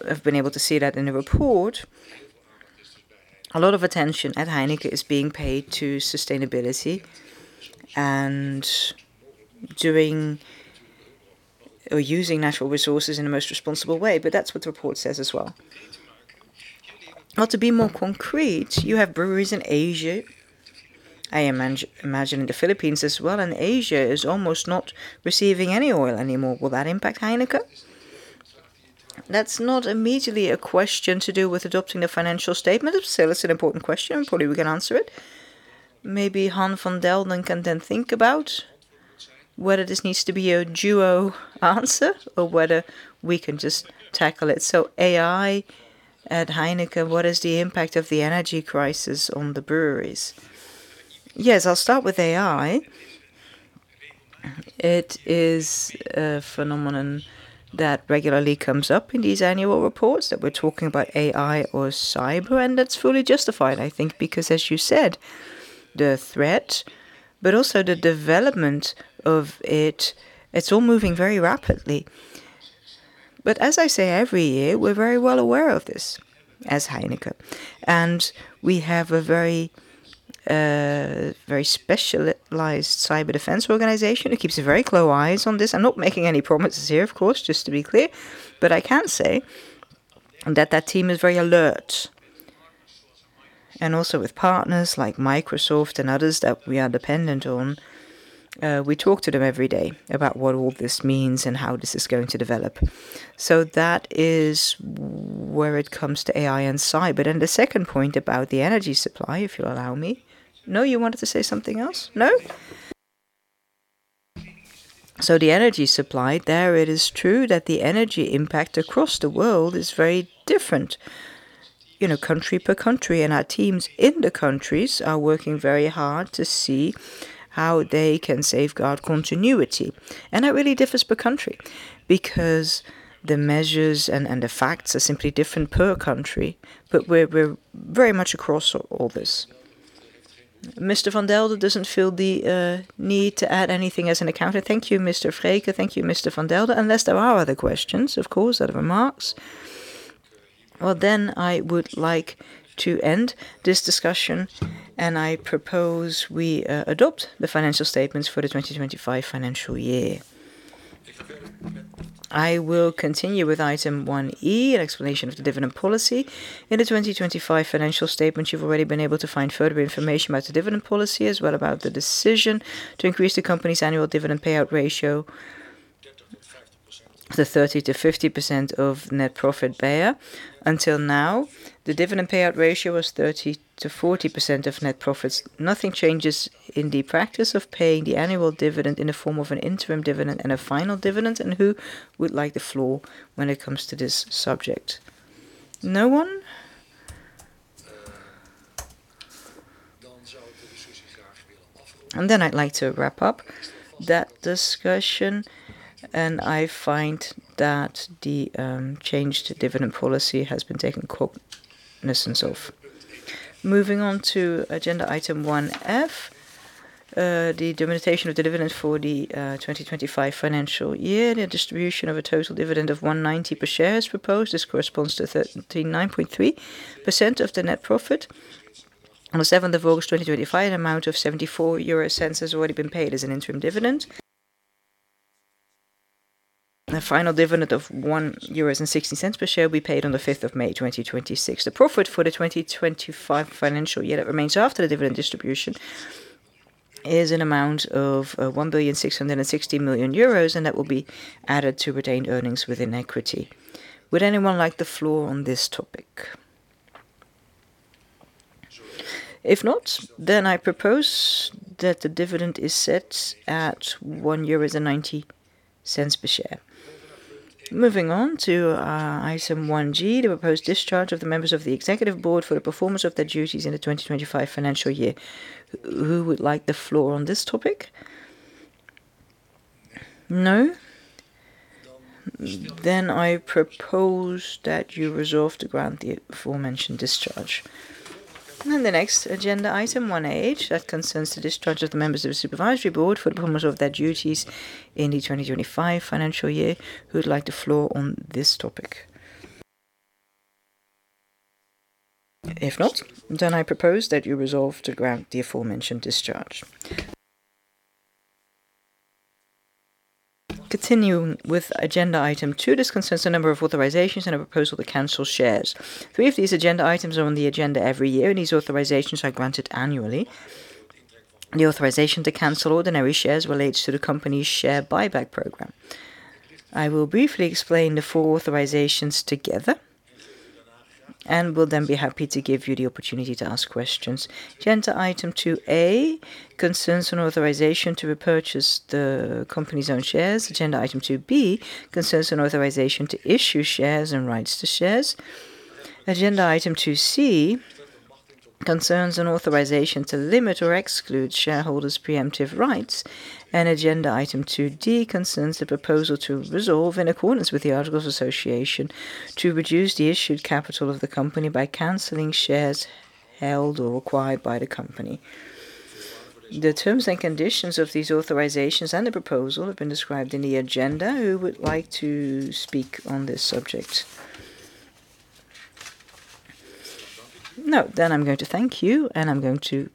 have been able to see that in the report, a lot of attention at Heineken is being paid to sustainability and doing or using natural resources in the most responsible way, but that's what the report says as well. Now, to be more concrete, you have breweries in Asia. I imagine the Philippines as well, and Asia is almost not receiving any oil anymore. Will that impact Heineken? That's not immediately a question to do with adopting the financial statement. Still, it's an important question. Probably we can answer it. Maybe Han van Delden can then think about whether this needs to be a duo answer or whether we can just tackle it. AI at Heineken, what is the impact of the energy crisis on the breweries? Yes, I'll start with AI. It is a phenomenon that regularly comes up in these annual reports that we're talking about AI or cyber, and that's fully justified, I think because as you said, the threat, but also the development of it's all moving very rapidly. As I say, every year, we're very well aware of this as Heineken, and we have a very specialized cyber defense organization that keeps a very close eye on this. I'm not making any promises here, of course, just to be clear, but I can say that that team is very alert. Also with partners like Microsoft and others that we are dependent on, we talk to them every day about what all this means and how this is going to develop. That is where it comes to AI and cyber. The second point about the energy supply, if you'll allow me. No, you wanted to say something else? No? The energy supply there, it is true that the energy impact across the world is very different country per country, and our teams in the countries are working very hard to see how they can safeguard continuity. It really differs per country because the measures and the facts are simply different per country. We're very much across all this. Mr. van Delden doesn't feel the need to add anything as an accountant. Thank you, Mr. Vreeken. Thank you, Mr. van Delden. Unless there are other questions, of course, or remarks. Well, I would like to end this discussion, and I propose we adopt the financial statements for the 2025 financial year. I will continue with item 1E, an explanation of the dividend policy. In the 2025 financial statements, you've already been able to find further information about the dividend policy, as well about the decision to increase the company's annual dividend payout ratio- 30%-50%... to 30%-50% of net profit paid. Until now, the dividend payout ratio was 30%-40% of net profits. Nothing changes in the practice of paying the annual dividend in the form of an interim dividend and a final dividend. Who would like the floor when it comes to this subject? No one? I'd like to wrap up that discussion, and I find that the change to dividend policy has been taken cognizance of. Moving on to agenda item 1F, the determination of the dividend for the 2025 financial year. The distribution of a total dividend of 1.90 per share is proposed. This corresponds to 39.3% of the net profit. On the 7th of August 2025, an amount of 0.74 has already been paid as an interim dividend. The final dividend of 1.60 euros per share will be paid on the 5th of May 2026. The profit for the 2025 financial year that remains after the dividend distribution is an amount of 1,660,000,000 euros, and that will be added to retained earnings within equity. Would anyone like the floor on this topic? If not, then I propose that the dividend is set at 1.90 euro per share. Moving on to item 1G, the proposed discharge of the members of the Executive Board for the performance of their duties in the 2025 financial year. Who would like the floor on this topic? No? Then I propose that you resolve to grant the aforementioned discharge. Then the next agenda, item 1H, that concerns the discharge of the members of the Supervisory Board for the performance of their duties in the 2025 financial year. Who'd like the floor on this topic? If not, then I propose that you resolve to grant the aforementioned discharge. Continuing with agenda item 2. This concerns the number of authorizations and a proposal to cancel shares. Three of these agenda items are on the agenda every year, and these authorizations are granted annually. The authorization to cancel ordinary shares relates to the company's share buyback program. I will briefly explain the four authorizations together and will then be happy to give you the opportunity to ask questions. Agenda item 2A concerns an authorization to repurchase the company's own shares. Agenda item 2B concerns an authorization to issue shares and rights to shares. Agenda item 2C concerns an authorization to limit or exclude shareholders' preemptive rights. Agenda item 2D concerns the proposal to resolve, in accordance with the articles of association, to reduce the issued capital of the company by canceling shares held or acquired by the company. The terms and conditions of these authorizations and the proposal have been described in the agenda. Who would like to speak on this subject? No, then I'm going to thank you, and I'm going to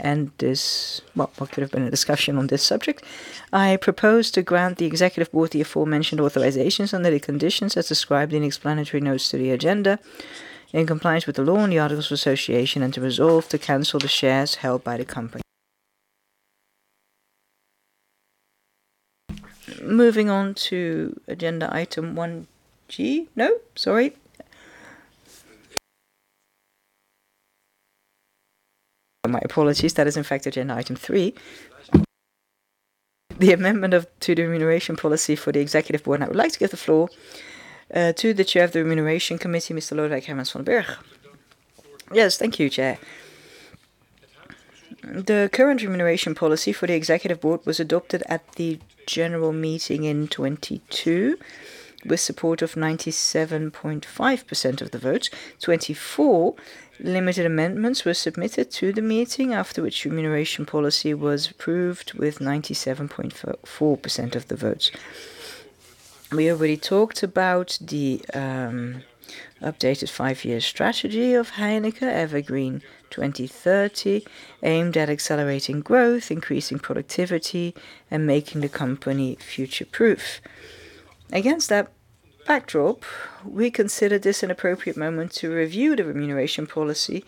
end this, well, what could have been a discussion on this subject. I propose to grant the Executive Board the aforementioned authorizations under the conditions as described in explanatory notes to the agenda, in compliance with the law and the articles of association, and to resolve to cancel the shares held by the company. Moving on to agenda item 1G. No, sorry. My apologies. That is in fact agenda item three, the amendment to the remuneration policy for the Executive Board. I would like to give the floor to the Chair of the remuneration committee, Mr. Lodewijk Hijmans van den Bergh. Yes. Thank you, Chair. The current remuneration policy for the Executive Board was adopted at the general meeting in 2022 with support of 97.5% of the votes. 24 limited amendments were submitted to the meeting, after which remuneration policy was approved with 97.4% of the votes. We already talked about the updated five-year strategy of Heineken, EverGreen 2030, aimed at accelerating growth, increasing productivity, and making the company future-proof. Against that backdrop, we consider this an appropriate moment to review the remuneration policy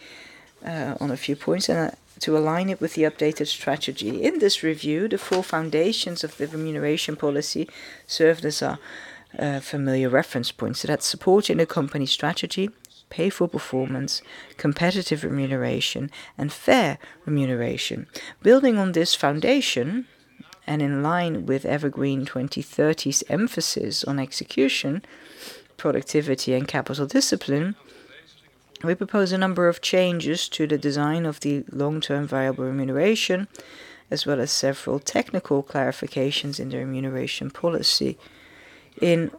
on a few points and to align it with the updated strategy. In this review, the four foundations of the remuneration policy served as our familiar reference points. That's support in the company strategy, pay for performance, competitive remuneration, and fair remuneration. Building on this foundation and in line with EverGreen 2030's emphasis on execution, productivity, and capital discipline, we propose a number of changes to the design of the long-term variable remuneration, as well as several technical clarifications in the remuneration policy. In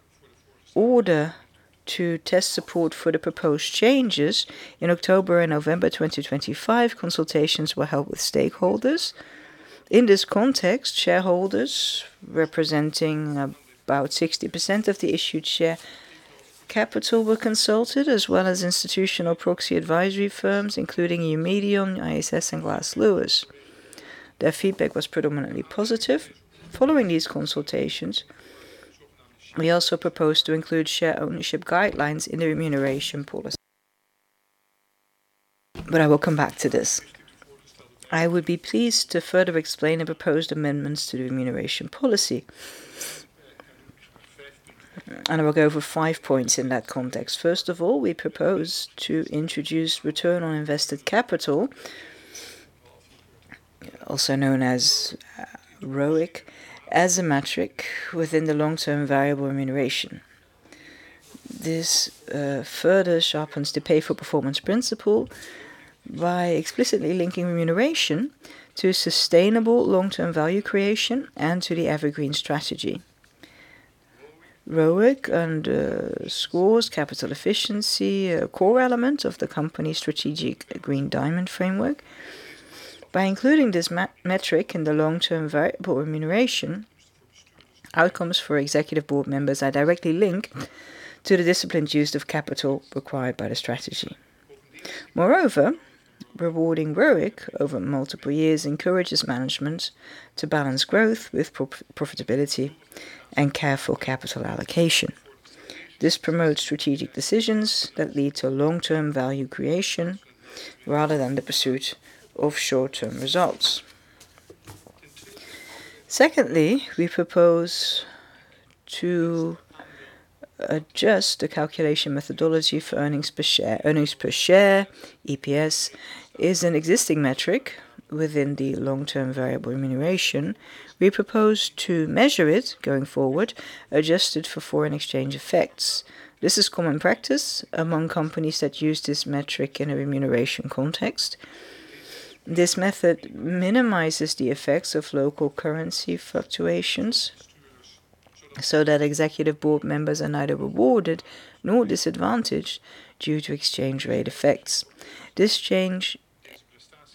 order to test support for the proposed changes, in October and November 2025, consultations were held with stakeholders. In this context, shareholders representing about 60% of the issued share capital were consulted, as well as institutional proxy advisory firms, including Eumedion, ISS, and Glass Lewis. Their feedback was predominantly positive. Following these consultations, we also proposed to include share ownership guidelines in the remuneration policy. I will come back to this. I would be pleased to further explain the proposed amendments to the remuneration policy. I will go over five points in that context. First of all, we propose to introduce return on invested capital, also known as ROIC, as a metric within the long-term variable remuneration. This further sharpens the pay for performance principle by explicitly linking remuneration to sustainable long-term value creation and to the EverGreen strategy. ROIC underscores capital efficiency, a core element of the company's strategic Green Diamond framework. By including this metric in the long-term variable remuneration, outcomes for Executive Board members are directly linked to the disciplined use of capital required by the strategy. Moreover, rewarding ROIC over multiple years encourages management to balance growth with profitability and careful capital allocation. This promotes strategic decisions that lead to long-term value creation rather than the pursuit of short-term results. Secondly, we propose to adjust the calculation methodology for earnings per share. Earnings per share, EPS, is an existing metric within the long-term variable remuneration. We propose to measure it going forward, adjusted for foreign exchange effects. This is common practice among companies that use this metric in a remuneration context. This method minimizes the effects of local currency fluctuations, so that Executive Board members are neither rewarded nor disadvantaged due to exchange rate effects. This change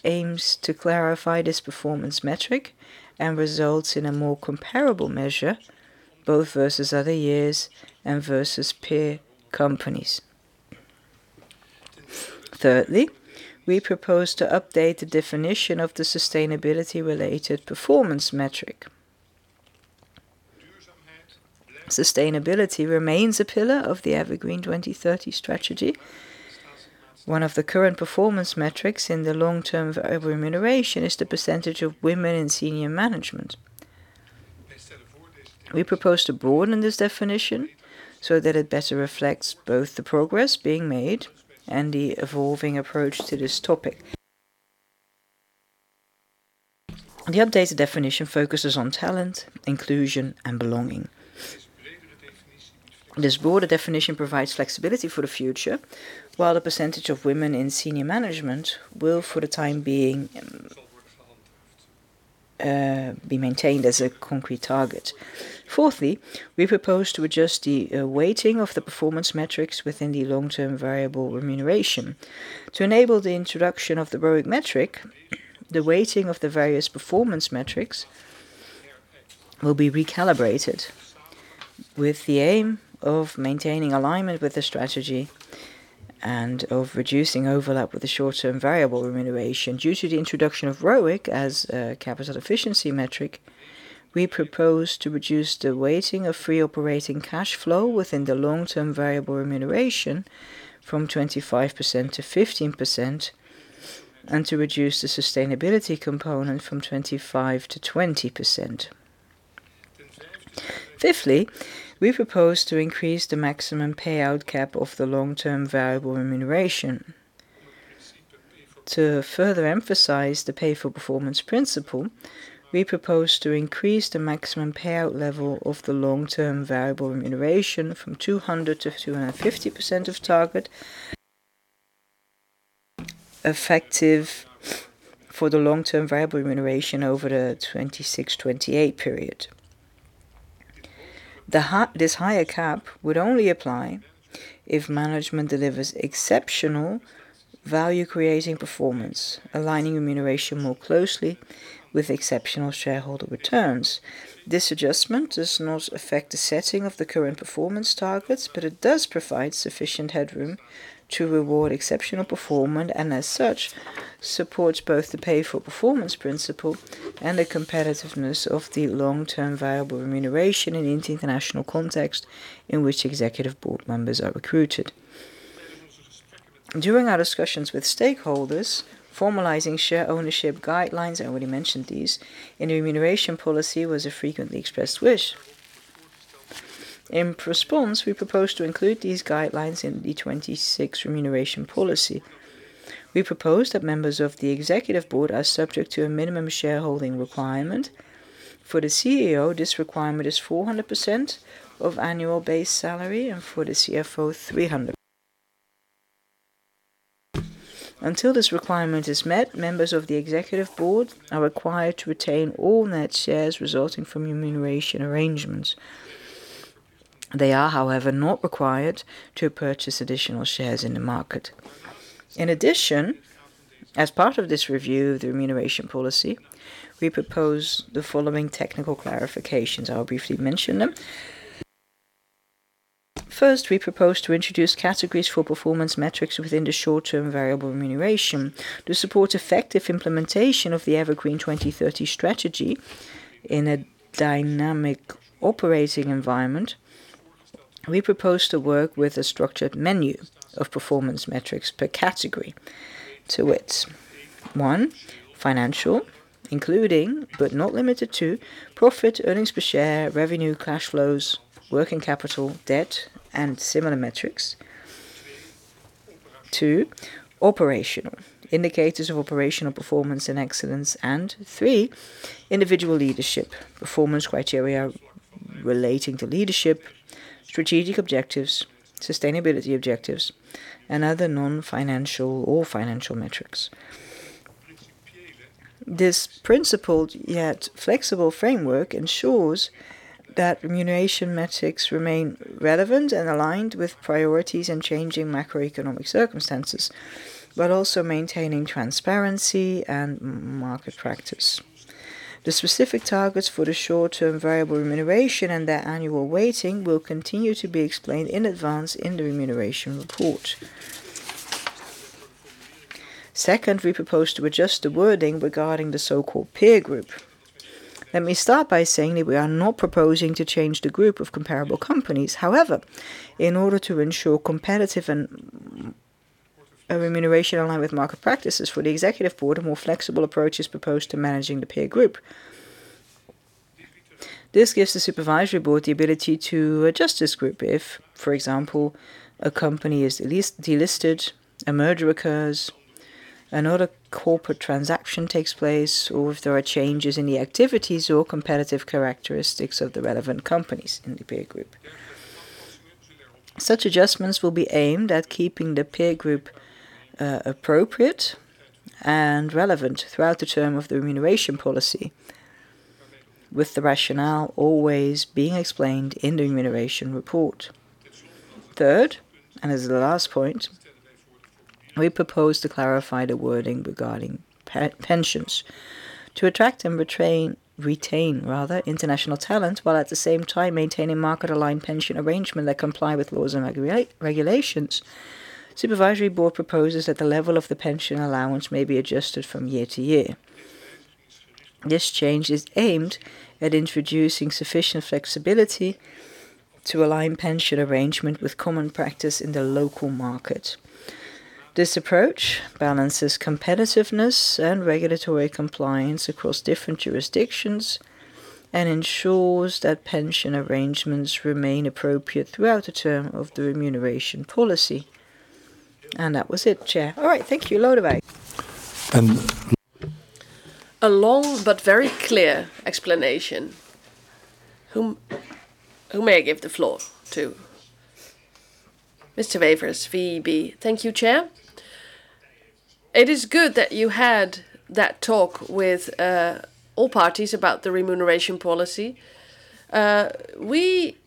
aims to clarify this performance metric and results in a more comparable measure, both versus other years and versus peer companies. Thirdly, we propose to update the definition of the sustainability-related performance metric. Sustainability remains a pillar of the EverGreen 2030 strategy. One of the current performance metrics in the long-term variable remuneration is the percentage of women in senior management. We propose to broaden this definition so that it better reflects both the progress being made and the evolving approach to this topic. The updated definition focuses on talent, inclusion, and belonging. This broader definition provides flexibility for the future, while the percentage of women in senior management will, for the time being, be maintained as a concrete target. Fourthly, we propose to adjust the weighting of the performance metrics within the long-term variable remuneration. To enable the introduction of the ROIC metric, the weighting of the various performance metrics will be recalibrated with the aim of maintaining alignment with the strategy and of reducing overlap with the short-term variable remuneration. Due to the introduction of ROIC as a capital efficiency metric, we propose to reduce the weighting of free operating cash flow within the long-term variable remuneration from 25% to 15% and to reduce the sustainability component from 25% to 20%. Fifthly, we propose to increase the maximum payout cap of the long-term variable remuneration. To further emphasize the pay-for-performance principle, we propose to increase the maximum payout level of the long-term variable remuneration from 200% to 250% of target, effective for the long-term variable remuneration over the 2026-2028 period. This higher cap would only apply if management delivers exceptional value-creating performance, aligning remuneration more closely with exceptional shareholder returns. This adjustment does not affect the setting of the current performance targets, but it does provide sufficient headroom to reward exceptional performance and as such, supports both the pay-for-performance principle and the competitiveness of the long-term variable remuneration in the international context in which Executive Board members are recruited. During our discussions with stakeholders, formalizing share ownership guidelines, I already mentioned these, in the remuneration policy was a frequently expressed wish. In response, we propose to include these guidelines in the 2026 remuneration policy. We propose that members of the Executive Board are subject to a minimum shareholding requirement. For the CEO, this requirement is 400% of annual base salary and for the CFO, 300%. Until this requirement is met, members of the Executive Board are required to retain all net shares resulting from remuneration arrangements. They are, however, not required to purchase additional shares in the market. In addition, as part of this review of the remuneration policy, we propose the following technical clarifications. I'll briefly mention them. First, we propose to introduce categories for performance metrics within the short-term variable remuneration. To support effective implementation of the EverGreen 2030 strategy in a dynamic operating environment, we propose to work with a structured menu of performance metrics per category. To wit, one, financial, including, but not limited to, profit, earnings per share, revenue, cash flows, working capital, debt, and similar metrics. Two, operational. Indicators of operational performance and excellence. Three, individual leadership. Performance criteria relating to leadership, strategic objectives, sustainability objectives, and other non-financial or financial metrics. This principled yet flexible framework ensures that remuneration metrics remain relevant and aligned with priorities and changing macroeconomic circumstances, while also maintaining transparency and market practice. The specific targets for the short-term variable remuneration and their annual weighting will continue to be explained in advance in the remuneration report. Second, we propose to adjust the wording regarding the so-called peer group. Let me start by saying that we are not proposing to change the group of comparable companies. However, in order to ensure a competitive remuneration aligned with market practices for the Executive Board, a more flexible approach is proposed to managing the peer group. This gives the Supervisory Board the ability to adjust this group if, for example, a company is delisted, a merger occurs, another corporate transaction takes place, or if there are changes in the activities or competitive characteristics of the relevant companies in the peer group. Such adjustments will be aimed at keeping the peer group appropriate and relevant throughout the term of the remuneration policy, with the rationale always being explained in the remuneration report. Third, and as the last point, we propose to clarify the wording regarding pensions. To attract and retain international talent, while at the same time maintaining market-aligned pension arrangement that comply with laws and regulations, Supervisory Board proposes that the level of the pension allowance may be adjusted from year to year. This change is aimed at introducing sufficient flexibility to align pension arrangement with common practice in the local market. This approach balances competitiveness and regulatory compliance across different jurisdictions and ensures that pension arrangements remain appropriate throughout the term of the remuneration policy. That was it, Chair. All right. Thank you. Lodewijk. A long but very clear explanation. Who may I give the floor to? [Mr. Wevers, VMB]. Thank you, Chair. It is good that you had that talk with all parties about the remuneration policy. We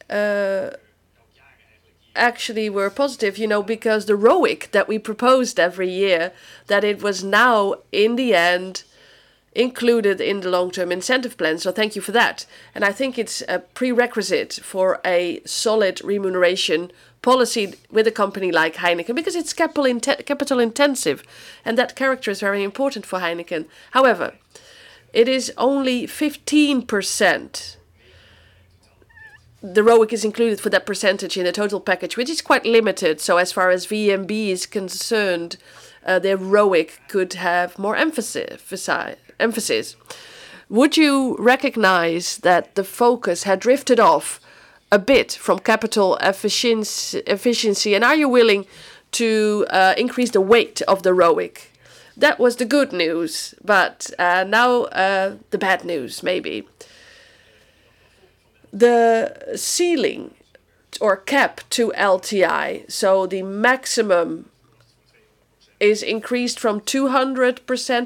actually were positive, because the ROIC that we proposed every year, that it was now in the end included in the long-term incentive plan. Thank you for that. I think it's a prerequisite for a solid remuneration policy with a company like Heineken, because it's capital intensive, and that character is very important for Heineken. However, it is only 15%. The ROIC is included for that percentage in the total package, which is quite limited. As far as [VMB] is concerned, the ROIC could have more emphasis. Would you recognize that the focus had drifted off a bit from capital efficiency, and are you willing to increase the weight of the ROIC? That was the good news, but now the bad news maybe. The ceiling or cap to LTI, so the maximum is increased from 200%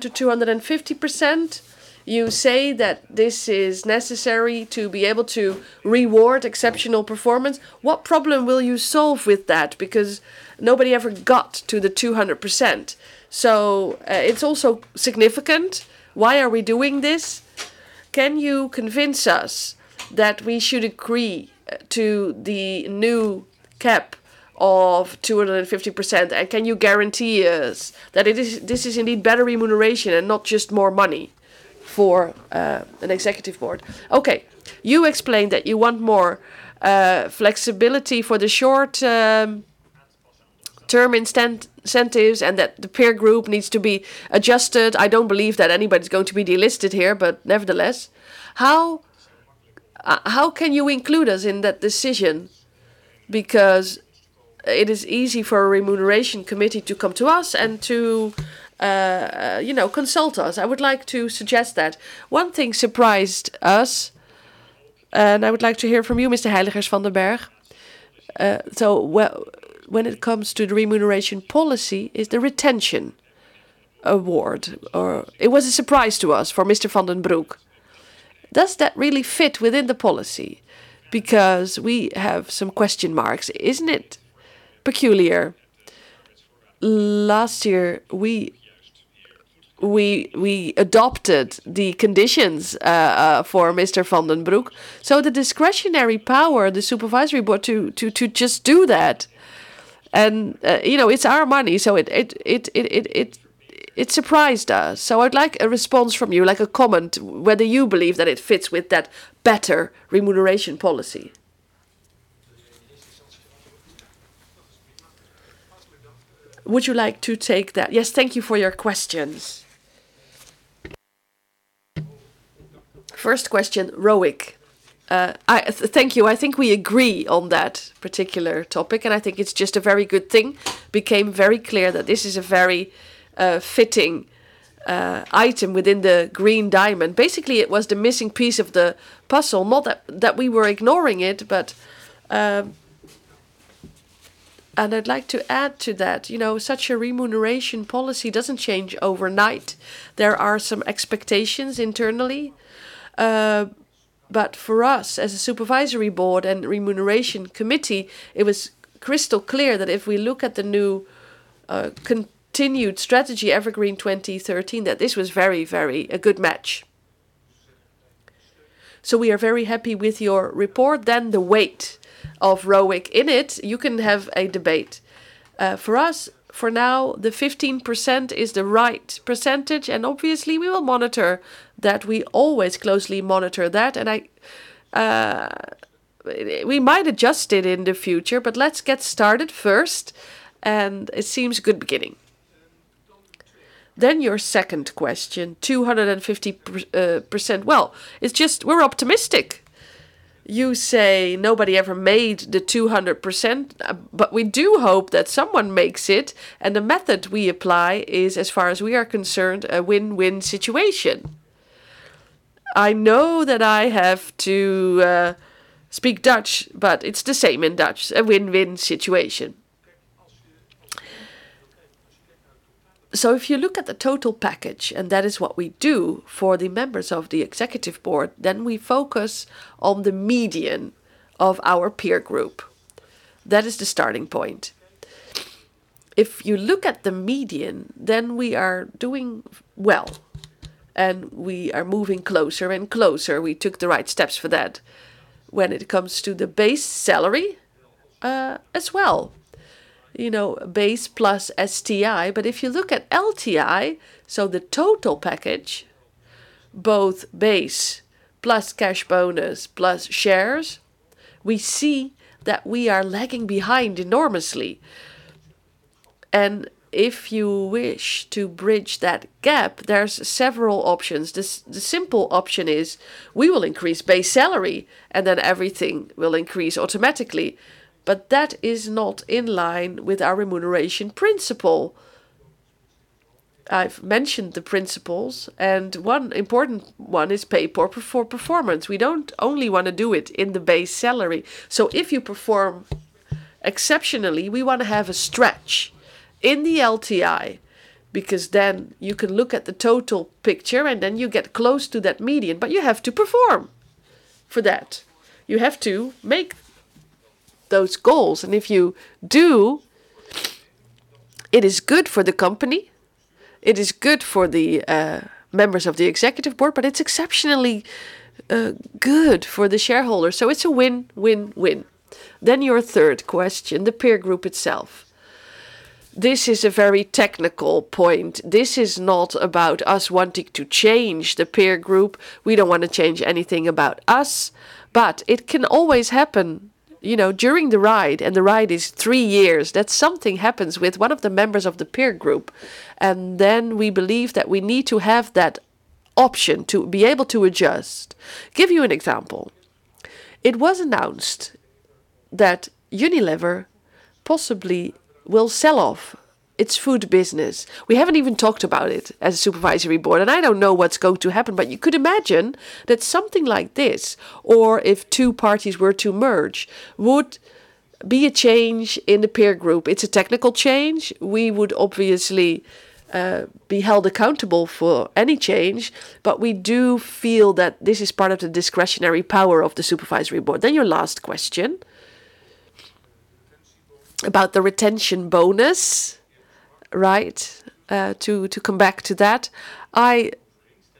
to 250%. You say that this is necessary to be able to reward exceptional performance. What problem will you solve with that? Because nobody ever got to the 200%, so it's also significant. Why are we doing this? Can you convince us that we should agree to the new cap of 250%? Can you guarantee us that this is indeed better remuneration and not just more money for an Executive Board? Okay, you explained that you want more flexibility for the short-term incentives and that the peer group needs to be adjusted. I don't believe that anybody's going to be delisted here, but nevertheless, how can you include us in that decision? It is easy for a remuneration committee to come to us and to consult us. I would like to suggest that. One thing surprised us, and I would like to hear from you, Mr. Hijmans van den Bergh. When it comes to the remuneration policy, it is the retention award. It was a surprise to us for Mr. van den Broek. Does that really fit within the policy? Because we have some question marks. Isn't it peculiar? Last year we adopted the conditions for Mr. van den Broek, so the discretionary power of the supervisory board to just do that, and it's our money, so it surprised us. I'd like a response from you, like a comment, whether you believe that it fits with that better remuneration policy. Would you like to take that? Yes. Thank you for your questions. First question, ROIC. Thank you. I think we agree on that particular topic, and I think it's just a very good thing. It became very clear that this is a very fitting item within the Green Diamond. Basically, it was the missing piece of the puzzle. Not that we were ignoring it, but. I'd like to add to that, such a remuneration policy doesn't change overnight. There are some expectations internally. For us, as a Supervisory Board and Remuneration Committee, it was crystal clear that if we look at the new continued strategy, EverGreen 2030, that this was very good match. We are very happy with your report. The weight of ROIC in it, you can have a debate. For us, for now, the 15% is the right percentage, and obviously we will monitor that. We always closely monitor that, and we might adjust it in the future, but let's get started first, and it seems a good beginning. Your second question, 250%. Well, it's just we're optimistic. You say nobody ever made the 200%, but we do hope that someone makes it, and the method we apply is, as far as we are concerned, a win-win situation. I know that I have to speak Dutch, but it's the same in Dutch, a win-win situation. If you look at the total package, and that is what we do for the members of the Executive Board, then we focus on the median of our peer group. That is the starting point. If you look at the median, then we are doing well, and we are moving closer and closer. We took the right steps for that. When it comes to the base salary, as well. Base plus STI. If you look at LTI, so the total package, both base plus cash bonus plus shares, we see that we are lagging behind enormously. If you wish to bridge that gap, there's several options. The simple option is we will increase base salary and then everything will increase automatically, but that is not in line with our remuneration principle. I've mentioned the principles, and one important one is pay for performance. We don't only want to do it in the base salary. If you perform exceptionally, we want to have a stretch in the LTI, because then you can look at the total picture, and then you get close to that median, but you have to perform for that. You have to make those goals. If you do, it is good for the company, it is good for the members of the Executive Board, but it's exceptionally good for the shareholders. It's a win-win-win. Your third question, the peer group itself. This is a very technical point. This is not about us wanting to change the peer group. We don't want to change anything about us, but it can always happen, during the ride, and the ride is three years, that something happens with one of the members of the peer group, and then we believe that we need to have that option to be able to adjust. Give you an example. It was announced that Unilever possibly will sell off its food business. We haven't even talked about it as a Supervisory Board, and I don't know what's going to happen, but you could imagine that something like this, or if two parties were to merge, would be a change in the peer group. It's a technical change. We would obviously be held accountable for any change, but we do feel that this is part of the discretionary power of the Supervisory Board. Your last question about the retention bonus, right? To come back to that, I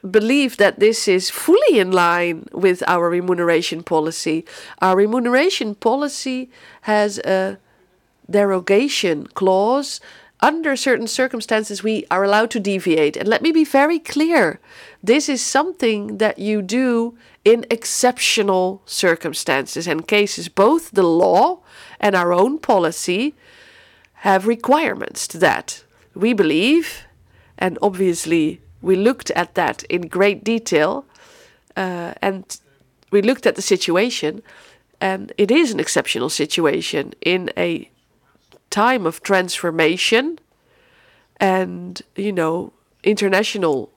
believe that this is fully in line with our Remuneration Policy. Our Remuneration Policy has a derogation clause. Under certain circumstances, we are allowed to deviate. Let me be very clear, this is something that you do in exceptional circumstances and cases. Both the law and our own policy have requirements to that. We believe, and obviously we looked at that in great detail, and we looked at the situation, and it is an exceptional situation in a time of transformation and international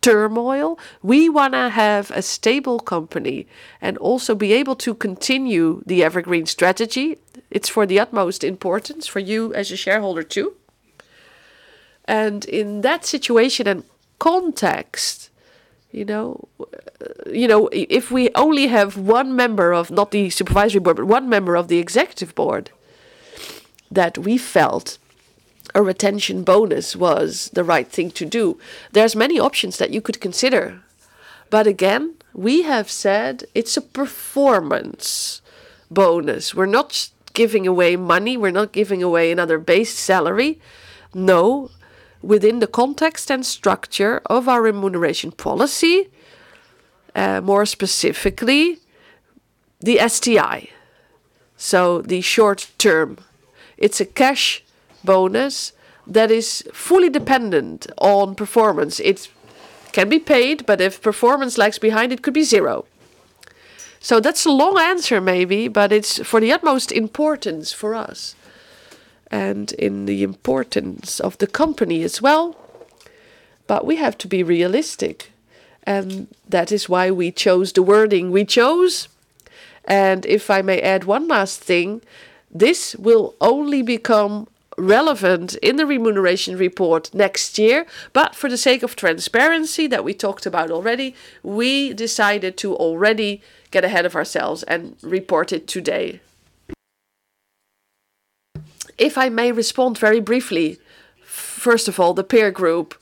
turmoil. We want to have a stable company and also be able to continue the EverGreen strategy. It's for the utmost importance for you as a shareholder, too. In that situation and context, if we only have one member of, not the Supervisory Board, but one member of the Executive Board, that we felt a retention bonus was the right thing to do. There's many options that you could consider. Again, we have said it's a performance bonus. We're not giving away money. We're not giving away another base salary. No. Within the context and structure of our remuneration policy, more specifically, the STI. The short term. It's a cash bonus that is fully dependent on performance. It can be paid, but if performance lags behind, it could be zero. That's a long answer maybe, but it's for the utmost importance for us and in the importance of the company as well, but we have to be realistic, and that is why we chose the wording we chose. If I may add one last thing, this will only become relevant in the remuneration report next year, but for the sake of transparency that we talked about already, we decided to already get ahead of ourselves and report it today. If I may respond very briefly. First of all, the peer group,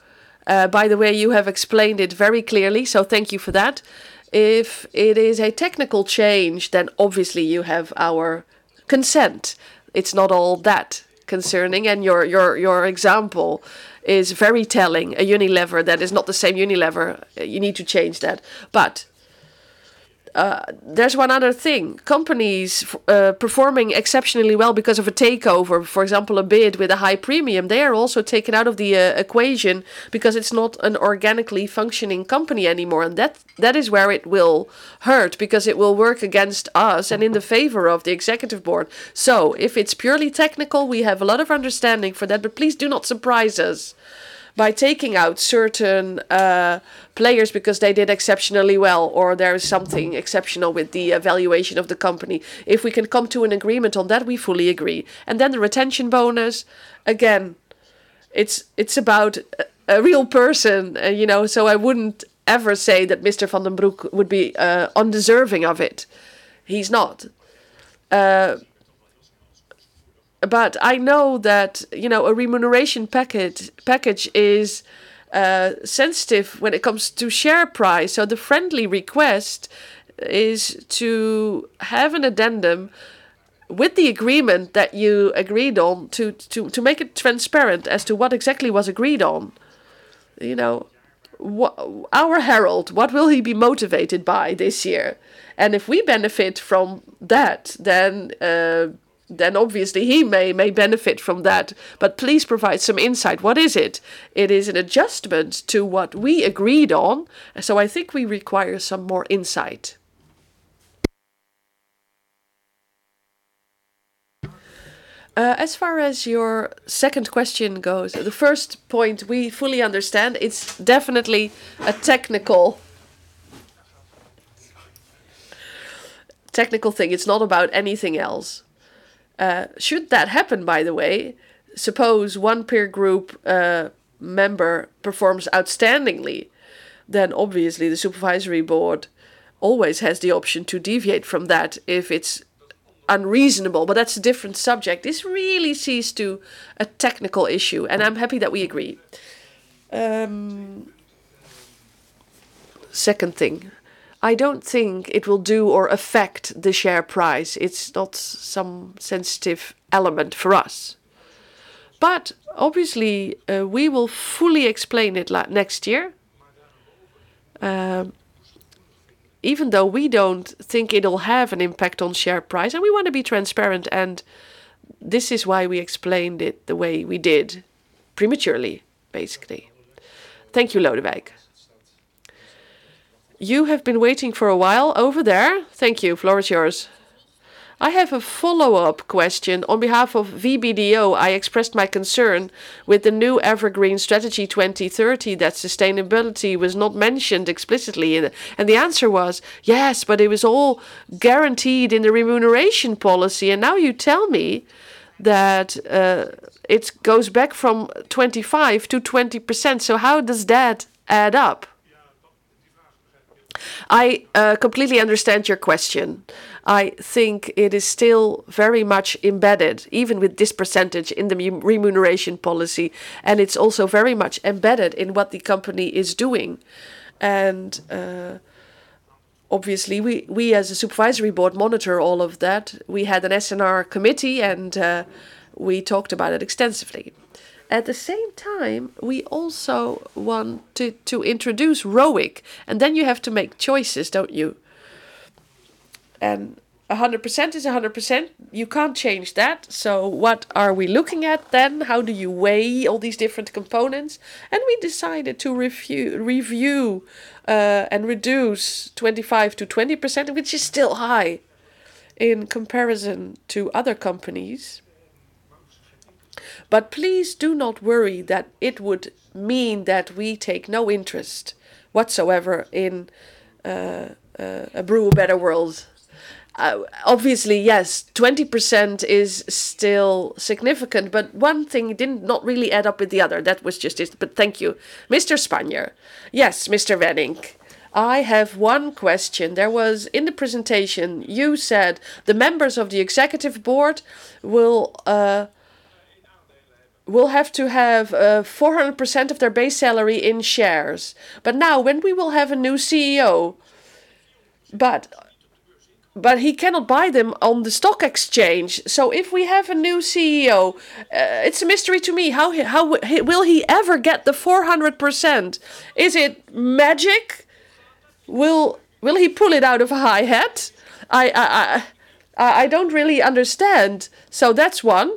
by the way, you have explained it very clearly, so thank you for that. If it is a technical change, then obviously you have our consent. It's not all that concerning, and your example is very telling. A Unilever that is not the same Unilever, you need to change that. There's one other thing. Companies performing exceptionally well because of a takeover, for example, a bid with a high premium, they are also taken out of the equation because it's not an organically functioning company anymore. That is where it will hurt because it will work against us and in the favor of the Executive Board. If it's purely technical, we have a lot of understanding for that, but please do not surprise us by taking out certain players because they did exceptionally well, or there is something exceptional with the valuation of the company. If we can come to an agreement on that, we fully agree. Then the retention bonus, again, it's about a real person. I wouldn't ever say that Mr. Van den Broek would be undeserving of it. He's not. I know that a remuneration package is sensitive when it comes to share price. The friendly request is to have an addendum with the agreement that you agreed on to make it transparent as to what exactly was agreed on. Our Harold, what will he be motivated by this year? If we benefit from that, then obviously he may benefit from that. Please provide some insight. What is it? It is an adjustment to what we agreed on. I think we require some more insight. As far as your second question goes, the first point we fully understand. It's definitely a technical thing. It's not about anything else. Should that happen, by the way, suppose one peer group member performs outstandingly, then obviously the Supervisory Board always has the option to deviate from that if it's unreasonable, but that's a different subject. This really seems to be a technical issue, and I'm happy that we agree. Second thing, I don't think it will do or affect the share price. It's not some sensitive element for us. But obviously, we will fully explain it next year, even though we don't think it'll have an impact on share price, and we want to be transparent, and this is why we explained it the way we did prematurely, basically. Thank you, Lodewijk. You have been waiting for a while over there. Thank you. Floor is yours. I have a follow-up question. On behalf of VBDO, I expressed my concern with the new EverGreen 2030, that sustainability was not mentioned explicitly in it, and the answer was, yes, but it was all guaranteed in the remuneration policy. Now you tell me that it goes back from 25%-20%, so how does that add up? I completely understand your question. I think it is still very much embedded, even with this percentage, in the remuneration policy, and it's also very much embedded in what the company is doing. Obviously, we, as a Supervisory Board, monitor all of that. We had an S&R committee, and we talked about it extensively. At the same time, we also want to introduce ROIC, and then you have to make choices, don't you? 100% is 100%. You can't change that. So what are we looking at then? How do you weigh all these different components? We decided to review and reduce 25%-20%, which is still high in comparison to other companies. Please do not worry that it would mean that we take no interest whatsoever in Brew a Better World. Obviously, yes, 20% is still significant, but one thing did not really add up with the other. That was just it. Thank you. [Mr. Spanjer]. Yes, Mr. Wennink. I have one question. In the presentation, you said the members of the Executive Board will have to have 400% of their base salary in shares. Now, when we will have a new CEO, but he cannot buy them on the stock exchange. If we have a new CEO, it's a mystery to me, will he ever get the 400%? Is it magic? Will he pull it out of a high hat? I don't really understand. That's one.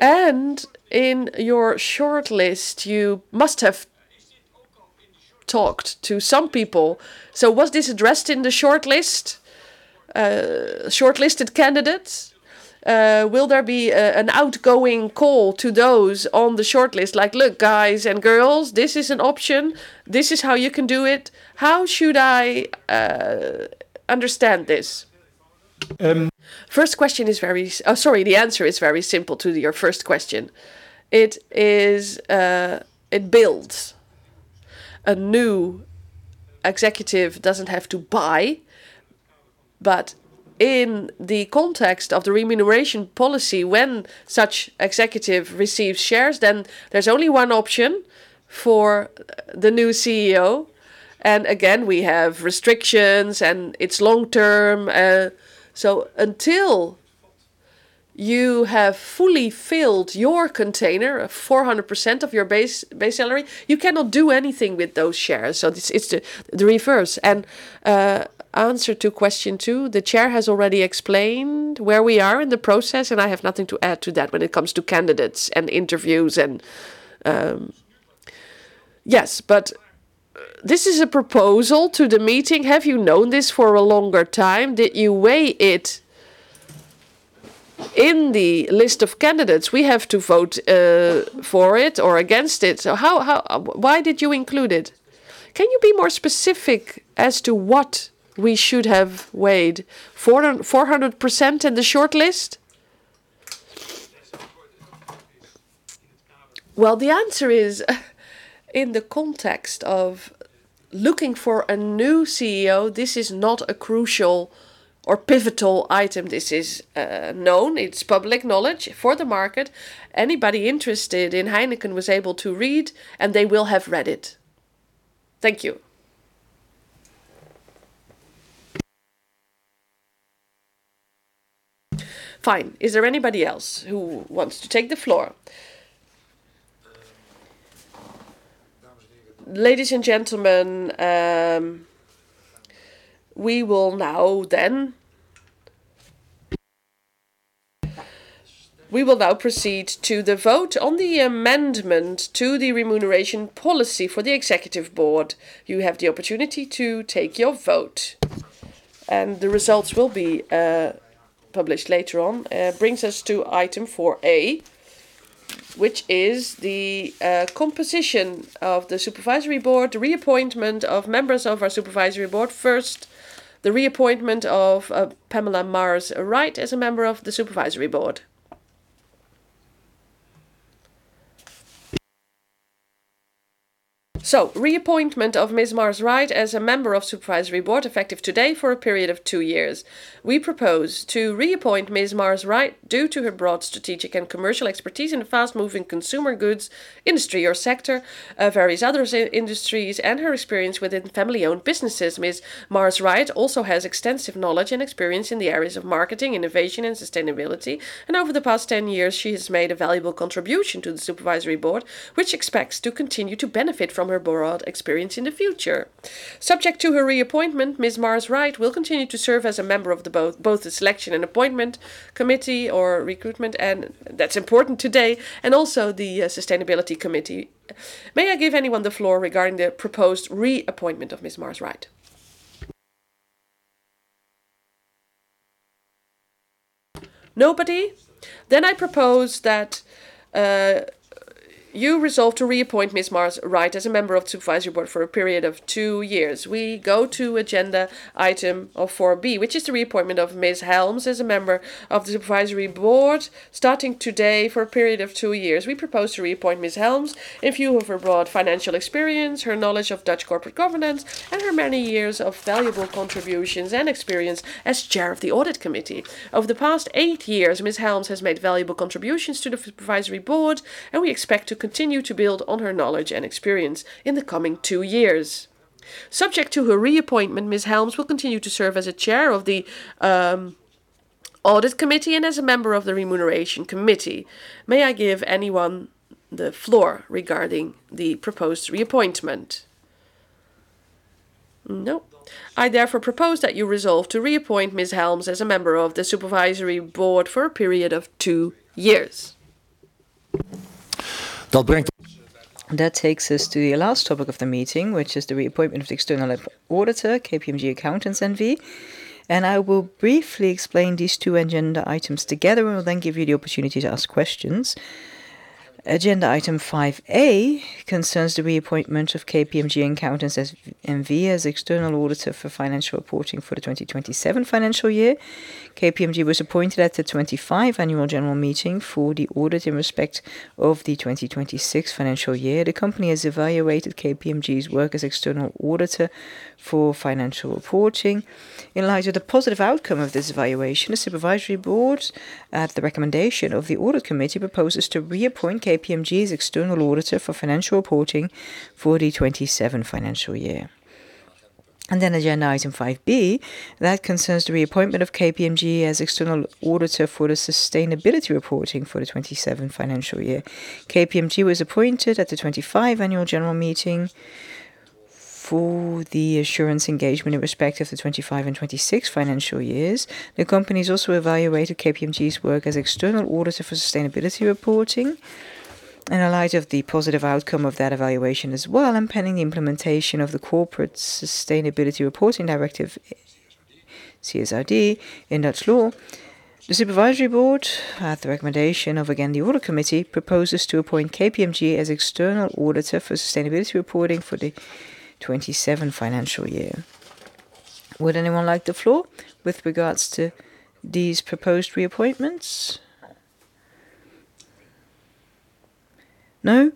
In your shortlist, you must have talked to some people. Was this addressed in the shortlist, shortlisted candidates? Will there be an outgoing call to those on the shortlist like, "Look, guys and girls, this is an option. This is how you can do it." How should I understand this? The answer is very simple to your first question. It builds. A new executive doesn't have to buy, but in the context of the remuneration policy, when such executive receives shares, then there's only one option for the new CEO. Again, we have restrictions, and it's long-term. Until you have fully filled your container of 400% of your base salary, you cannot do anything with those shares. It's the reverse. Answer to question two, the Chair has already explained where we are in the process, and I have nothing to add to that when it comes to candidates and interviews. Yes, but this is a proposal to the meeting. Have you known this for a longer time? Did you weigh it in the list of candidates? We have to vote for it or against it. Why did you include it? Can you be more specific as to what we should have weighed, 400% in the shortlist? Well, the answer is, in the context of looking for a new CEO, this is not a crucial or pivotal item. This is known. It's public knowledge for the market. Anybody interested in Heineken was able to read, and they will have read it. Thank you. Fine. Is there anybody else who wants to take the floor? Ladies and gentlemen, we will now proceed to the vote on the amendment to the remuneration policy for the Executive Board. You have the opportunity to take your vote, and the results will be published later on. Brings us to Item 4A, which is the composition of the Supervisory Board, the reappointment of members of our Supervisory Board. First, the reappointment of Pamela Mars-Wright as a member of the Supervisory Board. Reappointment of Ms. Mars-Wright as a member of Supervisory Board, effective today for a period of two years. We propose to reappoint Ms. Mars-Wright due to her broad strategic and commercial expertise in the fast-moving consumer goods industry or sector, various other industries, and her experience within family-owned businesses. Ms. Mars-Wright also has extensive knowledge and experience in the areas of marketing, innovation, and sustainability. Over the past 10 years, she has made a valuable contribution to the Supervisory Board, which expects to continue to benefit from her broad experience in the future. Subject to her reappointment, Ms. Mars-Wright will continue to serve as a member of both the Selection and Appointment Committee or Recruitment, and that's important today, and also the Sustainability Committee. May I give anyone the floor regarding the proposed reappointment of Ms. Mars-Wright? Nobody? I propose that you resolve to reappoint Ms. Mars-Wright as a member of the Supervisory Board for a period of two years. We go to agenda item 4B, which is the reappointment of Ms. Helmes as a member of the Supervisory Board, starting today for a period of two years. We propose to reappoint Ms. Helmes in view of her broad financial experience, her knowledge of Dutch corporate governance, and her many years of valuable contributions and experience as Chair of the Audit Committee. Over the past eight years, Ms. Helmes has made valuable contributions to the Supervisory Board, and we expect to continue to build on her knowledge and experience in the coming two years. Subject to her reappointment, Ms. Helmes will continue to serve as Chair of the Audit Committee and as a member of the Remuneration Committee. May I give anyone the floor regarding the proposed reappointment? No. I therefore propose that you resolve to reappoint Ms. Helmes as a member of the Supervisory Board for a period of two years. That takes us to the last topic of the meeting, which is the reappointment of the external auditor, KPMG Accountants N.V. I will briefly explain these two agenda items together and will then give you the opportunity to ask questions. Agenda item 5A concerns the reappointment of KPMG Accountants N.V. as external auditor for financial reporting for the 2027 financial year. KPMG was appointed at the 2025 annual general meeting for the audit in respect of the 2026 financial year. The company has evaluated KPMG's work as external auditor for financial reporting. In light of the positive outcome of this evaluation, the Supervisory Board, at the recommendation of the Audit Committee, proposes to reappoint KPMG as external auditor for financial reporting for the 2027 financial year. Agenda item 5B, that concerns the reappointment of KPMG as external auditor for the sustainability reporting for the 2027 financial year. KPMG was appointed at the 2025 annual general meeting for the assurance engagement in respect of the 2025 and 2026 financial years. The company has also evaluated KPMG's work as external auditor for sustainability reporting. In light of the positive outcome of that evaluation as well, and pending the implementation of the Corporate Sustainability Reporting Directive, CSRD, in Dutch law, the Supervisory Board, at the recommendation of, again, the Audit Committee, proposes to appoint KPMG as external auditor for sustainability reporting for the 2027 financial year. Would anyone like the floor with regards to these proposed reappointments? No.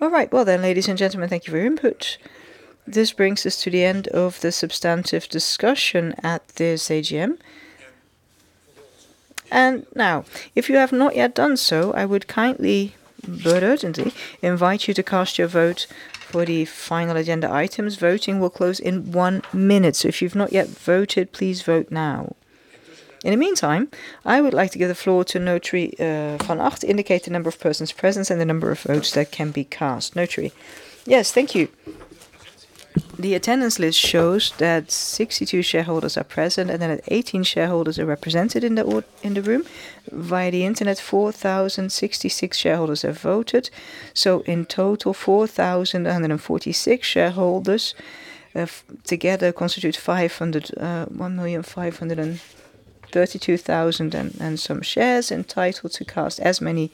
All right, well then, ladies and gentlemen, thank you for your input. This brings us to the end of the substantive discussion at this AGM. Now, if you have not yet done so, I would kindly, but urgently, invite you to cast your vote for the final agenda items. Voting will close in one minute. If you've not yet voted, please vote now. In the meantime, I would like to give the floor to Notary van Agt to indicate the number of persons present and the number of votes that can be cast. Notary. Yes. Thank you. The attendance list shows that 62 shareholders are present, and then 18 shareholders are represented in the room. Via the Internet, 4,066 shareholders have voted. In total, 4,146 shareholders together constitute 1,532,000 and some shares, entitled to cast as many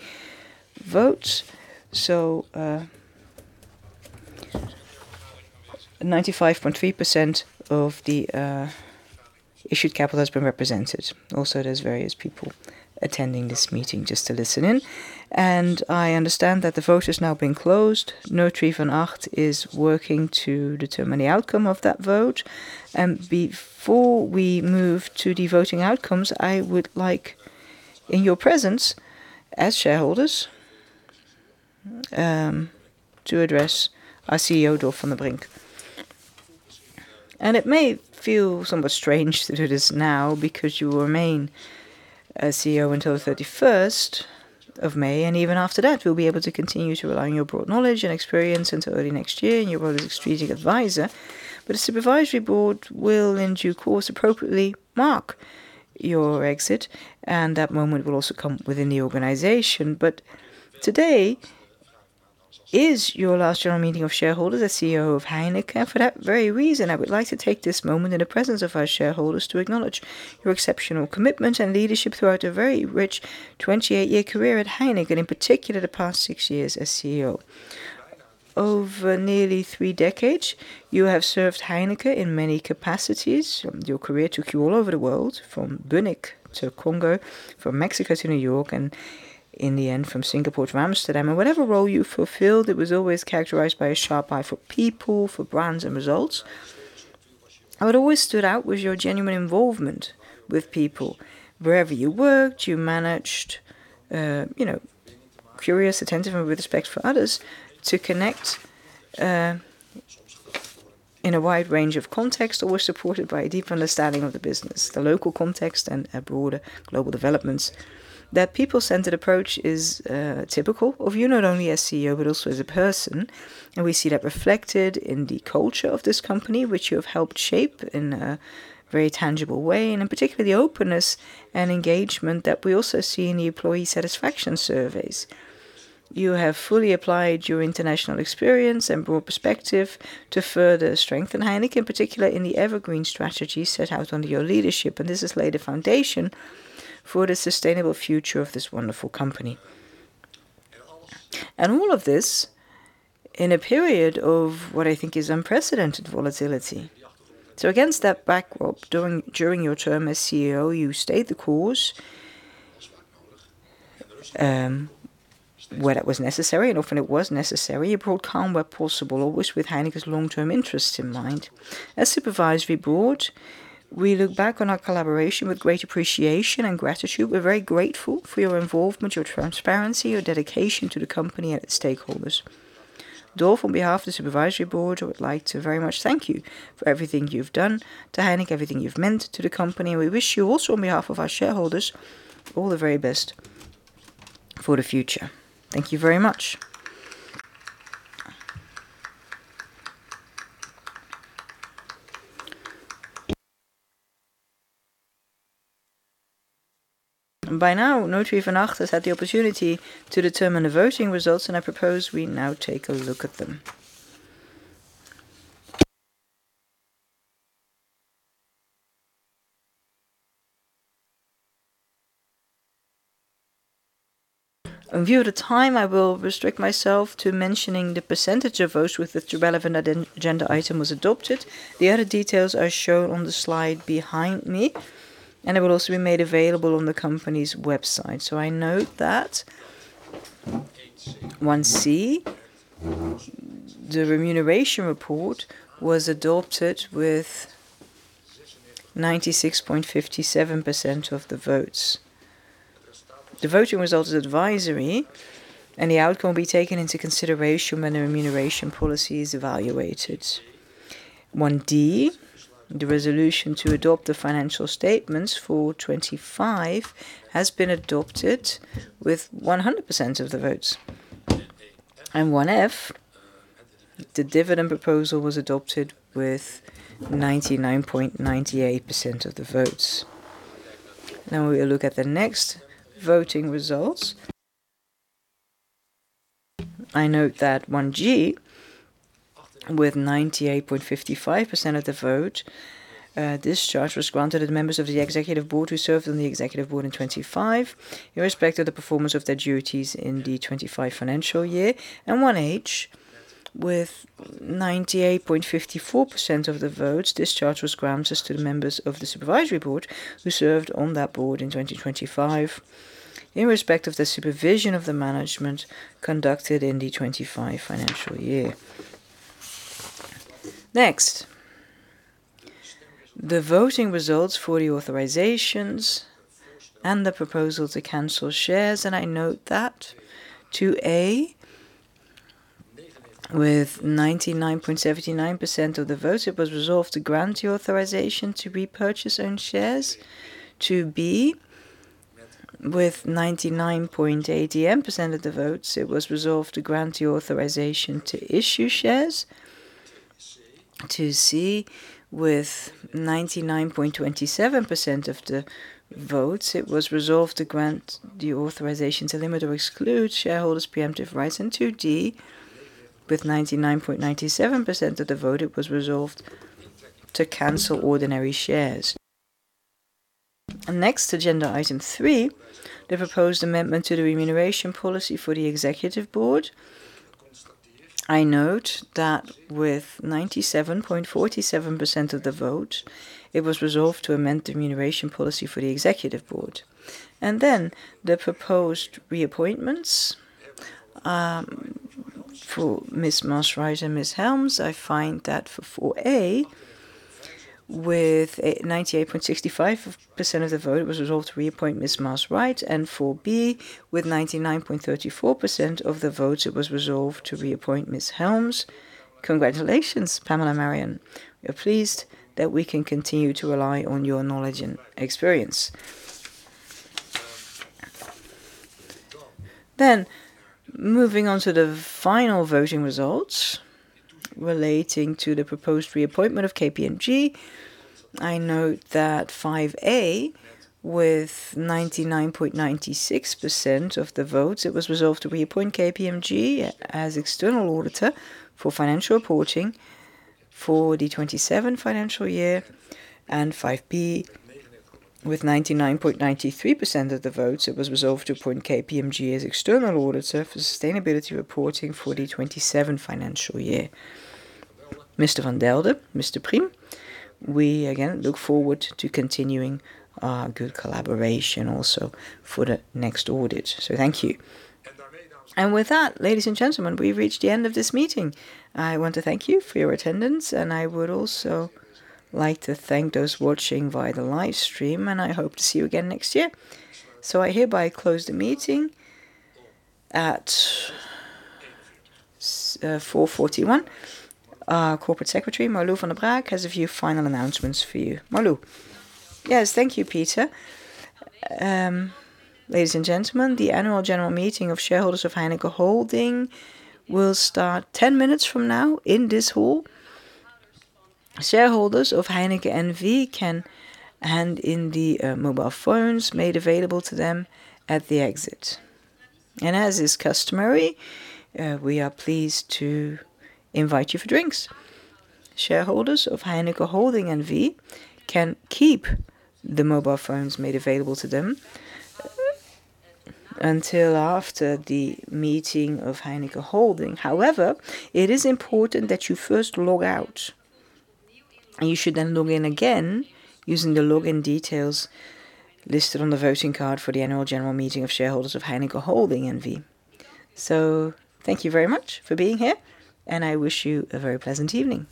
votes. 95.3% of the issued capital has been represented. Also, there's various people attending this meeting just to listen in. I understand that the vote has now been closed. Notary van Agt is working to determine the outcome of that vote. Before we move to the voting outcomes, I would like, in your presence as shareholders, to address our CEO, Dolf van den Brink. It may feel somewhat strange that it is now because you will remain as CEO until the 31st of May, and even after that, we'll be able to continue to rely on your broad knowledge and experience into early next year in your role as Strategic Advisor. The Supervisory Board will, in due course, appropriately mark your exit, and that moment will also come within the organization. Today is your last general meeting of shareholders as CEO of Heineken. For that very reason, I would like to take this moment in the presence of our shareholders to acknowledge your exceptional commitment and leadership throughout a very rich 28-year career at Heineken, and in particular, the past six years as CEO. Over nearly three decades, you have served Heineken in many capacities. Your career took you all over the world, from Bunnik to Congo, from Mexico to New York, and in the end, from Singapore to Amsterdam. Whatever role you fulfilled, it was always characterized by a sharp eye for people, for brands, and results. What always stood out was your genuine involvement with people. Wherever you worked, you managed, curious, attentive, and with respect for others, to connect in a wide range of contexts, always supported by a deep understanding of the business, the local context, and broader global developments. That people-centered approach is typical of you, not only as CEO but also as a person, and we see that reflected in the culture of this company, which you have helped shape in a very tangible way, and in particular, the openness and engagement that we also see in the employee satisfaction surveys. You have fully applied your international experience and broad perspective to further strengthen Heineken, particularly in the EverGreen strategy set out under your leadership, and this has laid a foundation for the sustainable future of this wonderful company. All of this in a period of what I think is unprecedented volatility. Against that backdrop, during your term as CEO, you stayed the course, where that was necessary, and often it was necessary. You brought calm where possible, always with Heineken's long-term interests in mind. As the Supervisory Board, we look back on our collaboration with great appreciation and gratitude. We're very grateful for your involvement, your transparency, your dedication to the company and its stakeholders. Dolf, on behalf of the Supervisory Board, I would like to very much thank you for everything you've done to Heineken, everything you've meant to the company, and we wish you also, on behalf of our shareholders, all the very best for the future. Thank you very much. By now, Notary van Agt has had the opportunity to determine the voting results, and I propose we now take a look at them. In view of the time, I will restrict myself to mentioning the percentage of votes with which the relevant agenda item was adopted. The other details are shown on the slide behind me, and they will also be made available on the company's website. I note that 1C, the remuneration report, was adopted with 96.57% of the votes. The voting result is advisory, and the outcome will be taken into consideration when the remuneration policy is evaluated. 1D, the resolution to adopt the financial statements for 2025, has been adopted with 100% of the votes. 1F, the dividend proposal was adopted with 99.98% of the votes. Now we will look at the next voting results. I note that 1G, with 98.55% of the vote, discharge was granted to the members of the Executive Board who served on the Executive Board in 2025 in respect of the performance of their duties in the 2025 financial year. 1H, with 98.54% of the votes, discharge was granted to the members of the Supervisory Board who served on that board in 2025 in respect of the supervision of the management conducted in the 2025 financial year. Next, the voting results for the authorisations and the proposal to cancel shares. I note that 2A, with 99.79% of the votes, it was resolved to grant the authorisation to repurchase own shares. 2B, with 99.88% of the votes, it was resolved to grant the authorisation to issue shares. 2C, with 99.27% of the votes, it was resolved to grant the authorisation to limit or exclude shareholders' preemptive rights. 2D, with 99.97% of the vote, it was resolved to cancel ordinary shares. Next, agenda item three, the proposed amendment to the remuneration policy for the Executive Board. I note that with 97.47% of the vote, it was resolved to amend the remuneration policy for the Executive Board. Then the proposed reappointments for Ms. Mars-Wright and Ms. Helmes. I find that for 4A, with 98.65% of the vote, it was resolved to reappoint Ms. Mars-Wright, and 4B with 99.34% of the votes, it was resolved to reappoint Ms. Helmes. Congratulations, Pamela, Marion. We are pleased that we can continue to rely on your knowledge and experience. Moving on to the final voting results relating to the proposed reappointment of KPMG. I note that 5A, with 99.96% of the votes, it was resolved to reappoint KPMG as external auditor for financial reporting for the 2027 financial year. 5B, with 99.93% of the votes, it was resolved to appoint KPMG as external auditor for sustainability reporting for the 2027 financial year. Mr. van Delden, Mr. Prim, we again look forward to continuing our good collaboration also for the next audit. Thank you. With that, ladies and gentlemen, we've reached the end of this meeting. I want to thank you for your attendance, and I would also like to thank those watching via the live stream, and I hope to see you again next year. I hereby close the meeting at 4:41 P.M. Our Corporate Secretary, Marlou van der Braak, has a few final announcements for you. Marlou. Yes. Thank you, Peter. Ladies and gentlemen, the annual general meeting of shareholders of Heineken Holding will start 10 minutes from now in this hall. Shareholders of Heineken N.V. can hand in the mobile phones made available to them at the exit. As is customary, we are pleased to invite you for drinks. Shareholders of Heineken Holding N.V. can keep the mobile phones made available to them until after the meeting of Heineken Holding. However, it is important that you first log out. You should then log in again using the login details listed on the voting card for the Annual General Meeting of shareholders of Heineken Holding N.V. Thank you very much for being here, and I wish you a very pleasant evening.